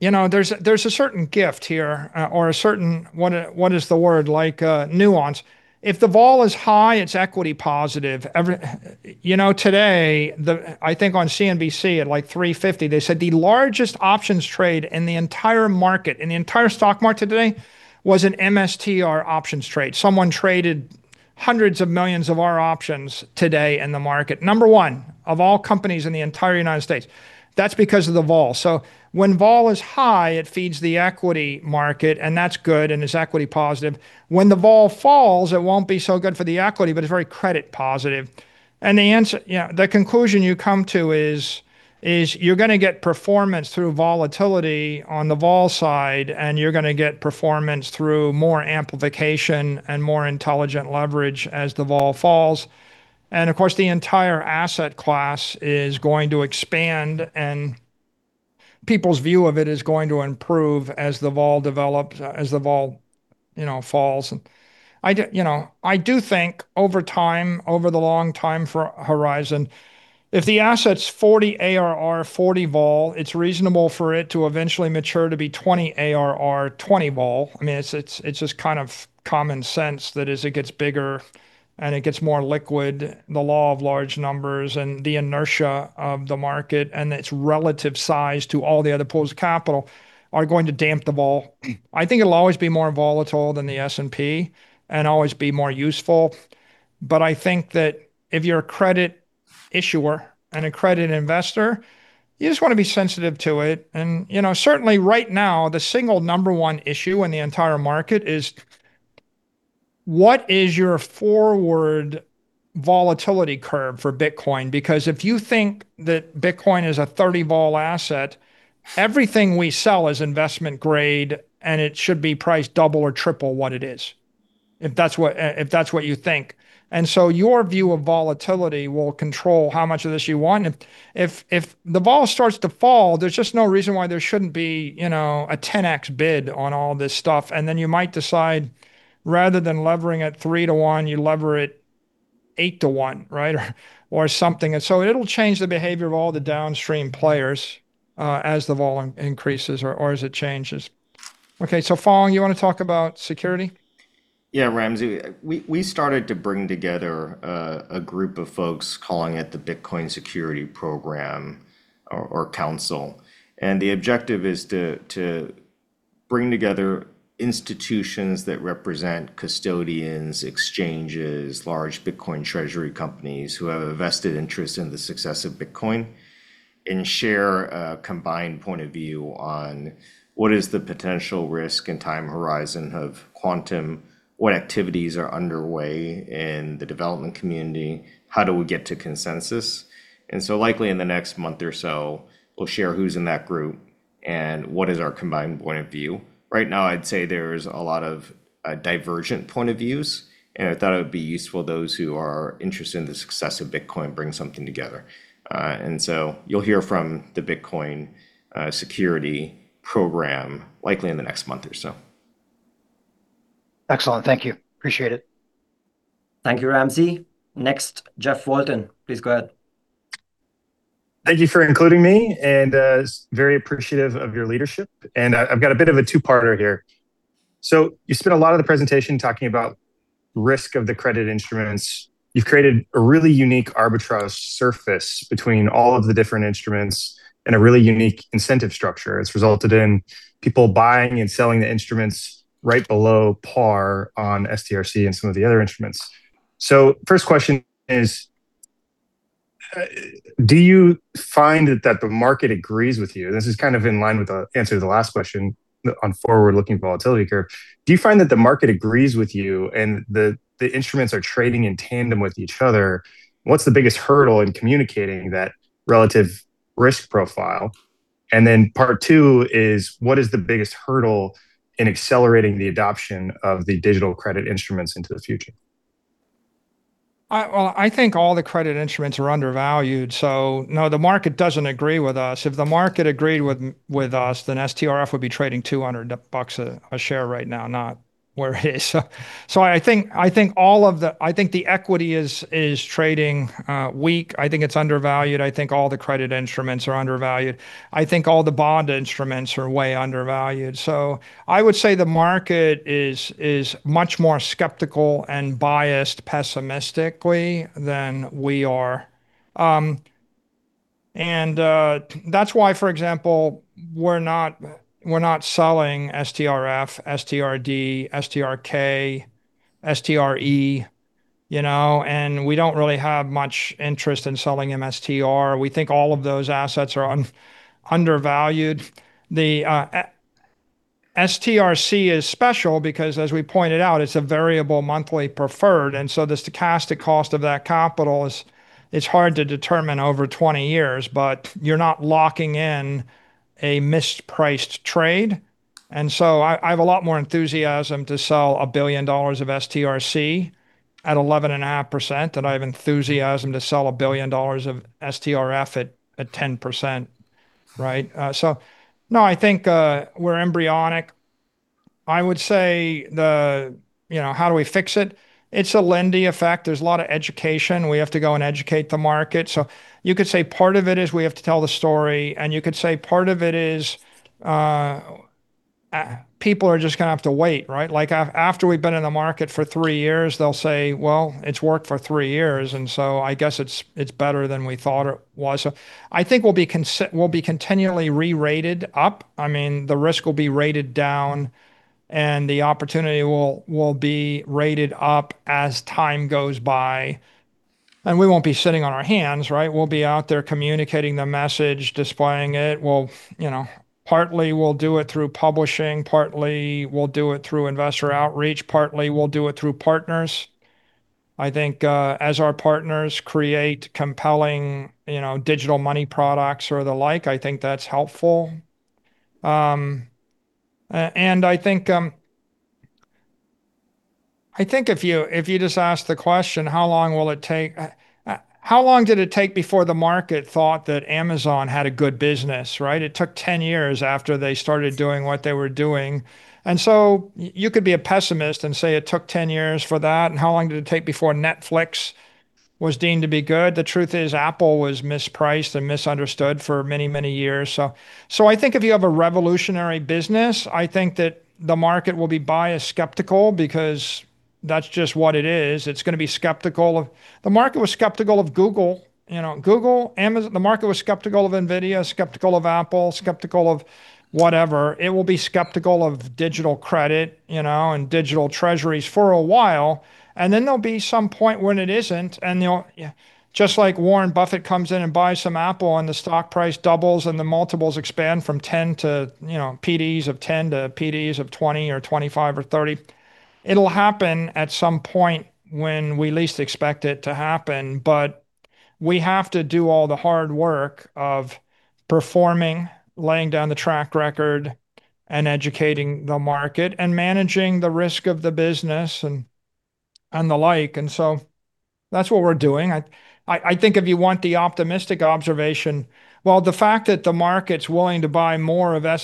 You know, there's a certain gift here, or a certain What is the word? Like, nuance. If the vol is high, it's equity positive. You know, today, I think on CNBC at, like, 3:50, they said the largest options trade in the entire market, in the entire stock market today was an MSTR options trade. Someone traded hundreds of millions of our options today in the market. Number one of all companies in the entire U.S. That's because of the vol. When vol is high, it feeds the equity market, and that's good and it's equity positive. When the vol falls, it won't be so good for the equity, but it's very credit positive. The answer You know, the conclusion you come to is you're gonna get performance through volatility on the vol side. You're gonna get performance through more amplification and more intelligent leverage as the vol falls. Of course, the entire asset class is going to expand, and people's view of it is going to improve as the vol develops, as the vol, you know, falls. I do think over time, over the long time for horizon, if the asset's 40 ARR, 40 vol, it's reasonable for it to eventually mature to be 20 ARR, 20 vol. I mean, it's just kind of common sense that as it gets bigger and it gets more liquid, the law of large numbers and the inertia of the market and its relative size to all the other pools of capital are going to damp the vol. I think it'll always be more volatile than the S&P and always be more useful, but I think that if you're a credit issuer and a credit investor, you just wanna be sensitive to it. You know, certainly right now the single number one issue in the entire market is what is your forward volatility curve for Bitcoin? Because if you think that Bitcoin is a 30 vol asset, everything we sell is investment grade, and it should be priced double or triple what it is, if that's what you think. Your view of volatility will control how much of this you want. If the vol starts to fall, there's just no reason why there shouldn't be, you know, a 10x bid on all this stuff. Then you might decide rather than levering it 3%-1%, you lever it 8%-1%, right? Or something. It'll change the behavior of all the downstream players as the vol increases or as it changes. Okay. Phong, you wanna talk about security? Yeah, Ramsey. We started to bring together a group of folks calling it the Bitcoin Security Program or Council. The objective is to bring together institutions that represent custodians, exchanges, large Bitcoin treasury companies who have a vested interest in the success of Bitcoin and share a combined point of view on what is the potential risk and time horizon of quantum, what activities are underway in the development community, how do we get to consensus. Likely in the next month or so we'll share who's in that group and what is our combined point of view. Right now I'd say there's a lot of divergent point of views, and I thought it would be useful, those who are interested in the success of Bitcoin, bring something together. You'll hear from the Bitcoin Security Program likely in the next month or so. Excellent. Thank you. Appreciate it. Thank you, Ramsey. Next, Jeff Walton. Please go ahead. Thank you for including me and very appreciative of your leadership. I've got a bit of a two-parter here. You spent a lot of the presentation talking about risk of the credit instruments. You've created a really unique arbitrage surface between all of the different instruments and a really unique incentive structure that's resulted in people buying and selling the instruments right below par on STRC and some of the other instruments. First question is, do you find that the market agrees with you? This is kind of in line with the answer to the last question on forward-looking volatility curve. Do you find that the market agrees with you and the instruments are trading in tandem with each other? What's the biggest hurdle in communicating that relative risk profile? Part two is what is the biggest hurdle in accelerating the adoption of the digital credit instruments into the future? Well, I think all the credit instruments are undervalued. No, the market doesn't agree with us. If the market agreed with us, then STRF would be trading $200 bucks a share right now, not where it is. I think all of the I think the equity is trading weak. I think it's undervalued. I think all the credit instruments are undervalued. I think all the bond instruments are way undervalued. I would say the market is much more skeptical and biased pessimistically than we are. That's why, for example, we're not selling STRF, STRD, STRK, STRE, you know. We don't really have much interest in selling MSTR. We think all of those assets are undervalued. STRC is special because as we pointed out, it's a variable monthly preferred, and the stochastic cost of that capital is hard to determine over 20 years, but you're not locking in a mispriced trade. I have a lot more enthusiasm to sell $1 billion of STRC at 11.5% than I have enthusiasm to sell $1 billion of STRF at 10%, right? No, I think we're embryonic. I would say you know, how do we fix it? It's a Lindy effect. There's a lot of education. We have to go and educate the market. You could say part of it is we have to tell the story, and you could say part of it is people are just gonna have to wait, right? Like, after we've been in the market for three years, they'll say, "Well, it's worked for three years, I guess it's better than we thought it was." I think we'll be continually re-rated up. I mean, the risk will be rated down, and the opportunity will be rated up as time goes by. We won't be sitting on our hands, right? We'll be out there communicating the message, displaying it. We'll, you know, partly we'll do it through publishing, partly we'll do it through investor outreach, partly we'll do it through partners. I think, as our partners create compelling, you know, digital money products or the like, I think that's helpful. I think if you just ask the question, how long will it take? How long did it take before the market thought that Amazon had a good business, right? It took 10 years after they started doing what they were doing. You could be a pessimist and say it took 10 years for that, and how long did it take before Netflix was deemed to be good? The truth is, Apple was mispriced and misunderstood for many, many years. I think if you have a revolutionary business, I think that the market will be biased skeptical because that's just what it is. It's gonna be skeptical. The market was skeptical of Google. You know, Google, Amazon, the market was skeptical of NVIDIA, skeptical of Apple, skeptical of whatever. It will be skeptical of digital credit, you know, and digital treasuries for a while, and then there'll be some point when it isn't, and they'll, just like Warren Buffett comes in and buys some Apple and the stock price doubles, and the multiples expand from 10% to, you know, PDs of 10% to PDs of 20% or 25% or 30%. It'll happen at some point when we least expect it to happen, but we have to do all the hard work of performing, laying down the track record, and educating the market, and managing the risk of the business and the like. That's what we're doing. I think if you want the optimistic observation, well, the fact that the market's willing to buy more of the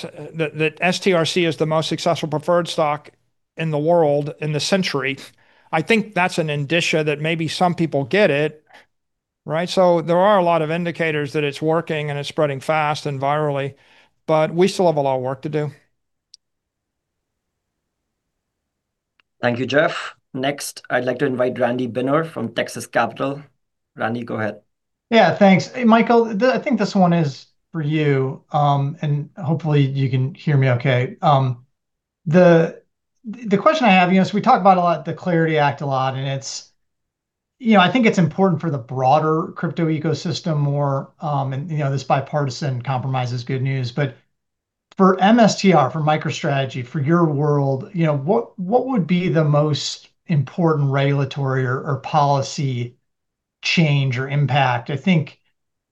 STRC is the most successful preferred stock in the world in the century, I think that's an indicia that maybe some people get it, right? There are a lot of indicators that it's working and it's spreading fast and virally, but we still have a lot of work to do. Thank you, Jeff. Next, I'd like to invite Randy Benner from Texas Capital. Randy, go ahead. Yeah, thanks. Michael, I think this one is for you. And hopefully you can hear me okay. The question I have, you know, so we talk about the Clarity Act a lot, and it's, you know, I think it's important for the broader crypto ecosystem more, and you know, this bipartisan compromise is good news. For MSTR, for MicroStrategy, for your world, you know, what would be the most important regulatory or policy change or impact? I think,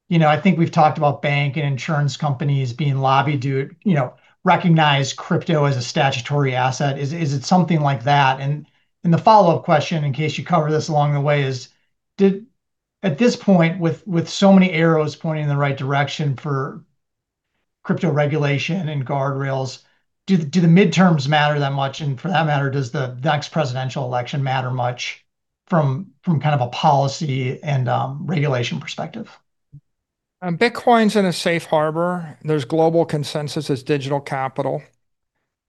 you know, I think we've talked about bank and insurance companies being lobbied to, you know, recognize crypto as a statutory asset. Is it something like that? The follow-up question, in case you cover this along the way, is: At this point, with so many arrows pointing in the right direction for crypto regulation and guardrails, do the midterms matter that much? For that matter, does the next presidential election matter much from kind of a policy and regulation perspective? Bitcoin's in a safe harbor. There's global consensus as digital capital.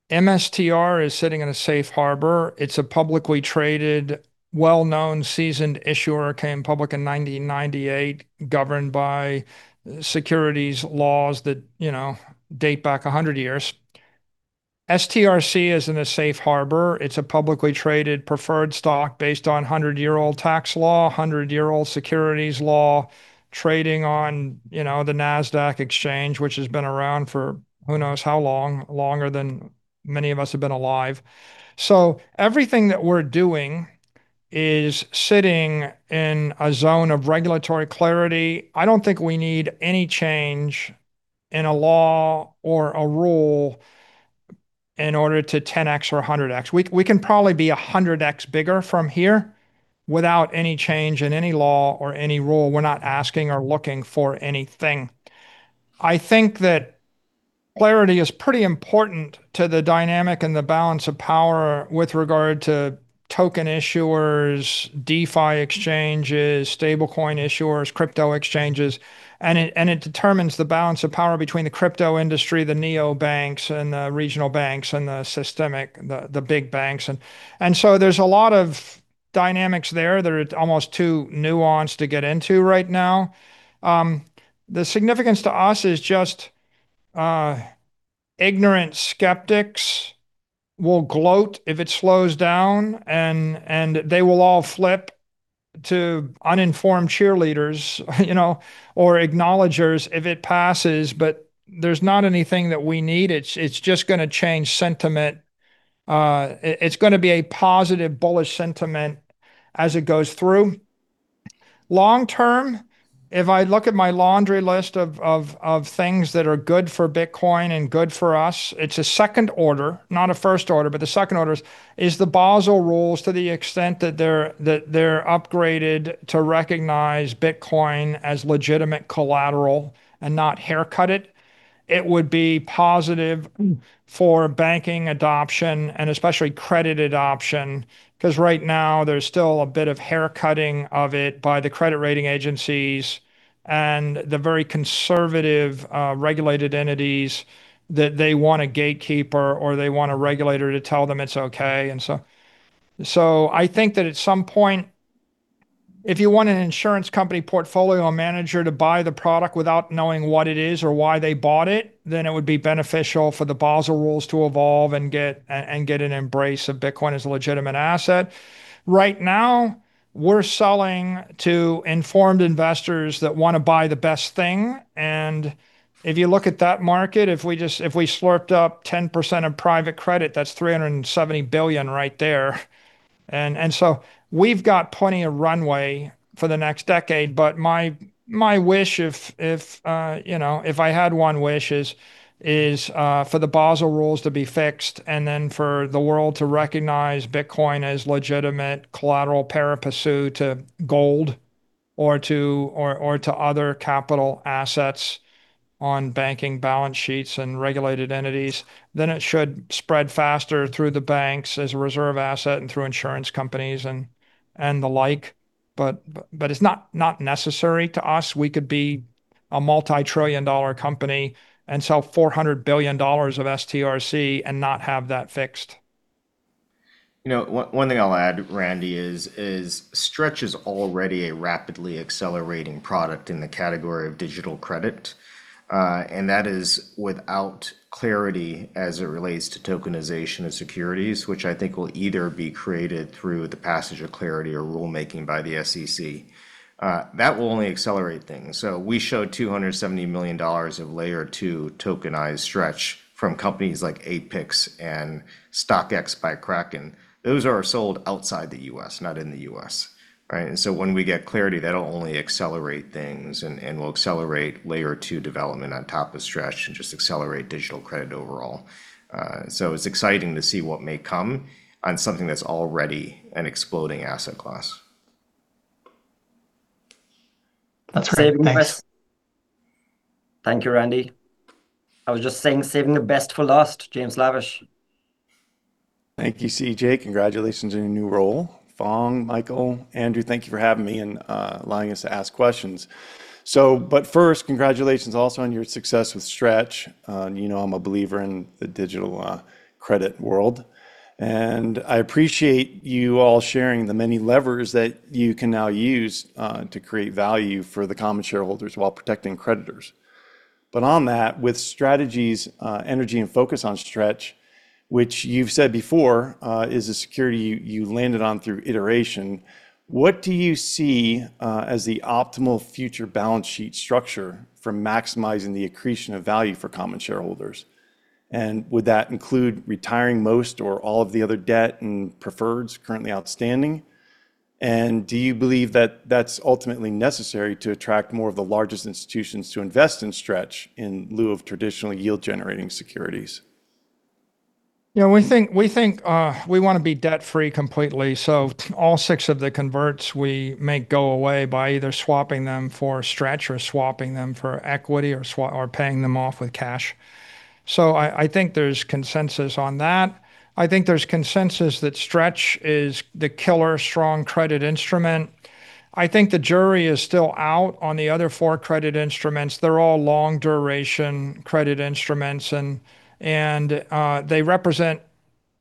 MSTR is sitting in a safe harbor. It's a publicly traded, well-known, seasoned issuer, came public in 1998, governed by securities laws that, you know, date back 100 years. STRC is in a safe harbor. It's a publicly traded preferred stock based on 100-year-old tax law, 100-year-old securities law, trading on, you know, the Nasdaq exchange, which has been around for who knows how long, longer than many of us have been alive. Everything that we're doing is sitting in a zone of regulatory clarity. I don't think we need any change in a law or a rule in order to 10x or 100x. We can probably be 100x bigger from here without any change in any law or any rule. We're not asking or looking for anything. I think that clarity is pretty important to the dynamic and the balance of power with regard to token issuers, DeFi exchanges, stablecoin issuers, crypto exchanges, and it determines the balance of power between the crypto industry, the neobanks, and the regional banks, and the systemic, the big banks. There's a lot of dynamics there that are almost too nuanced to get into right now. The significance to us is just ignorant skeptics will gloat if it slows down and they will all flip to uninformed cheerleaders, you know, or acknowledgers if it passes. There's not anything that we need. It's just gonna change sentiment. It's gonna be a positive bullish sentiment as it goes through. Long term, if I look at my laundry list of things that are good for Bitcoin and good for us, it's a second order, not a first order, but the second order is the Basel rules to the extent that they're upgraded to recognize Bitcoin as legitimate collateral and not haircut it. It would be positive for banking adoption and especially credit adoption, 'cause right now there's still a bit of haircutting of it by the credit rating agencies and the very conservative regulated entities that they want a gatekeeper or they want a regulator to tell them it's okay. I think that at some point, if you want an insurance company portfolio manager to buy the product without knowing what it is or why they bought it, then it would be beneficial for the Basel rules to evolve and get an embrace of Bitcoin as a legitimate asset. Right now, we're selling to informed investors that wanna buy the best thing, and if you look at that market, if we slurped up 10% of private credit, that's $370 billion right there. We've got plenty of runway for the next decade. My wish if you know if I had one wish is for the Basel rules to be fixed and then for the world to recognize Bitcoin as legitimate collateral pari passu to gold or to other capital assets on banking balance sheets and regulated entities. Then it should spread faster through the banks as a reserve asset and through insurance companies and the like. It's not necessary to us. We could be a multi-trillion dollar company and sell $400 billion of STRC and not have that fixed. You know, one thing I'll add, Randy, is Stretch is already a rapidly accelerating product in the category of digital credit. That is without clarity as it relates to tokenization of securities, which I think will either be created through the passage of Clarity Act or rulemaking by the SEC. That will only accelerate things. We show $270 million of Layer 2 tokenized Stretch from companies like Apex and StockX by Kraken. Those are sold outside the U.S., not in the U.S., right? When we get clarity, that'll only accelerate things and will accelerate Layer 2 development on top of Stretch and just accelerate digital credit overall. It's exciting to see what may come on something that's already an exploding asset class. That's right. Thanks. Saving the best. Thank you, Randy. I was just saying saving the best for last. James Lavish. Thank you, CJ. Congratulations on your new role. Phong, Michael, Andrew, thank you for having me and allowing us to ask questions. But first, congratulations also on your success with Stretch. You know I'm a believer in the digital credit world. I appreciate you all sharing the many levers that you can now use to create value for the common shareholders while protecting creditors. But on that, with Strategy's energy and focus on Stretch, which you've said before is a security you landed on through iteration, what do you see as the optimal future balance sheet structure for maximizing the accretion of value for common shareholders? And would that include retiring most or all of the other debt and preferreds currently outstanding? Do you believe that that's ultimately necessary to attract more of the largest institutions to invest in Stretch in lieu of traditional yield-generating securities? Yeah, we think we wanna be debt-free completely. All six of the converts we may go away by either swapping them for Stretch or swapping them for equity or paying them off with cash. I think there's consensus on that. I think there's consensus that Stretch is the killer-strong credit instrument. I think the jury is still out on the other four credit instruments. They're all long-duration credit instruments and they represent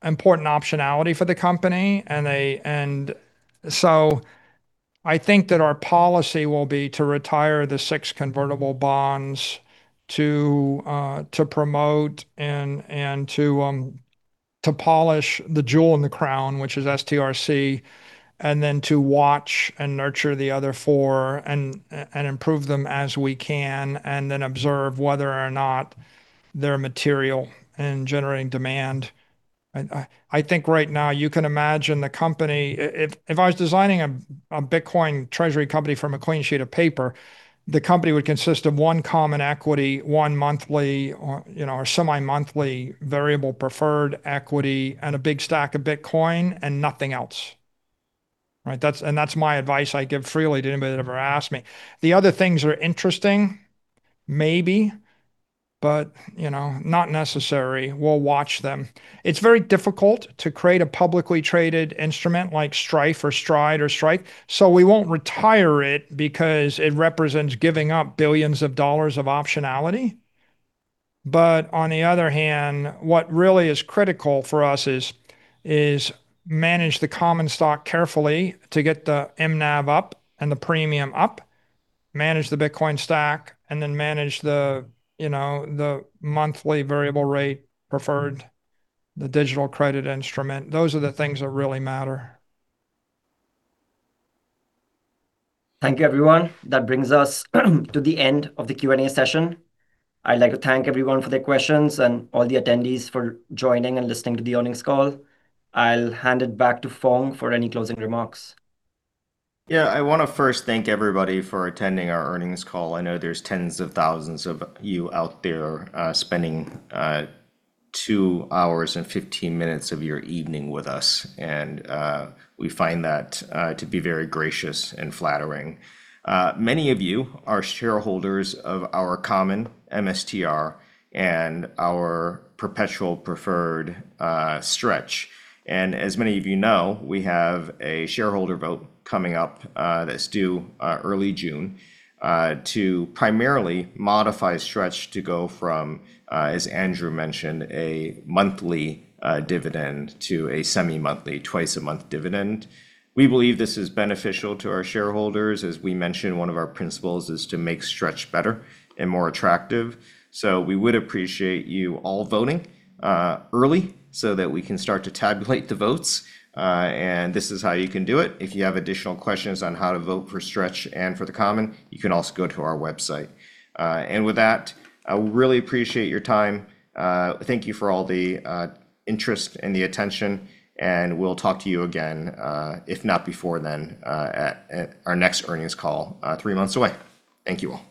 important optionality for the company and they. I think that our policy will be to retire the six convertible bonds to promote and to polish the jewel in the crown, which is STRC, and then to watch and nurture the other four and improve them as we can, and then observe whether or not they're material in generating demand. I think right now you can imagine the company if I was designing a Bitcoin treasury company from a clean sheet of paper, the company would consist of one common equity, one monthly or, you know, or semi-monthly variable preferred equity, and a big stack of Bitcoin and nothing else. Right? That's my advice I give freely to anybody that ever asks me. The other things are interesting maybe, but, you know, not necessary. We'll watch them. It's very difficult to create a publicly traded instrument like Strife or Stride or Strike, so we won't retire it because it represents giving up billions of dollars of optionality. On the other hand, what really is critical for us is manage the common stock carefully to get the mNAV up and the premium up, manage the Bitcoin stack, and then manage the, you know, the monthly variable rate preferred, the digital credit instrument. Those are the things that really matter. Thank you, everyone. That brings us to the end of the Q&A session. I'd like to thank everyone for their questions and all the attendees for joining and listening to the earnings call. I'll hand it back to Phong for any closing remarks. Yeah. I wanna first thank everybody for attending our earnings call. I know there's tens of thousands of you out there, spending two hours and 15 minutes of your evening with us and we find that to be very gracious and flattering. Many of you are shareholders of our common MSTR and our perpetual-preferred Stretch. As many of you know, we have a shareholder vote coming up that's due early June to primarily modify Stretch to go from, as Andrew mentioned, a monthly dividend to a semi-monthly twice-a-month dividend. We believe this is beneficial to our shareholders. As we mentioned, one of our principles is to make Stretch better and more attractive, so we would appreciate you all voting early so that we can start to tabulate the votes. This is how you can do it. If you have additional questions on how to vote for Stretch and for the common, you can also go to our website. With that, I really appreciate your time. Thank you for all the interest and the attention, and we'll talk to you again, if not before then, at our next earnings call, three months away. Thank you all.